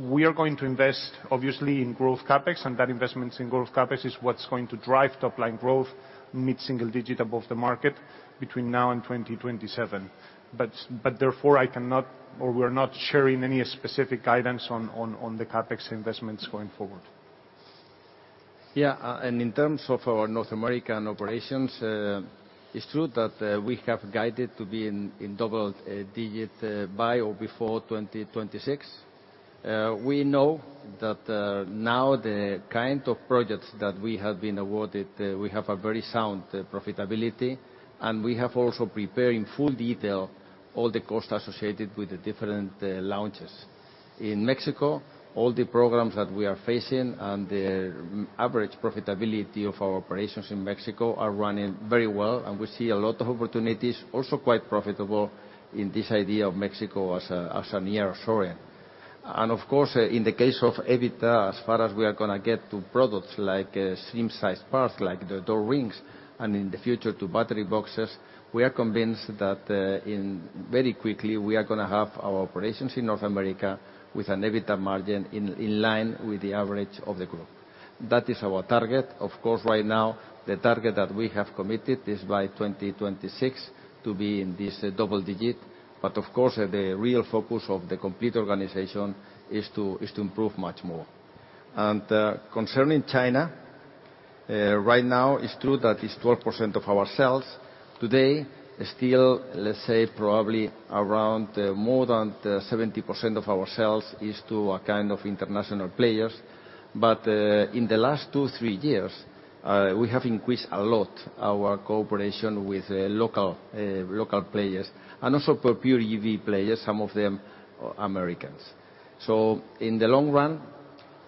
We are going to invest, obviously, in growth CapEx, and that investments in growth CapEx is what's going to drive top-line growth, mid-single digit above the market, between now and 2027. Therefore, I cannot or we're not sharing any specific guidance on the CapEx investments going forward. Yeah, in terms of our North American operations, it's true that we have guided to be in double-digit by or before 2026. We know that now the kind of projects that we have been awarded, we have a very sound profitability, and we have also prepared in full detail all the costs associated with the different launches. In Mexico, all the programs that we are facing and the average profitability of our operations in Mexico are running very well, and we see a lot of opportunities, also quite profitable, in this idea of Mexico as a near shore. Of course, in the case of EBITDA, as far as we are gonna get to products like, slim size parts, like the Door Rings, and in the future, to battery boxes, we are convinced that very quickly, we are gonna have our operations in North America with an EBITDA margin in line with the average of the group. That is our target. Of course, right now, the target that we have committed is by 2026 to be in this double-digit. Of course, the real focus of the complete organization is to improve much more. Concerning China, right now, it's true that it's 12% of our sales. Today, still, let's say, probably around more than 70% of our sales is to a kind of international players. in the last two, three years, we have increased a lot our cooperation with local local players, and also for pure EV players, some of them Americans. in the long run,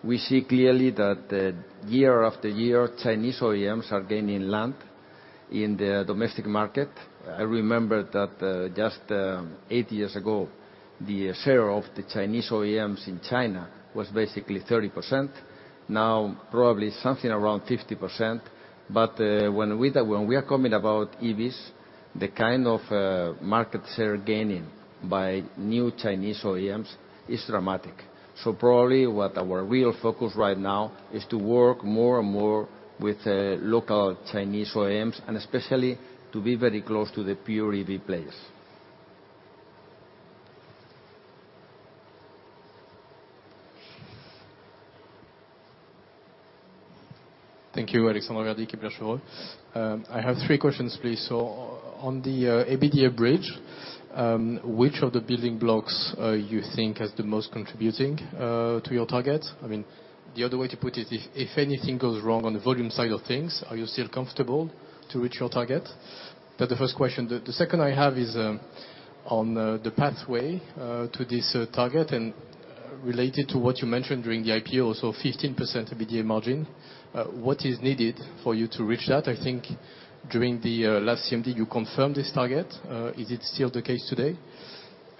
we see clearly that year after year, Chinese OEMs are gaining land in the domestic market. I remember that just eight years ago, the share of the Chinese OEMs in China was basically 30%. Now, probably something around 50%. when we, when we are coming about EVs, the kind of market share gaining by new Chinese OEMs is dramatic. probably what our real focus right now is to work more and more with local Chinese OEMs, and especially to be very close to the pure EV players. Thank you, Alexandre Raverdy, Kepler Cheuvreux. I have three questions, please. On the EBITDA bridge, which of the building blocks you think is the most contributing to your target? I mean, the other way to put it, if anything goes wrong on the volume side of things, are you still comfortable to reach your target? That the first question. The second I have is on the pathway to this target and related to what you mentioned during the IPO, so 15% EBITDA margin. What is needed for you to reach that? I think during the last CMD, you confirmed this target. Is it still the case today?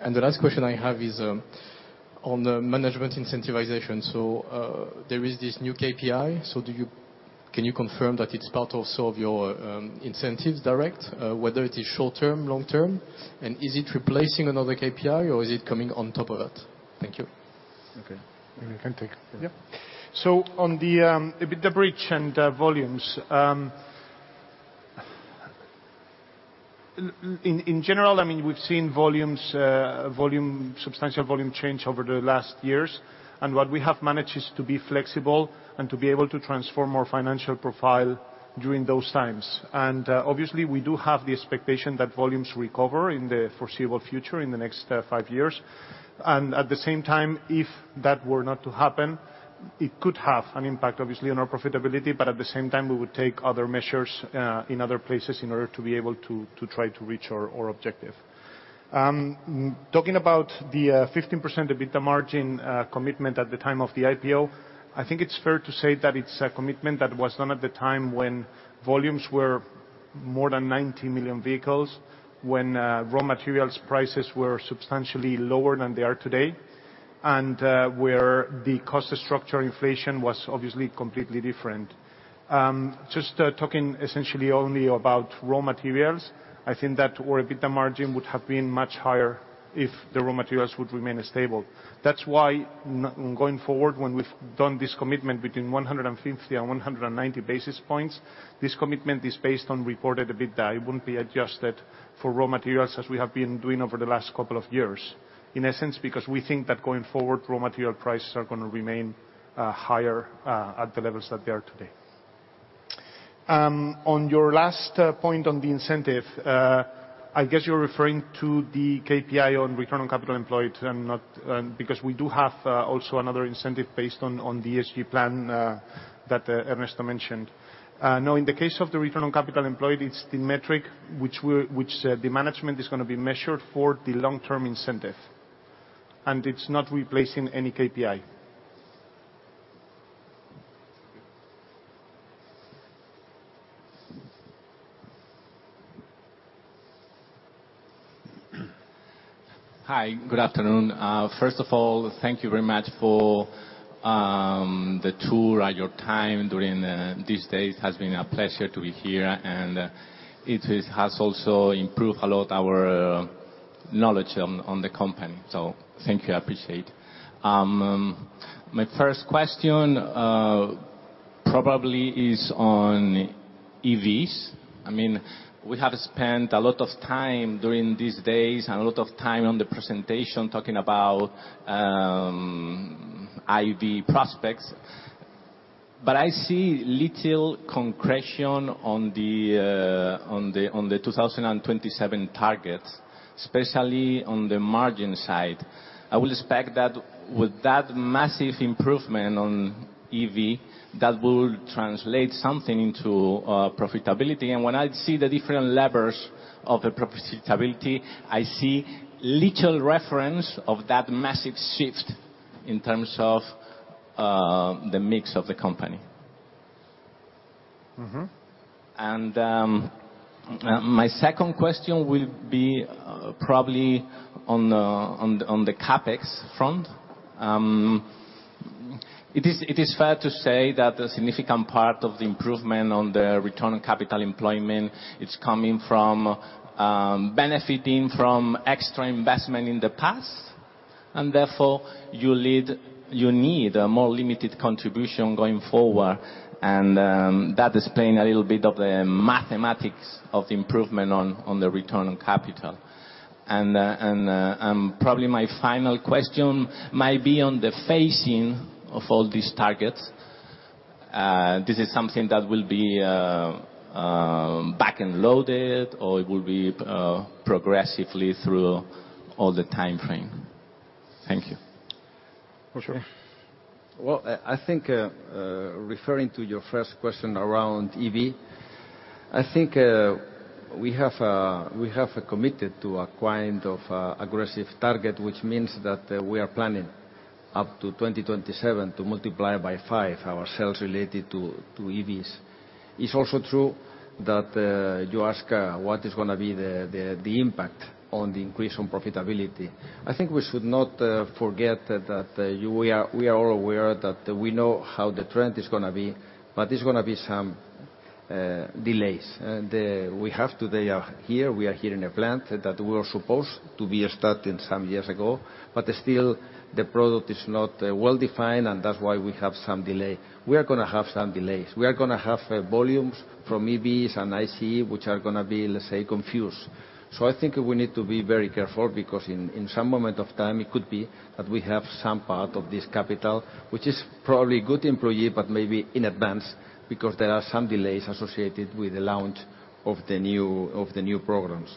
The last question I have is on the management incentivization. There is this new KPI. Do you confirm that it's part also of your incentives direct, whether it is short term, long term, and is it replacing another KPI, or is it coming on top of that? Thank you. Okay. You can take. On the EBITDA bridge and volumes, in general, I mean, we've seen substantial volume change over the last years, and what we have managed is to be flexible and to be able to transform our financial profile during those times. Obviously, we do have the expectation that volumes recover in the foreseeable future, in the next five years. At the same time, if that were not to happen, it could have an impact, obviously, on our profitability, but at the same time, we would take other measures, in other places in order to be able to try to reach our objective. Talking about the 15% EBITDA margin commitment at the time of the IPO, I think it's fair to say that it's a commitment that was done at the time when volumes were more than 90 million vehicles, when raw materials prices were substantially lower than they are today, and where the cost structure inflation was obviously completely different. Just talking essentially only about raw materials, I think that our EBITDA margin would have been much higher if the raw materials would remain stable. That's why going forward, when we've done this commitment between 150 and 190 basis points, this commitment is based on reported EBITDA. It wouldn't be adjusted for raw materials as we have been doing over the last couple of years. In essence, because we think that going forward, raw material prices are gonna remain higher at the levels that they are today. On your last point on the incentive, I guess you're referring to the KPI on return on capital employed and not, we do have also another incentive based on the ESG plan that Ernesto mentioned. In the case of the return on capital employed, it's the metric which the management is gonna be measured for the long-term incentive, and it's not replacing any KPI. Hi, good afternoon. First of all, thank you very much for the tour and your time during these days. It has been a pleasure to be here, and it has also improved a lot our knowledge on the company. Thank you, I appreciate. My first question, probably is on EVs. I mean, we have spent a lot of time during these days and a lot of time on the presentation talking about EV prospects. I see little concretion on the 2027 targets, especially on the margin side. I will expect that with that massive improvement on EV, that will translate something into profitability. When I see the different levels of the profitability, I see little reference of that massive shift in terms of the mix of the company. My second question will be probably on the CapEx front. It is fair to say that a significant part of the improvement on the return on capital employment, it's coming from benefiting from extra investment in the past? You need a more limited contribution going forward, that explain a little bit of the mathematics of the improvement on the return on capital. Probably my final question might be on the phasing of all these targets. This is something that will be back-end loaded, or it will be progressively through all the time frame? Thank you. For sure. Well, I think, referring to your first question around EV, I think, we have committed to a kind of aggressive target, which means that, we are planning up to 2027 to multiply by five our sales related to EVs. It's also true that, you ask, what is gonna be the impact on the increase on profitability? I think we should not forget that, we are all aware that we know how the trend is gonna be, but there's gonna be some delays. We have today, here, we are here in a plant that we were supposed to be starting some years ago, but still, the product is not well-defined, and that's why we have some delay. We are gonna have some delays. We are gonna have volumes from EVs and ICE, which are gonna be, let's say, confused. I think we need to be very careful, because in some moment of time, it could be that we have some part of this capital, which is probably good employee, but maybe in advance, because there are some delays associated with the launch of the new programs.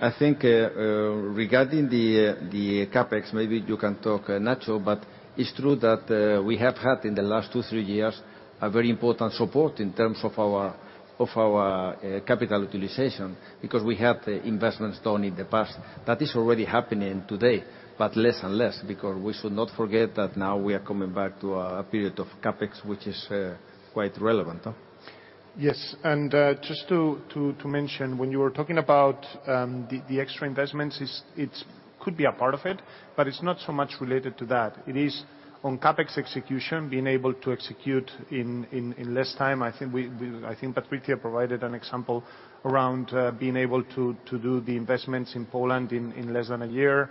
I think regarding the CapEx, maybe you can talk, Nacho, but it's true that we have had, in the last two, three years, a very important support in terms of our, of our capital utilization, because we have the investments done in the past. That is already happening today, but less and less, because we should not forget that now we are coming back to a period of CapEx, which is quite relevant. Just to mention, when you were talking about the extra investments, it's could be a part of it, but it's not so much related to that. It is on CapEx execution, being able to execute in less time. I think Patricia provided an example around being able to do the investments in Poland in less than a year.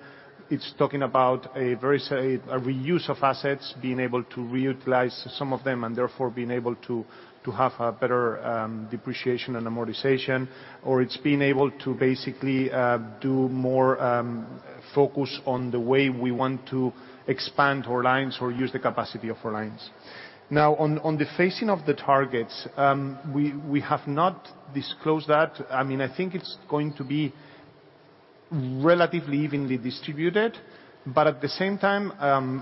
It's talking about a very, say, a reuse of assets, being able to reutilize some of them, and therefore being able to have a better depreciation and amortization, or it's being able to basically do more focus on the way we want to expand our lines or use the capacity of our lines. On the phasing of the targets, we have not disclosed that. I mean, I think it's going to be relatively evenly distributed, but at the same time,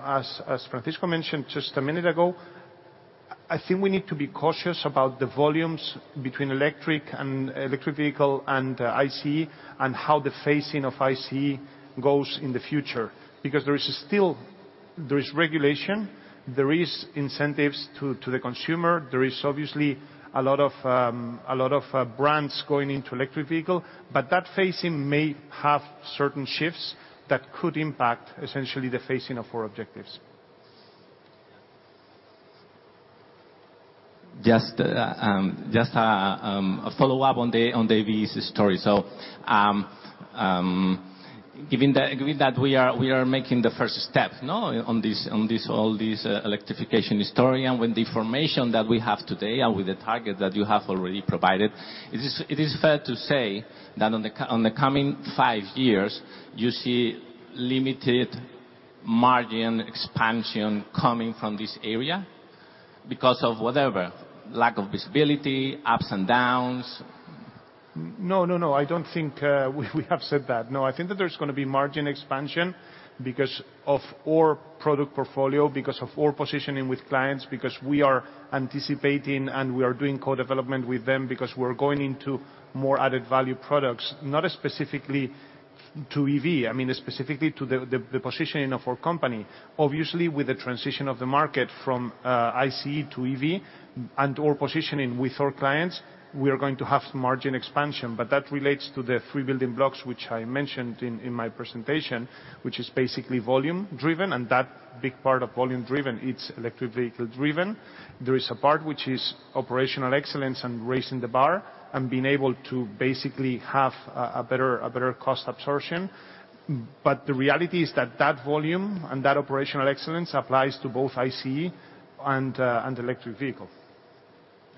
as Francisco mentioned just a minute ago, I think we need to be cautious about the volumes between electric and electric vehicle and ICE, and how the phasing of ICE goes in the future. There is regulation, there is incentives to the consumer, there is obviously a lot of, a lot of brands going into electric vehicle, but that phasing may have certain shifts that could impact essentially the phasing of our objectives. Just a follow-up on the EVs story. Given that we are making the first step, no, on this electrification story, with the information that we have today, with the target that you have already provided, it is fair to say that on the coming five years, you see limited margin expansion coming from this area? Because of whatever, lack of visibility, ups and downs. No, no, I don't think we have said that. No, I think that there's gonna be margin expansion because of our product portfolio, because of our positioning with clients, because we are anticipating and we are doing co-development with them, because we're going into more added value products, not specifically to EV, I mean, specifically to the positioning of our company. Obviously, with the transition of the market from ICE to EV and our positioning with our clients, we are going to have margin expansion. That relates to the three building blocks, which I mentioned in my presentation, which is basically volume-driven, and that big part of volume-driven, it's electric vehicle-driven. There is a part which is operational excellence and raising the bar, and being able to basically have a better cost absorption. The reality is that volume and that operational excellence applies to both ICE and electric vehicle.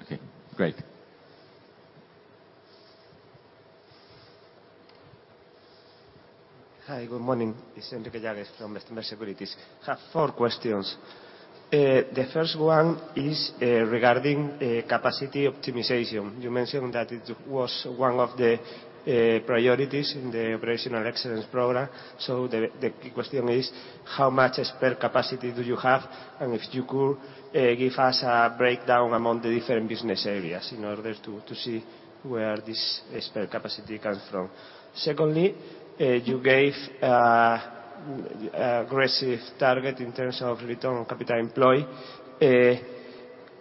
Okay, great. Hi, good morning. It's Enrique Yágüez from Bestinver Securities. Have four questions. The first one is regarding capacity optimization. You mentioned that it was one of the priorities in the operational excellence program, so the key question is, how much spare capacity do you have? If you could give us a breakdown among the different business areas in order to see where this spare capacity comes from. Secondly, you gave an aggressive target in terms of return on capital employed.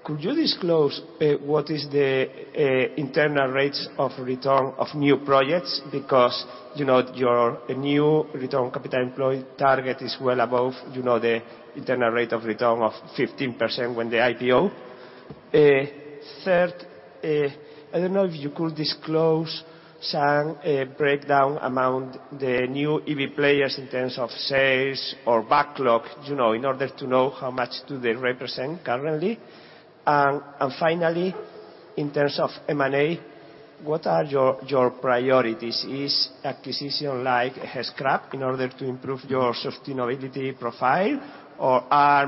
Could you disclose what is the internal rates of return of new projects? Because, you know, your new return capital employed target is well above, you know, the internal rate of return of 15% when the IPO. Third, I don't know if you could disclose some breakdown among the new EV players in terms of sales or backlog, you know, in order to know how much do they represent currently? Finally, in terms of M&A, what are your priorities? Is acquisition like Gescrap in order to improve your sustainability profile, or are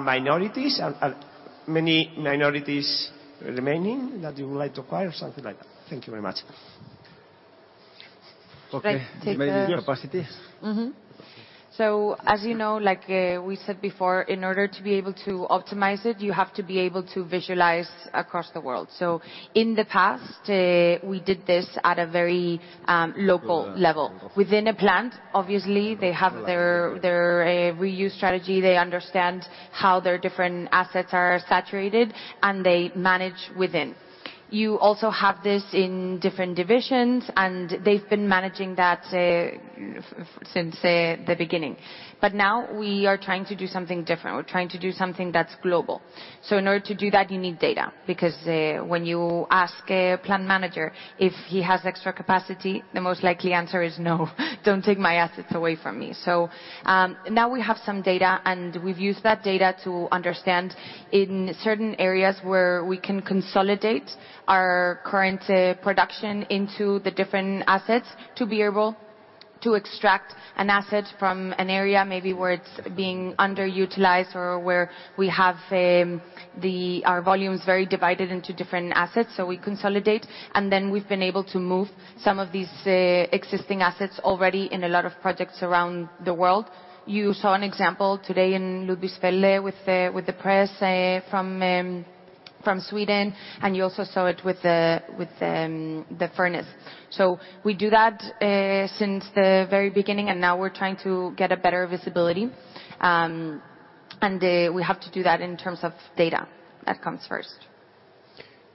many minorities remaining that you would like to acquire or something like that? Thank you very much. Okay, maybe capacities? As you know, like, we said before, in order to be able to optimize it, you have to be able to visualize across the world. In the past, we did this at a very local level. Within a plant, obviously, they have their reuse strategy. They understand how their different assets are saturated, and they manage within. You also have this in different divisions, and they've been managing that since the beginning. Now we are trying to do something different. We're trying to do something that's global. In order to do that, you need data, because when you ask a plant manager if he has extra capacity, the most likely answer is, "No. Don't take my assets away from me." Now we have some data, and we've used that data to understand in certain areas where we can consolidate our current production into the different assets to be able to extract an asset from an area, maybe where it's being underutilized or where we have our volumes very divided into different assets, so we consolidate. We've been able to move some of these existing assets already in a lot of projects around the world. You saw an example today in Ludwigsfelde with the press from Sweden, and you also saw it with the furnace. We do that since the very beginning, and now we're trying to get a better visibility. We have to do that in terms of data. That comes first.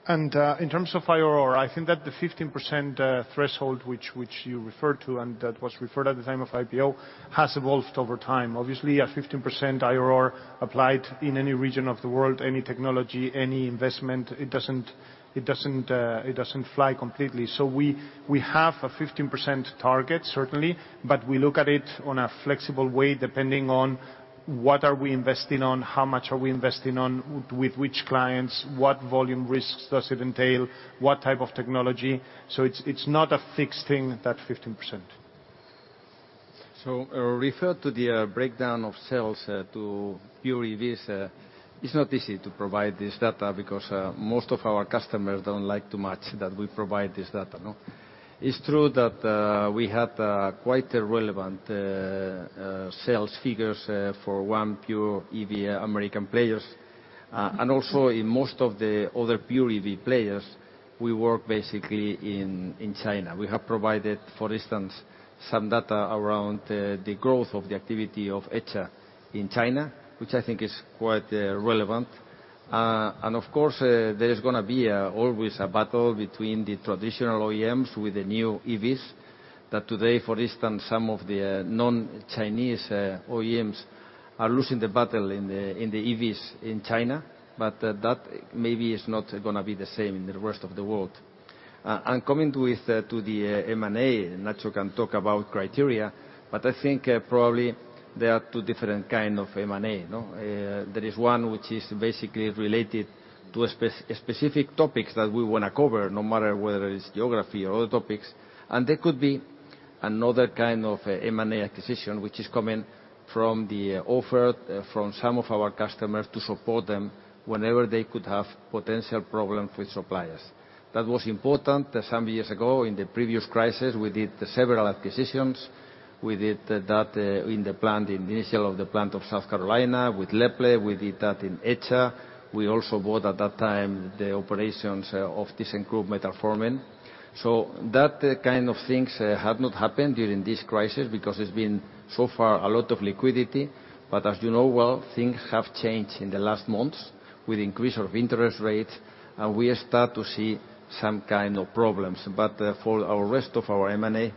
In terms of IRR, I think that the 15% threshold which you referred to, and that was referred at the time of IPO, has evolved over time. Obviously, a 15% IRR applied in any region of the world, any technology, any investment, it doesn't fly completely. We have a 15% target, certainly, but we look at it on a flexible way, depending on what are we investing on, how much are we investing on, with which clients, what volume risks does it entail, what type of technology. It's not a fixed thing, that 15%. Refer to the breakdown of sales to pure EVs, it's not easy to provide this data because most of our customers don't like too much that we provide this data. It's true that we had quite a relevant sales figures for one pure EV American players. also in most of the other pure EV players, we work basically in China. We have provided, for instance, some data around the growth of the activity of Edscha in China, which I think is quite relevant. There is going to be always a battle between the traditional OEMs with the new EVs, that today, for instance, some of the non-Chinese OEMs are losing the battle in the EVs in China, but that maybe is not going to be the same in the rest of the world. Coming to the M&A, Nacho can talk about criteria, but I think probably there are two different kind of M&A, no? There is one which is basically related to specific topics that we want to cover, no matter whether it's geography or other topics. And there could be another kind of M&A acquisition, which is coming from the offer from some of our customers to support them whenever they could have potential problems with suppliers. That was important some years ago. In the previous crisis, we did several acquisitions. We did that in the plant, the initial of the plant of South Carolina with Lear. We did that in Edscha. We also bought, at that time, the operations of this group, Metalforming. That kind of things have not happened during this crisis because it's been, so far, a lot of liquidity. As you know well, things have changed in the last months with increase of interest rates, and we start to see some kind of problems. For our rest of our M&A.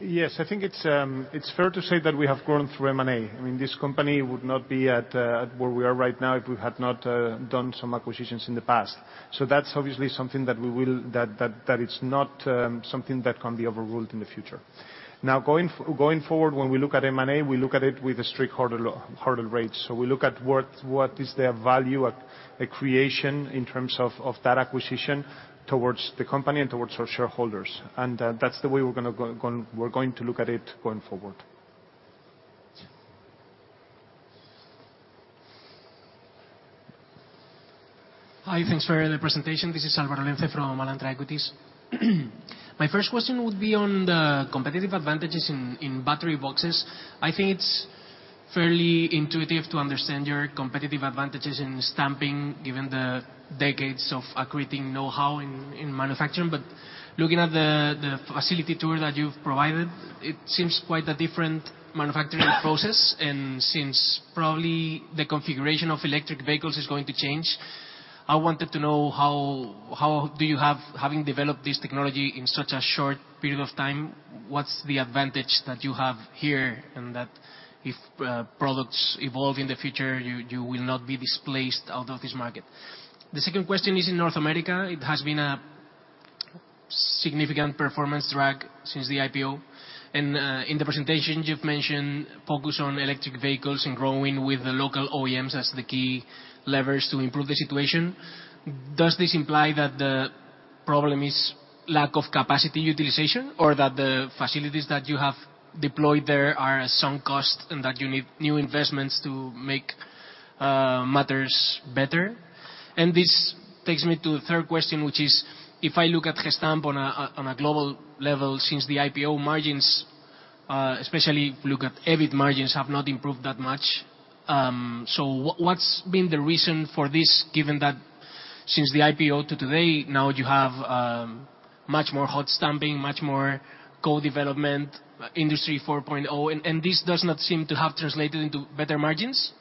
Yes, I think it's fair to say that we have grown through M&A. I mean, this company would not be at where we are right now if we had not done some acquisitions in the past. That's obviously something that is not something that can be overruled in the future. Now, going forward, when we look at M&A, we look at it with a strict hurdle rates. We look at what is the value, a creation in terms of that acquisition towards the company and towards our shareholders. That's the way we're going to look at it going forward. Hi, thanks for the presentation. This is Álvaro Lenze from Alantra Equities. My first question would be on the competitive advantages in Battery Boxes. I think it's fairly intuitive to understand your competitive advantages in stamping, given the decades of acquiring know-how in manufacturing. Looking at the facility tour that you've provided, it seems quite a different manufacturing process. Since probably the configuration of electric vehicles is going to change, I wanted to know how, having developed this technology in such a short period of time, what's the advantage that you have here, and that if products evolve in the future, you will not be displaced out of this market? The second question is in North America, it has been a significant performance drag since the IPO. In the presentation, you've mentioned focus on electric vehicles and growing with the local OEMs as the key levers to improve the situation. Does this imply that the problem is lack of capacity utilization, or that the facilities that you have deployed there are at some cost, and that you need new investments to make matters better? This takes me to the third question, which is: if I look at Gestamp on a global level, since the IPO margins, especially look at EBIT margins, have not improved that much. What's been the reason for this, given that since the IPO to today, now you have much more hot stamping, much more co-development, Industry 4.0, and this does not seem to have translated into better margins.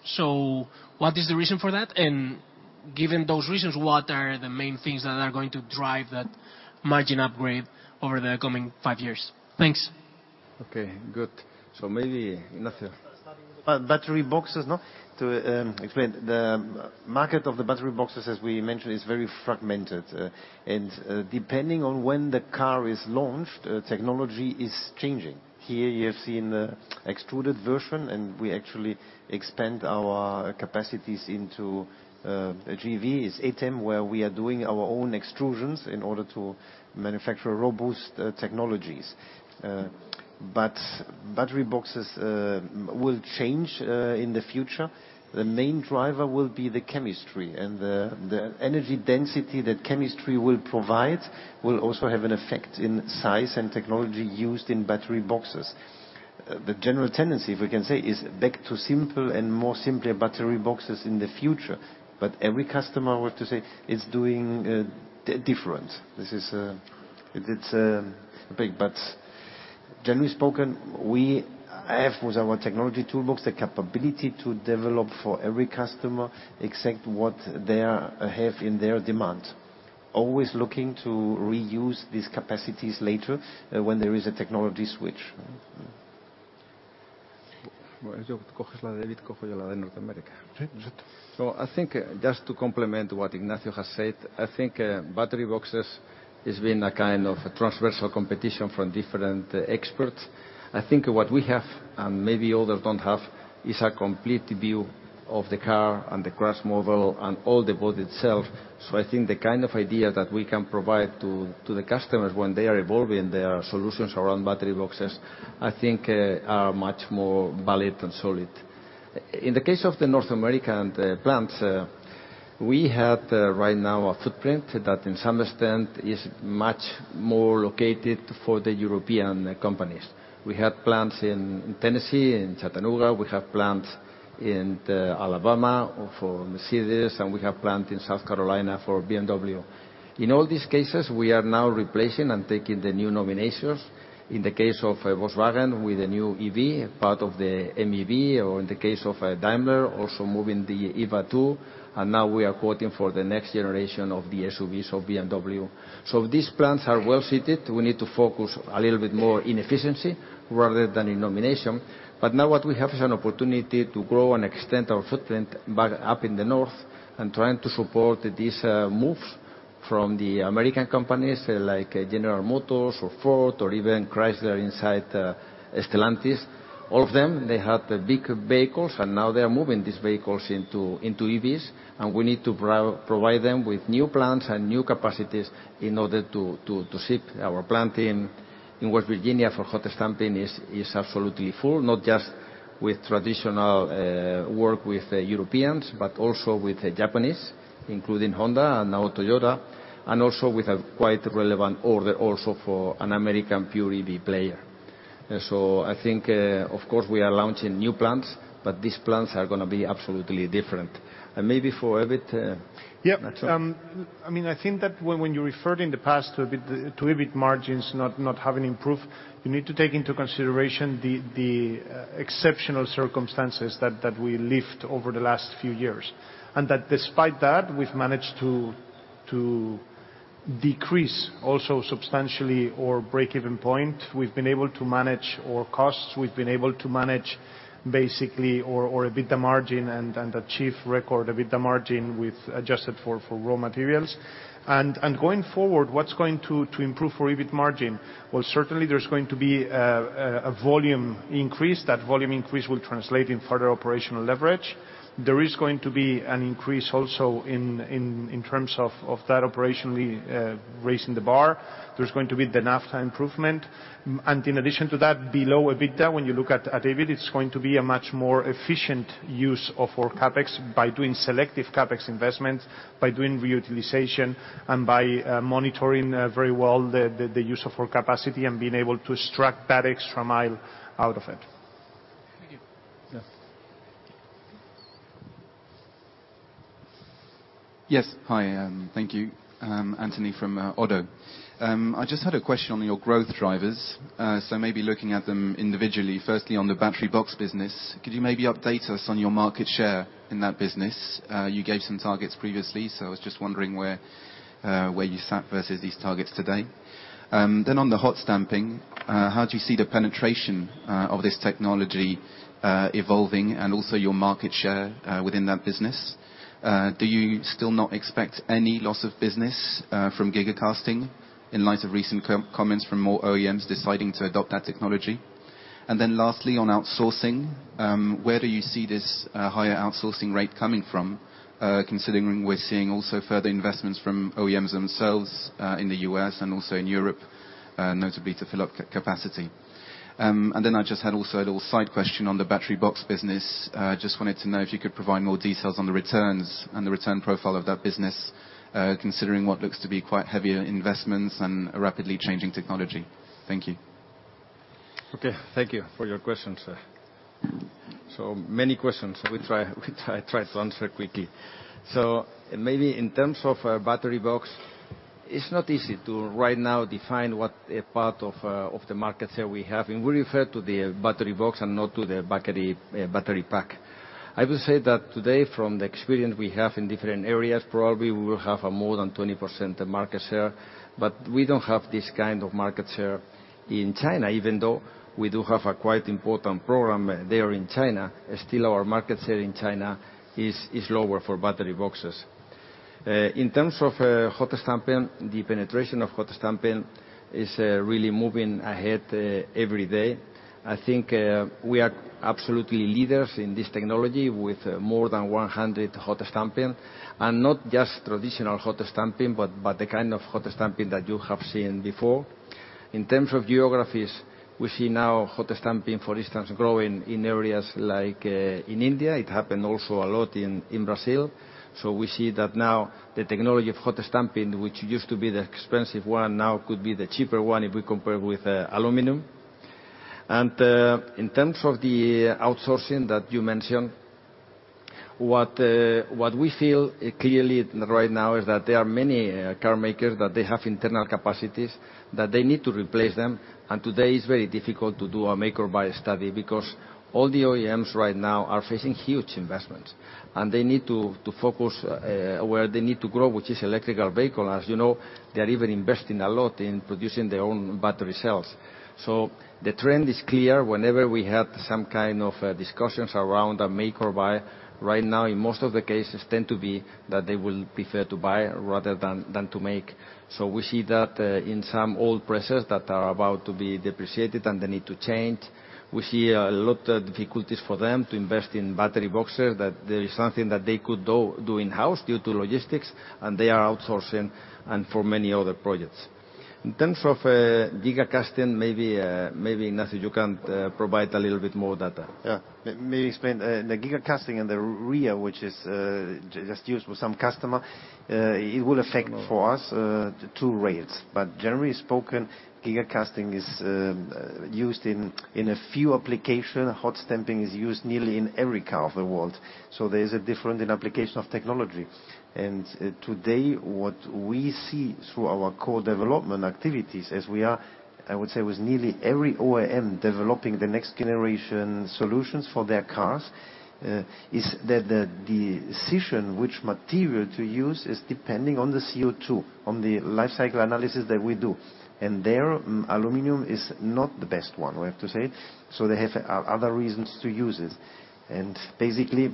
What is the reason for that? Given those reasons, what are the main things that are going to drive that margin upgrade over the coming five years? Thanks. Okay, good. Maybe Ignacio. Battery boxes, no? To explain, the market of the battery boxes, as we mentioned, is very fragmented. Depending on when the car is launched, technology is changing. Here, you have seen the extruded version, and we actually expand our capacities into GV. It's eight them, where we are doing our own extrusions in order to manufacture robust technologies. Battery boxes will change in the future. The main driver will be the chemistry, and the energy density that chemistry will provide will also have an effect in size and technology used in battery boxes. The general tendency, if we can say, is back to simple and more simpler battery boxes in the future. Every customer, I have to say, is doing different. This is, it is big. Generally spoken, we have, with our technology toolbox, the capability to develop for every customer exact what they are, have in their demand, always looking to reuse these capacities later, when there is a technology switch. I think, just to complement what Ignacio has said, I think, battery boxes has been a kind of a transversal competition from different experts. I think what we have, and maybe others don't have, is a complete view of the car and the crash model and all the board itself. I think the kind of idea that we can provide to the customers when they are evolving their solutions around battery boxes, I think, are much more valid and solid. In the case of the North American plants, we have right now, a footprint that in some extent is much more located for the European companies. We have plants in Tennessee, in Chattanooga. We have plants in the Alabama for Mercedes-Benz, and we have plant in South Carolina for BMW. In all these cases, we are now replacing and taking the new nominations. In the case of Volkswagen, with a new EV, part of the MEB, or in the case of Daimler, also moving the EVA2, and now we are quoting for the next generation of the SUVs of BMW. These plants are well seated. We need to focus a little bit more in efficiency rather than in nomination. Now what we have is an opportunity to grow and extend our footprint back up in the north and trying to support these moves from the American companies, like General Motors or Ford or even Chrysler inside Stellantis. All of them, they have the big vehicles, and now they are moving these vehicles into EVs, and we need to provide them with new plants and new capacities in order to ship. Our plant in West Virginia for hot stamping is absolutely full, not just with traditional work with the Europeans, but also with the Japanese, including Honda and now Toyota, and also with a quite relevant order also for an American pure EV player. I think, of course, we are launching new plants, but these plants are gonna be absolutely different. Maybe for EBIT. Yep. I mean, I think that when you referred in the past to EBIT margins not having improved, you need to take into consideration the exceptional circumstances that we lived over the last few years. That despite that, we've managed to decrease also substantially our break-even point. We've been able to manage our costs. We've been able to manage basically our EBITDA margin and achieve record EBITDA margin with adjusted for raw materials. Going forward, what's going to improve for EBIT margin? Well, certainly there's going to be a volume increase. That volume increase will translate in further operational leverage. There is going to be an increase also in terms of that operationally raising the bar. There's going to be the NAFTA improvement. In addition to that, below EBITDA, when you look at EBIT, it's going to be a much more efficient use of our CapEx by doing selective CapEx investments, by doing reutilization, and by monitoring very well the use of our capacity and being able to extract that extra mile out of it. Thank you. Yes. Yes. Hi, thank you. Anthony from ODDO. I just had a question on your growth drivers. Maybe looking at them individually, firstly, on the battery box business, could you maybe update us on your market share in that business? You gave some targets previously, I was just wondering where you sat versus these targets today. Then on the hot stamping, how do you see the penetration of this technology evolving and also your market share within that business? Do you still not expect any loss of business from gigacasting, in light of recent comments from more OEMs deciding to adopt that technology? Lastly, on outsourcing, where do you see this higher outsourcing rate coming from, considering we're seeing also further investments from OEMs themselves in the U.S. and also in Europe, notably to fill up capacity? I just had also a little side question on the battery box business. Just wanted to know if you could provide more details on the returns and the return profile of that business, considering what looks to be quite heavier investments and a rapidly changing technology. Thank you. Okay, thank you for your questions. Many questions, we try to answer quickly. Maybe in terms of battery box, it's not easy to right now define what a part of the market share we have, and we refer to the battery box and not to the battery pack. I will say that today, from the experience we have in different areas, probably we will have a more than 20% market share, but we don't have this kind of market share in China. Even though we do have a quite important program there in China, still our market share in China is lower for battery boxes. In terms of hot stamping, the penetration of hot stamping is really moving ahead every day. I think, we are absolutely leaders in this technology with more than 100 hot stamping, and not just traditional hot stamping, but the kind of hot stamping that you have seen before. In terms of geographies, we see now hot stamping, for instance, growing in areas like in India. It happened also a lot in Brazil. We see that now the technology of hot stamping, which used to be the expensive one, now could be the cheaper one if we compare with aluminum. In terms of the outsourcing that you mentioned, what we feel clearly right now is that there are many car makers, that they have internal capacities, that they need to replace them, and today it's very difficult to do a make or buy study because all the OEMs right now are facing huge investments, and they need to focus where they need to grow, which is electrical vehicle. As you know, they are even investing a lot in producing their own battery cells. The trend is clear. Whenever we have some kind of discussions around a make or buy, right now, in most of the cases, tend to be that they will prefer to buy rather than to make. We see that in some old processes that are about to be depreciated, and they need to change. We see a lot of difficulties for them to invest in battery boxes, that there is something that they could do in-house due to logistics, and they are outsourcing and for many other projects. In terms of gigacasting, maybe, Ignacio, you can provide a little bit more data. Yeah. Let me explain. The gigacasting and the rear, which is just used for some customer, it will affect for us two rates. Generally spoken, gigacasting is used in a few application. Hot stamping is used nearly in every car of the world, so there is a difference in application of technology. Today, what we see through our core development activities, as we are, I would say, with nearly every OEM developing the next generation solutions for their cars, is that the decision which material to use is depending on the CO₂, on the life cycle analysis that we do. There, aluminum is not the best one, we have to say, so they have other reasons to use it. Basically,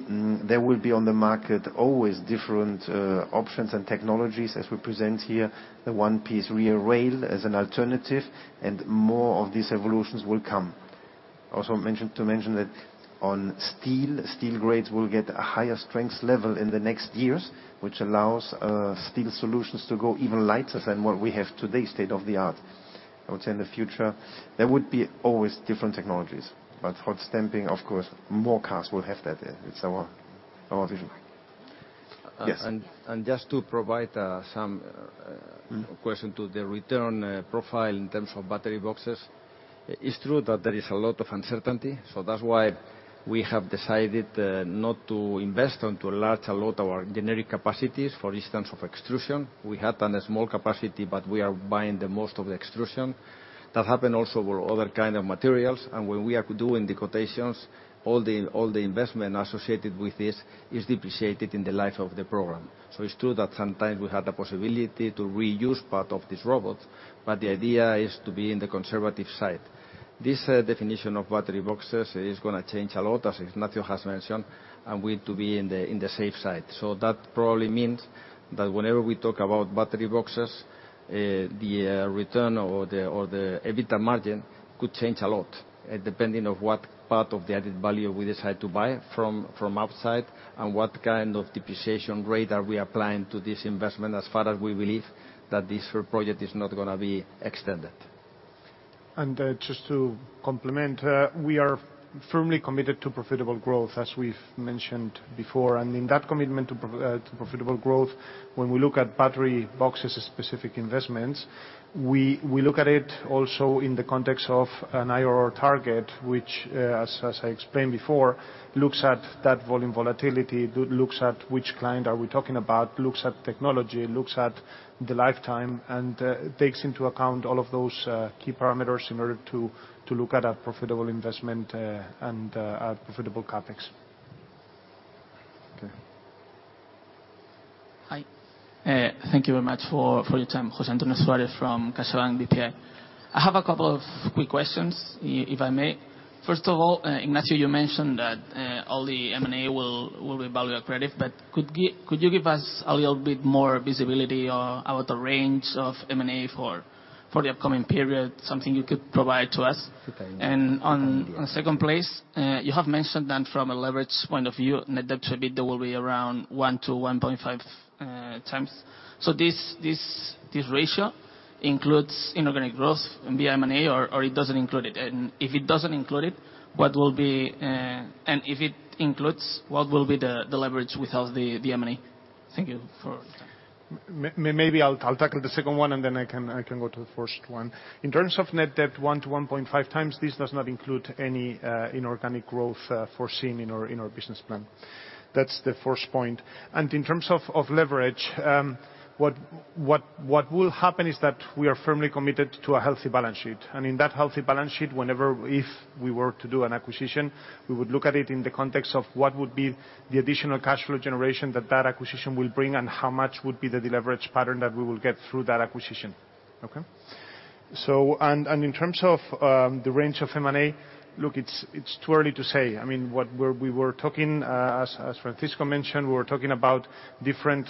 there will be on the market always different options and technologies as we present here, the one-piece rear rail as an alternative, and more of these evolutions will come. Also to mention that on steel grades will get a higher strength level in the next years, which allows steel solutions to go even lighter than what we have today, state-of-the-art. I would say in the future, there would be always different technologies, but hot stamping, of course, more cars will have that. It's our vision. Yes. Just to provide some question to the return profile in terms of battery boxes, it's true that there is a lot of uncertainty, that's why we have decided not to invest and to enlarge a lot our generic capacities, for instance, of extrusion. We had done a small capacity, but we are buying the most of the extrusion. That happened also with other kind of materials, and when we are doing the quotations, all the investment associated with this is depreciated in the life of the program. It's true that sometimes we have the possibility to reuse part of this robot, but the idea is to be in the conservative side. This definition of battery boxes is going to change a lot, as Ignacio has mentioned, and we need to be in the safe side. That probably means that whenever we talk about battery boxes, the return or the EBITDA margin could change a lot, depending on what part of the added value we decide to buy from outside and what kind of depreciation rate are we applying to this investment, as far as we believe that this project is not going to be extended. Just to complement, we are firmly committed to profitable growth, as we've mentioned before. In that commitment to profitable growth, when we look at battery boxes specific investments, we look at it also in the context of an IRR target, which as I explained before, looks at that volume volatility, looks at which client are we talking about, looks at technology, looks at the lifetime, and takes into account all of those key parameters in order to look at a profitable investment and a profitable CapEx. Okay. Hi, thank you very much for your time. José António Suarez from CaixaBank BPI. I have a couple of quick questions, if I may. First of all, Ignacio, you mentioned that all the M&A will be value accretive, could you give us a little bit more visibility on, about the range of M&A for this year? for the upcoming period, something you could provide to us? On second place, you have mentioned that from a leverage point of view, net debt to EBITDA will be around one to 1.5x. This ratio includes inorganic growth via M&A or it doesn't include it? If it doesn't include it, what will be, and if it includes, what will be the leverage without M&A? Thank you for. Maybe I'll tackle the second one, and then I can go to the first one. In terms of net debt, one to 1.5x, this does not include any inorganic growth foreseen in our business plan. That's the first point. In terms of leverage, what will happen is that we are firmly committed to a healthy balance sheet. In that healthy balance sheet, whenever if we were to do an acquisition, we would look at it in the context of what would be the additional cash flow generation that that acquisition will bring, and how much would be the leverage pattern that we will get through that acquisition. Okay? In terms of the range of M&A, look, it's too early to say. I mean, we were talking, as Francisco mentioned, we were talking about different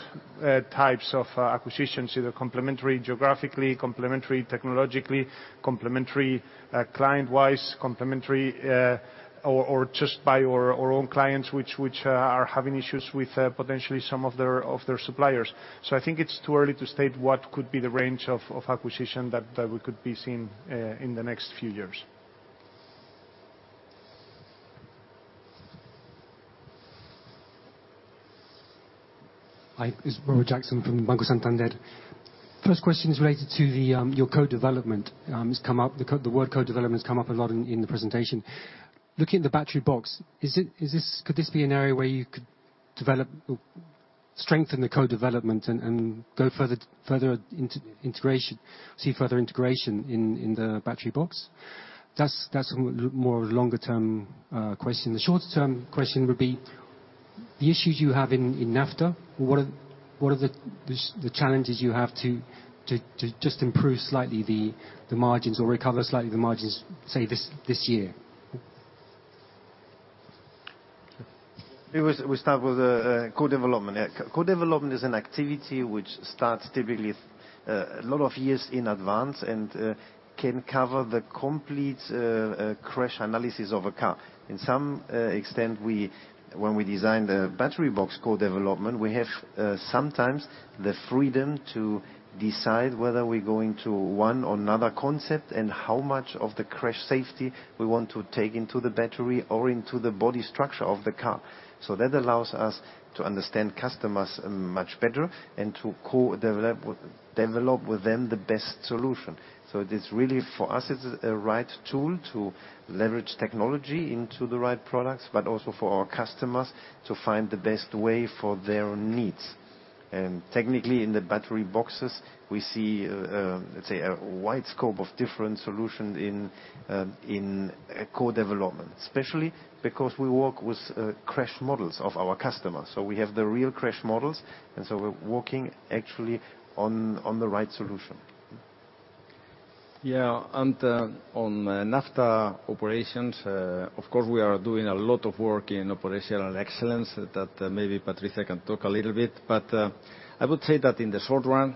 types of acquisitions, either complementary geographically, complementary technologically, complementary client-wise, complementary or just by our own clients, which are having issues with potentially some of their suppliers. I think it's too early to state what could be the range of acquisition that we could be seeing in the next few years. Hi, this is Robert Jackson from Banco Santander. First question is related to your co-development. The word co-development has come up a lot in the presentation. Looking at the battery box, is this, could this be an area where you could develop or strengthen the co-development and go further integration, see further integration in the battery box? That's more a longer-term question. The shorter-term question would be: the issues you have in NAFTA, what are the challenges you have to just improve slightly the margins or recover slightly the margins, say, this year? We start with co-development. Co-development is an activity which starts typically a lot of years in advance and can cover the complete crash analysis of a car. In some extent, when we design the battery box co-development, we have sometimes the freedom to decide whether we're going to one or another concept, and how much of the crash safety we want to take into the battery or into the body structure of the car. That allows us to understand customers much better and to co-develop with them the best solution. It is really, for us, it's a right tool to leverage technology into the right products, but also for our customers to find the best way for their needs. Technically, in the battery boxes, we see, let's say, a wide scope of different solutions in co-development, especially because we work with crash models of our customers. We have the real crash models. We're working actually on the right solution. On NAFTA operations, of course, we are doing a lot of work in operational excellence that maybe Patricia can talk a little bit. I would say that in the short run,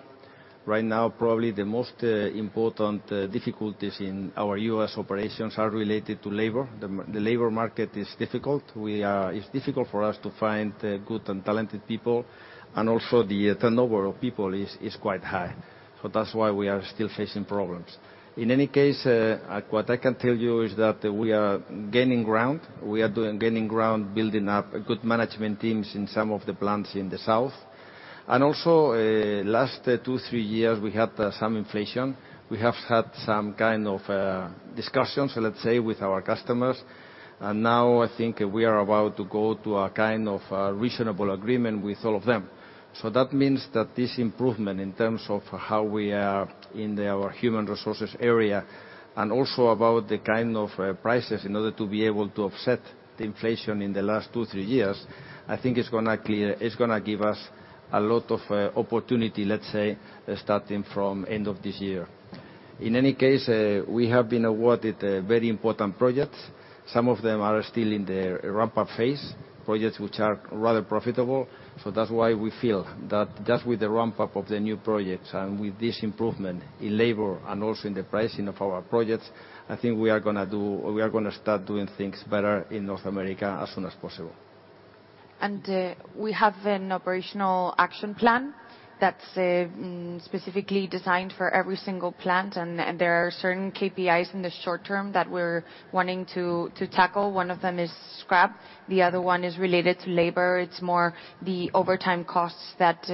right now, probably the most important difficulties in our U.S. operations are related to labor. The labor market is difficult. It's difficult for us to find good and talented people, and also the turnover of people is quite high. That's why we are still facing problems. In any case, what I can tell you is that we are gaining ground. Gaining ground, building up good management teams in some of the plants in the south. Also, last two, three years, we had some inflation. We have had some kind of discussions, let's say, with our customers. Now I think we are about to go to a kind of reasonable agreement with all of them. That means that this improvement in terms of how we are in the, our human resources area, and also about the kind of prices in order to be able to offset the inflation in the last two, three years, I think it's gonna give us a lot of opportunity, let's say, starting from end of this year. In any case, we have been awarded very important projects. Some of them are still in their ramp-up phase, projects which are rather profitable. That's why we feel that just with the ramp-up of the new projects and with this improvement in labor and also in the pricing of our projects, I think we are gonna do, or we are gonna start doing things better in North America as soon as possible. We have an operational action plan that's specifically designed for every single plant, and there are certain KPIs in the short term that we're wanting to tackle. One of them is scrap, the other one is related to labor. It's more the overtime costs that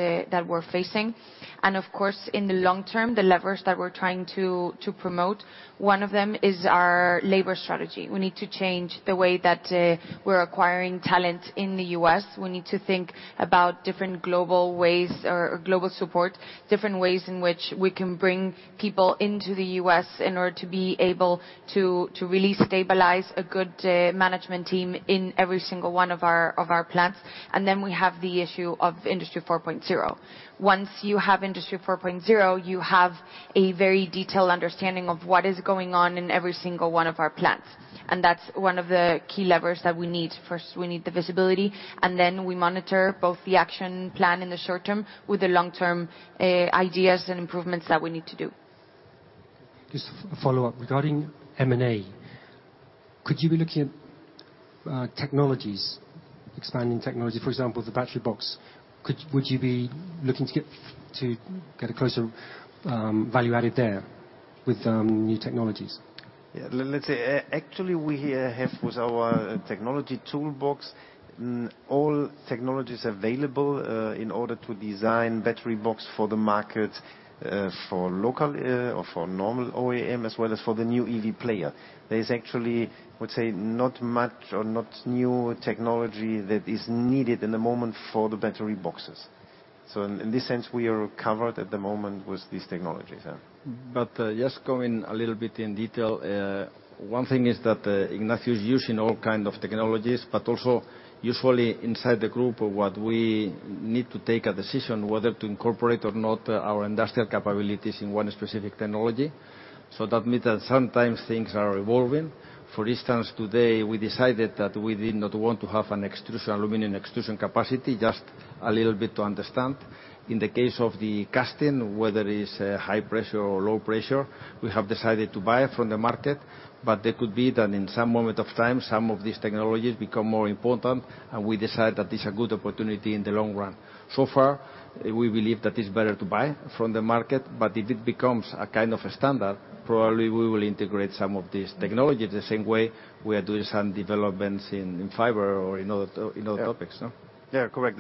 we're facing. Of course, in the long term, the levers that we're trying to promote, one of them is our labor strategy. We need to change the way that we're acquiring talent in the U.S. We need to think about different global ways or global support, different ways in which we can bring people into the U.S. in order to be able to really stabilize a good management team in every single one of our plants. Then we have the issue of Industry 4.0. Once you have Industry 4.0, you have a very detailed understanding of what is going on in every single one of our plants. That's one of the key levers that we need. First, we need the visibility. Then we monitor both the action plan in the short term with the long-term ideas and improvements that we need to do. Just a follow-up. Regarding M&A, could you be looking at technologies, expanding technology, for example, the battery box? Would you be looking to get a closer value added there with new technologies? Yeah, let's say, actually, we have with our technology toolbox, all technologies available, in order to design battery box for the market, for local, or for normal OEM, as well as for the new EV player. There is actually, I would say, not much or not new technology that is needed in the moment for the battery boxes. In this sense, we are covered at the moment with these technologies, yeah. Just going a little bit in detail, one thing is that Ignacio is using all kind of technologies, but also usually inside the group of what we need to take a decision whether to incorporate or not our industrial capabilities in one specific technology. That means that sometimes things are evolving. For instance, today, we decided that we did not want to have an extrusion, aluminum extrusion capacity, just a little bit to understand. In the case of the casting, whether it's a high pressure or low pressure, we have decided to buy it from the market, there could be that in some moment of time, some of these technologies become more important, and we decide that it's a good opportunity in the long run. So far, we believe that it's better to buy from the market, but if it becomes a kind of a standard, probably we will integrate some of these technologies, the same way we are doing some developments in fiber or in other, in other topics, no? Yeah, correct.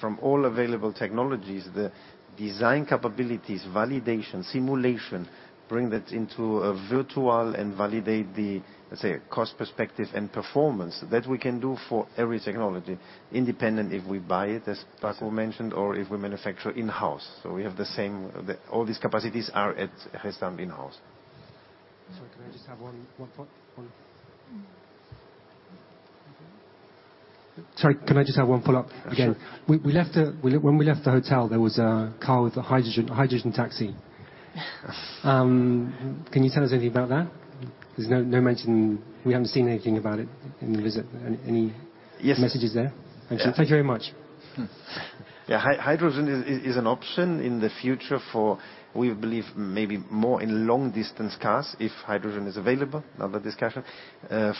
From all available technologies, the design capabilities, validation, simulation, bring that into a virtual and validate the, let's say, cost perspective and performance, that we can do for every technology, independent if we buy it, as Paco mentioned, or if we manufacture in-house. We have the same. All these capacities are at Gestamp in-house. Sorry, can I just have one point? Sorry, can I just have one follow-up again? Sure. When we left the hotel, there was a car with a hydrogen, a hydrogen taxi. Can you tell us anything about that? There's no mention. We haven't seen anything about it in the visit. Yes. messages there? Yeah. Thank you very much. Hydrogen is an option in the future for, we believe, maybe more in long-distance cars, if hydrogen is available, another discussion.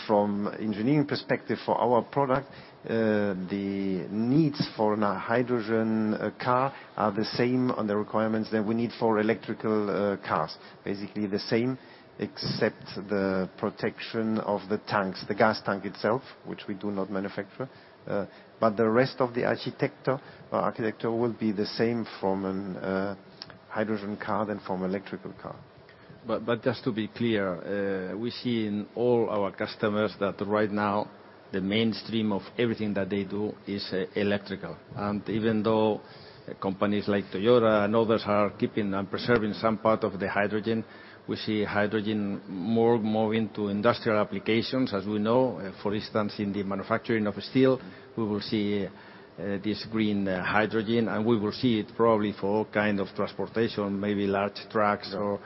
From engineering perspective, for our product, the needs for a hydrogen car are the same on the requirements that we need for electrical cars. Basically, the same, except the protection of the tanks, the gas tank itself, which we do not manufacture, but the rest of the architecture will be the same from an hydrogen car than from electrical car. Just to be clear, we see in all our customers that right now, the mainstream of everything that they do is electrical. Even though companies like Toyota and others are keeping and preserving some part of the hydrogen, we see hydrogen more into industrial applications, as we know. For instance, in the manufacturing of steel, we will see this green hydrogen, and we will see it probably for all kind of transportation, maybe large trucks or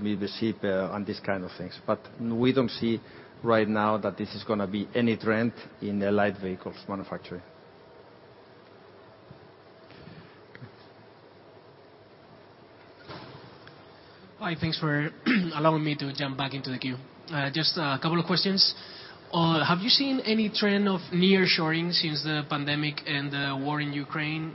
maybe ship, and these kind of things. We don't see right now that this is gonna be any trend in the light vehicles manufacturing. Hi, thanks for allowing me to jump back into the queue. Just a couple of questions. Have you seen any trend of nearshoring since the pandemic and the war in Ukraine,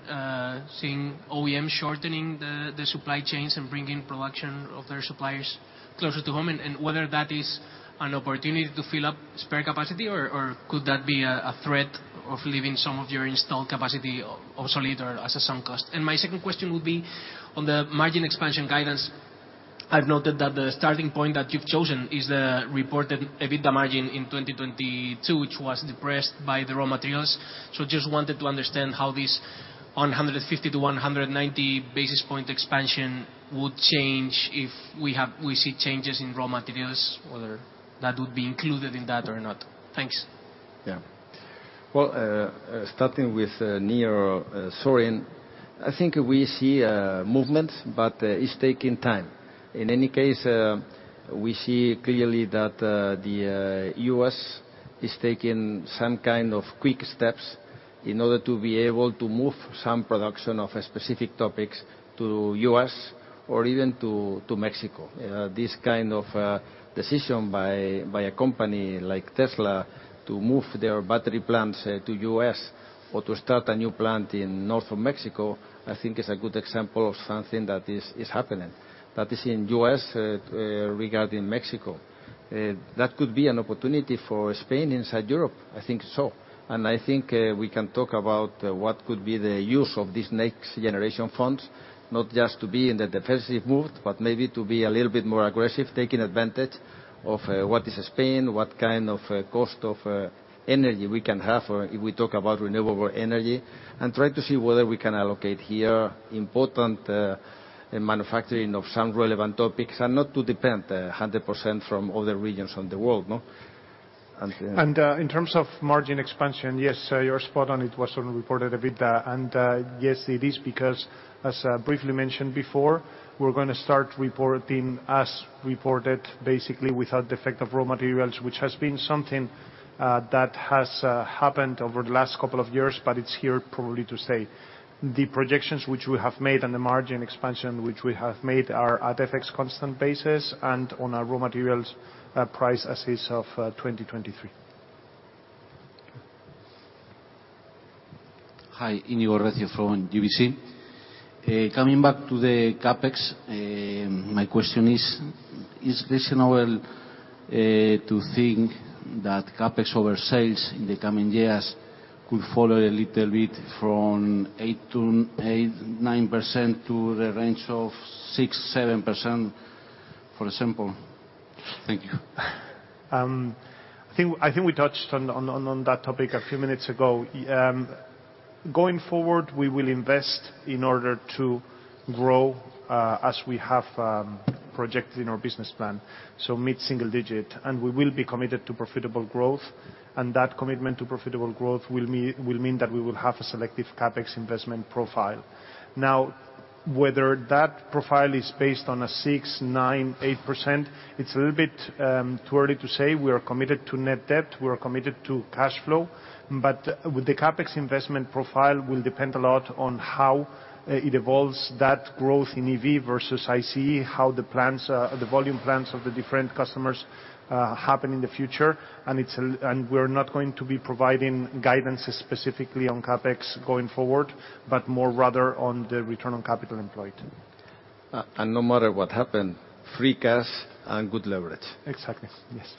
seeing OEM shortening the supply chains and bringing production of their suppliers closer to home? Whether that is an opportunity to fill up spare capacity, or could that be a threat of leaving some of your installed capacity obsolete or as a some cost? My second question would be on the margin expansion guidance. I've noted that the starting point that you've chosen is the reported EBITDA margin in 2022, which was depressed by the raw materials. Just wanted to understand how this 150 to 190 basis point expansion would change if we see changes in raw materials, whether that would be included in that or not. Thanks. Yeah. Well, starting with nearshoring, I think we see movements, but it's taking time. In any case, we see clearly that the U.S. is taking some kind of quick steps in order to be able to move some production of a specific topics to U.S. or even to Mexico. This kind of decision by a company like Tesla to move their battery plants to U.S. or to start a new plant in north of Mexico, I think is a good example of something that is happening. That is in U.S. regarding Mexico. That could be an opportunity for Spain inside Europe. I think so. I think, we can talk about what could be the use of this next generation funds, not just to be in the defensive mood, but maybe to be a little bit more aggressive, taking advantage of what is Spain, what kind of cost of energy we can have, or if we talk about renewable energy, try to see whether we can allocate here important manufacturing of some relevant topics and not to depend 100% from other regions on the world, no? In terms of margin expansion, yes, you're spot on. It was on reported EBITDA. Yes, it is, because as briefly mentioned before, we're gonna start reporting, as reported, basically without the effect of raw materials, which has been something that has happened over the last couple of years, but it's here probably to stay. The projections which we have made and the margin expansion which we have made are at FX constant basis and on a raw materials price as is of 2023. Hi, Iñigo Recio from GVC. Coming back to the CapEx, my question is reasonable to think that CapEx over sales in the coming years could follow a little bit from 8%, 9% to the range of 6%, 7%, for example? Thank you. I think we touched on that topic a few minutes ago. Going forward, we will invest in order to grow as we have projected in our business plan, so mid-single digit. We will be committed to profitable growth, and that commitment to profitable growth will mean that we will have a selective CapEx investment profile. Now, whether that profile is based on a 6%, 9%, 8%, it's a little bit too early to say. We are committed to net debt, we are committed to cash flow, the CapEx investment profile will depend a lot on how it evolves that growth in EV versus ICE, how the plans, the volume plans of the different customers happen in the future. We're not going to be providing guidance specifically on CapEx going forward, but more rather on the return on capital employed. No matter what happens, free cash and good leverage. Exactly. Yes.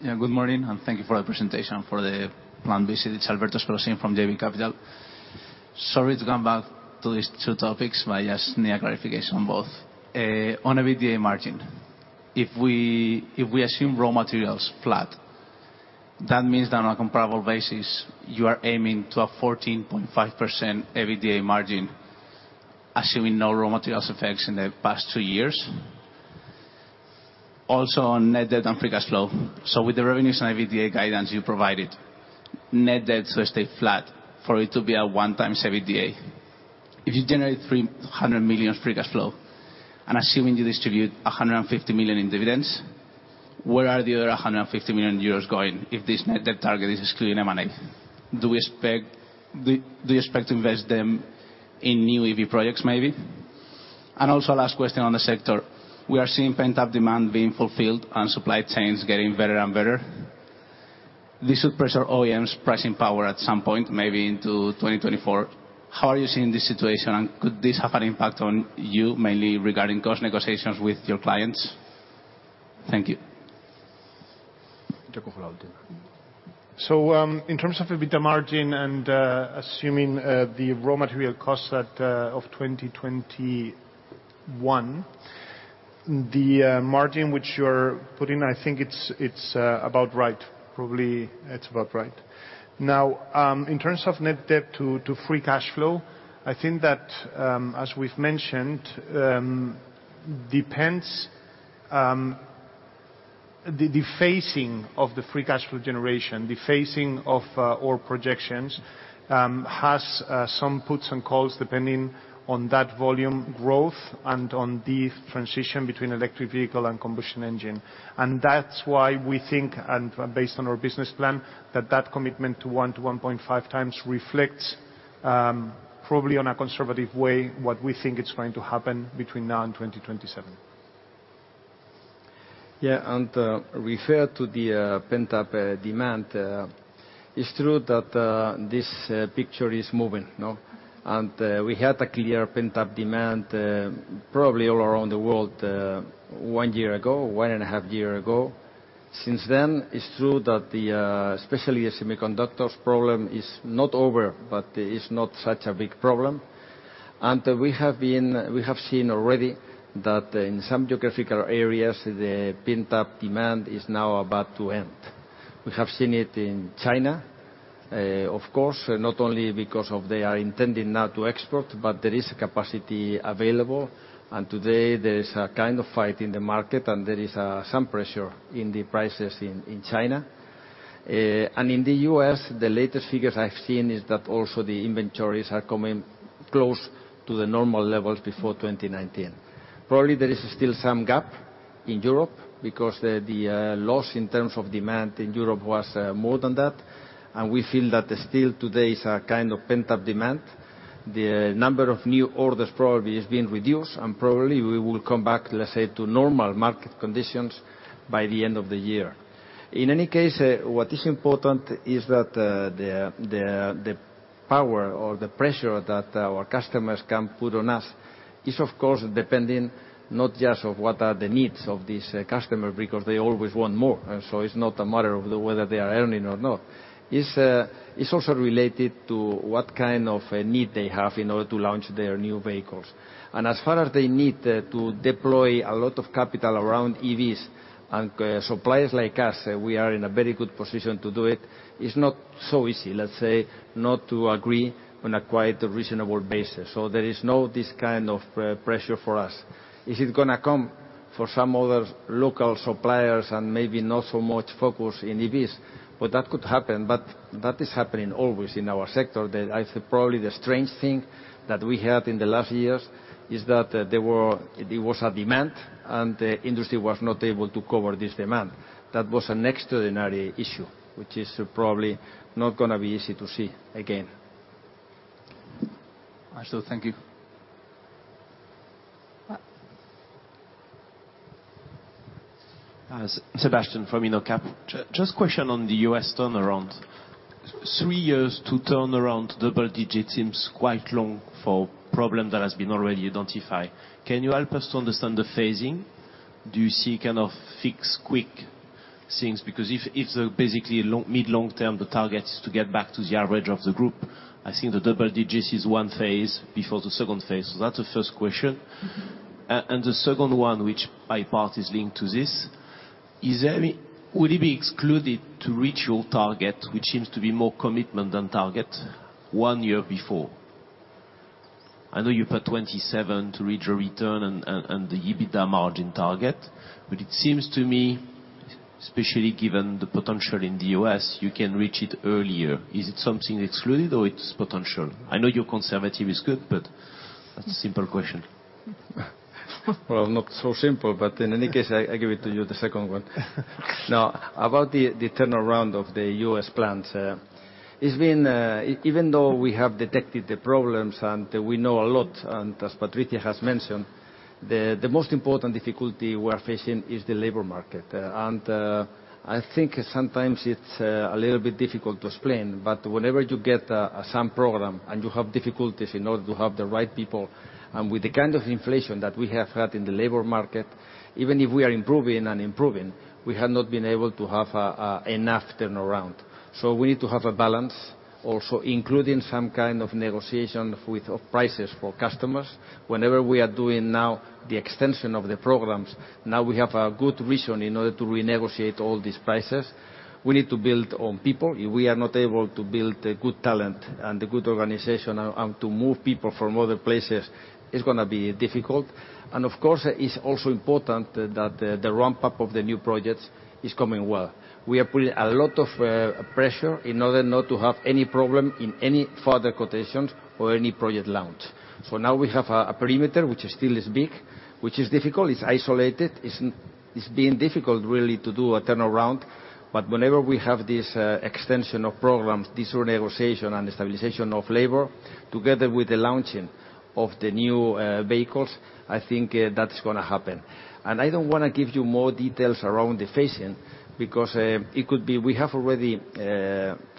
Yeah, good morning, and thank you for the presentation, for the plan visit. It's Alberto Espelosín from JB Capital. Sorry to come back to these two topics, I just need a clarification on both. On EBITDA margin, if we assume raw materials flat, that means that on a comparable basis, you are aiming to a 14.5% EBITDA margin, assuming no raw materials effects in the past two years? Also, on net debt and free cash flow. With the revenues and EBITDA guidance you provided, net debt should stay flat for it to be a 1x EBITDA. If you generate 300 million free cash flow, assuming you distribute 150 million in dividends, where are the other 150 million euros going, if this net debt target is excluding M&A? Do we expect, do you expect to invest them in new EV projects, maybe? Last question on the sector. We are seeing pent-up demand being fulfilled and supply chains getting better and better. This should pressure OEMs' pricing power at some point, maybe into 2024. How are you seeing this situation, and could this have an impact on you, mainly regarding cost negotiations with your clients? Thank you. In terms of EBITDA margin and assuming the raw material costs at of 2021, the margin which you're putting, I think it's about right. Probably, it's about right. In terms of net debt to free cash flow, I think that as we've mentioned, depends the phasing of the free cash flow generation, the phasing of all projections, has some puts and calls, depending on that volume growth and on the transition between electric vehicle and combustion engine. That's why we think, and based on our business plan, that that commitment to one to 1.5x reflects probably on a conservative way, what we think is going to happen between now and 2027. Refer to the pent-up demand. It's true that this picture is moving, no? We had a clear pent-up demand, probably all around the world, 1 year ago, one and a half year ago. Since then, it's true that the especially the semiconductors problem is not over, but it's not such a big problem. We have seen already that in some geographical areas, the pent-up demand is now about to end. We have seen it in China, of course, not only because of they are intending now to export, but there is capacity available, and today there is a kind of fight in the market, and there is some pressure in the prices in China. In the U.S., the latest figures I've seen is that also the inventories are coming close to the normal levels before 2019. Probably, there is still some gap in Europe because the loss in terms of demand in Europe was more than that, and we feel that there's still today is a kind of pent-up demand. The number of new orders probably is being reduced, and probably we will come back, let's say, to normal market conditions by the end of the year. In any case, what is important is that the power or the pressure that our customers can put on us is of course, depending not just of what are the needs of this customer, because they always want more, so it's not a matter of whether they are earning or not. It's, it's also related to what kind of a need they have in order to launch their new vehicles. As far as they need to deploy a lot of capital around EVs and suppliers like us, we are in a very good position to do it's not so easy, let's say, not to agree on a quite reasonable basis. There is no this kind of pre-pressure for us. Is it gonna come for some other local suppliers and maybe not so much focused in EVs? Well, that could happen, but that is happening always in our sector. That I think probably the strange thing that we had in the last years is that, there was a demand, and the industry was not able to cover this demand. That was an extraordinary issue, which is probably not gonna be easy to see again. Thank you. Sebastian from InnoCap. Just question on the U.S. turnaround. Three years to turn around double-digits seems quite long for problem that has been already identified. Can you help us to understand the phasing? Do you see kind of fix quick things? If, if the basically long, mid long term, the target is to get back to the average of the group, I think the double-digits is one phase before the second phase. That's the first question. The second one, which I part is linked to this, would it be excluded to reach your target, which seems to be more commitment than target, one year before? I know you put 27 to reach your return and the EBITDA margin target, but it seems to me, especially given the potential in the U.S., you can reach it earlier. Is it something excluded or it's potential? I know you're conservative is good, but that's a simple question. Not so simple, but in any case, I give it to you, the second one. About the turnaround of the U.S. plants, it's been. Even though we have detected the problems, and we know a lot, and as Patricia has mentioned, the most important difficulty we are facing is the labor market. I think sometimes it's a little bit difficult to explain, but whenever you get some program and you have difficulties in order to have the right people, and with the kind of inflation that we have had in the labor market, even if we are improving and improving, we have not been able to have enough turnaround. We need to have a balance, also, including some kind of negotiation with, of prices for customers. Whenever we are doing now the extension of the programs, now we have a good vision in order to renegotiate all these prices. We need to build on people. If we are not able to build a good talent and a good organization and to move people from other places, it's gonna be difficult. Of course, it's also important that the ramp up of the new projects is coming well. We are putting a lot of pressure in order not to have any problem in any further quotations or any project launch. Now we have a perimeter, which still is big, which is difficult, it's isolated, it's been difficult, really, to do a turnaround. Whenever we have this extension of programs, this negotiation and stabilization of labor, together with the launching of the new vehicles, I think that's gonna happen. I don't wanna give you more details around the phasing because it could be we have already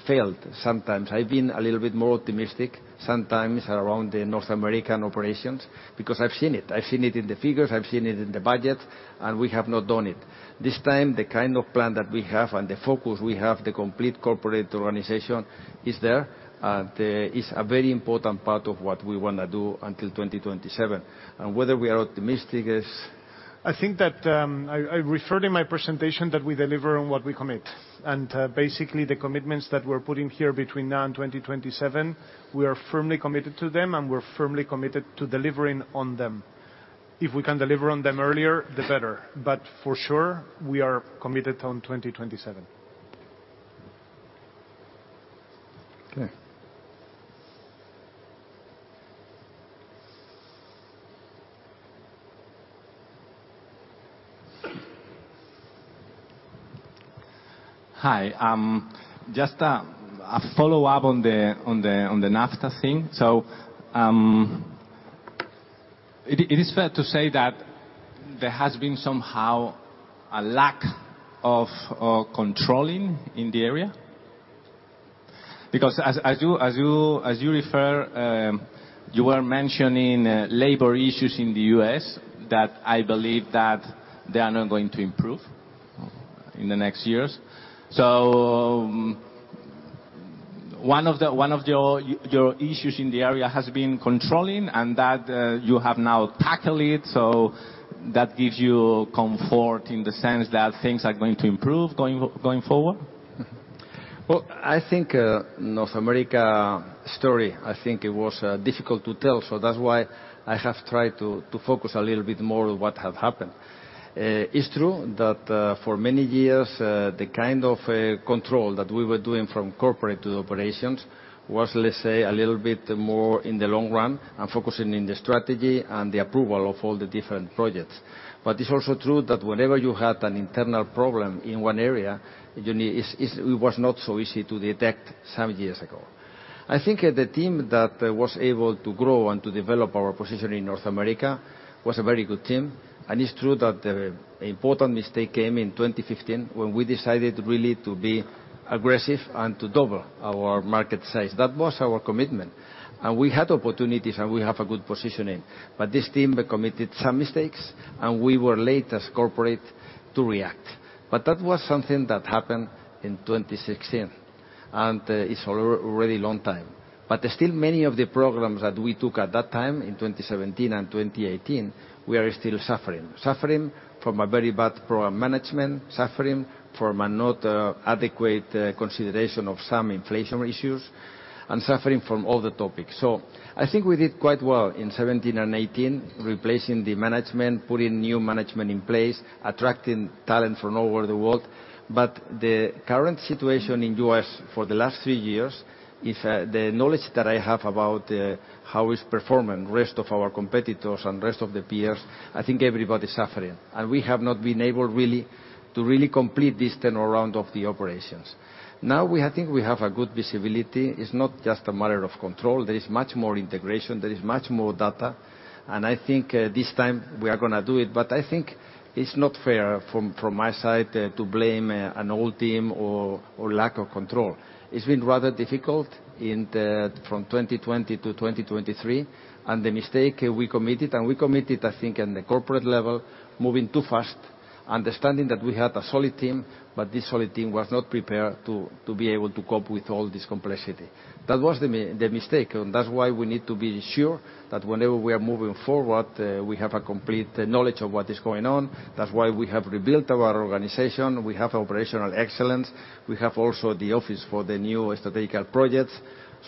failed sometimes. I've been a little bit more optimistic sometimes around the North American operations, because I've seen it. I've seen it in the figures, I've seen it in the budget, and we have not done it. This time, the kind of plan that we have and the focus we have, the complete corporate organization is there, and is a very important part of what we wanna do until 2027. Whether we are optimistic is. I think that, I referred in my presentation that we deliver on what we commit. Basically, the commitments that we're putting here between now and 2027, we are firmly committed to them, and we're firmly committed to delivering on them. If we can deliver on them earlier, the better, but for sure, we are committed on 2027. Okay. Hi, just a follow-up on the NAFTA thing. It is fair to say that there has been somehow a lack of controlling in the area? Because as you refer, you were mentioning labor issues in the U.S., that I believe that they are not going to improve in the next years. One of your issues in the area has been controlling, and that you have now tackled it, so that gives you comfort in the sense that things are going to improve going forward? I think, North America story, I think it was difficult to tell, that's why I have tried to focus a little bit more on what had happened. It's true that for many years, the kind of control that we were doing from corporate to the operations was, let's say, a little bit more in the long run and focusing in the strategy and the approval of all the different projects. It's also true that whenever you had an internal problem in one area, it was not so easy to detect some years ago. I think, the team that was able to grow and to develop our position in North America was a very good team. It's true that an important mistake came in 2015, when we decided really to be aggressive and to double our market size. That was our commitment. We had opportunities, and we have a good positioning, but this team committed some mistakes, and we were late as corporate to react. That was something that happened in 2016, and it's already long time. Still many of the programs that we took at that time, in 2017 and 2018, we are still suffering. Suffering from a very bad program management, suffering from a not adequate consideration of some inflationary issues, and suffering from all the topics. I think we did quite well in 2017 and 2018, replacing the management, putting new management in place, attracting talent from all over the world. The current situation in U.S. for the last three years is, the knowledge that I have about, how it's performing, rest of our competitors and rest of the peers, I think everybody is suffering. We have not been able to really complete this turnaround of the operations. Now, I think we have a good visibility. It's not just a matter of control. There is much more integration, there is much more data, and I think, this time we are gonna do it. I think it's not fair from my side, to blame, an old team or lack of control. It's been rather difficult in the, from 2020-2023, and the mistake we committed, I think, at the corporate level, moving too fast. understanding that we had a solid team, but this solid team was not prepared to be able to cope with all this complexity. That was the mistake, and that's why we need to be sure that whenever we are moving forward, we have a complete knowledge of what is going on. That's why we have rebuilt our organization. We have Operational Excellence. We have also the office for the new Strategic Projects.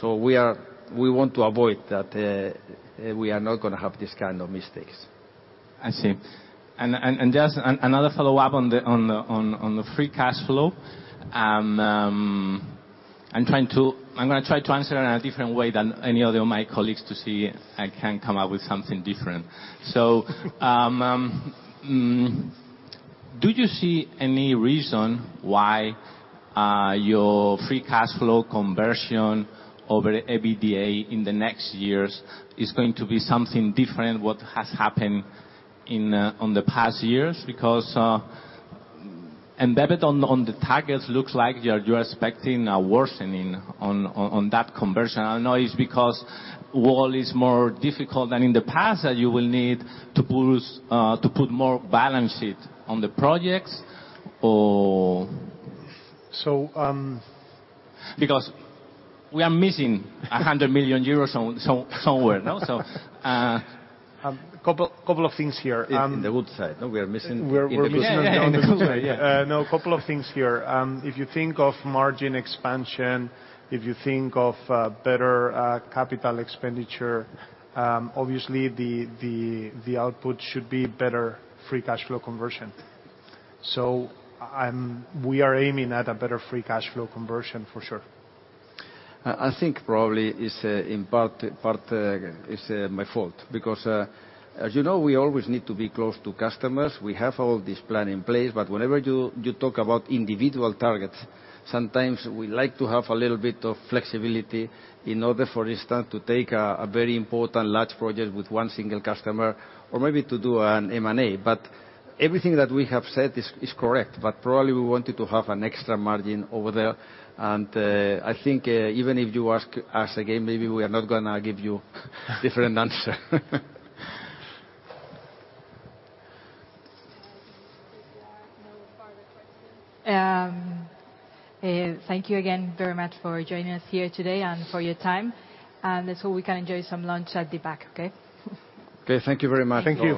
We want to avoid that we are not gonna have this kind of mistakes. I see. Just another follow-up on the free cash flow. I'm gonna try to answer in a different way than any other of my colleagues to see if I can come up with something different. Do you see any reason why your free cash flow conversion over EBITDA in the next years is going to be something different what has happened in on the past years? Because embedded on the targets, looks like you're expecting a worsening on that conversion. I don't know, it's because world is more difficult than in the past, that you will need to boost, to put more balance sheet on the projects, or? So, um We are missing 100 million euros somewhere, no? Couple of things here. In the good side, no? We are missing- We're missing Yeah, yeah. In the good side, yeah. Couple of things here. If you think of margin expansion, if you think of better capital expenditure, obviously, the output should be better free cash flow conversion. We are aiming at a better free cash flow conversion, for sure. I think probably it's in part, it's my fault, because as you know, we always need to be close to customers. We have all this plan in place. Whenever you talk about individual targets, sometimes we like to have a little bit of flexibility in order, for instance, to take a very important large project with one single customer, or maybe to do an M&A. Everything that we have said is correct, but probably we wanted to have an extra margin over there. I think even if you ask us again, maybe we are not gonna give you different answer. Thank you again very much for joining us here today, and for your time. Let's hope we can enjoy some lunch at the back, okay? Okay. Thank you very much. Thank you.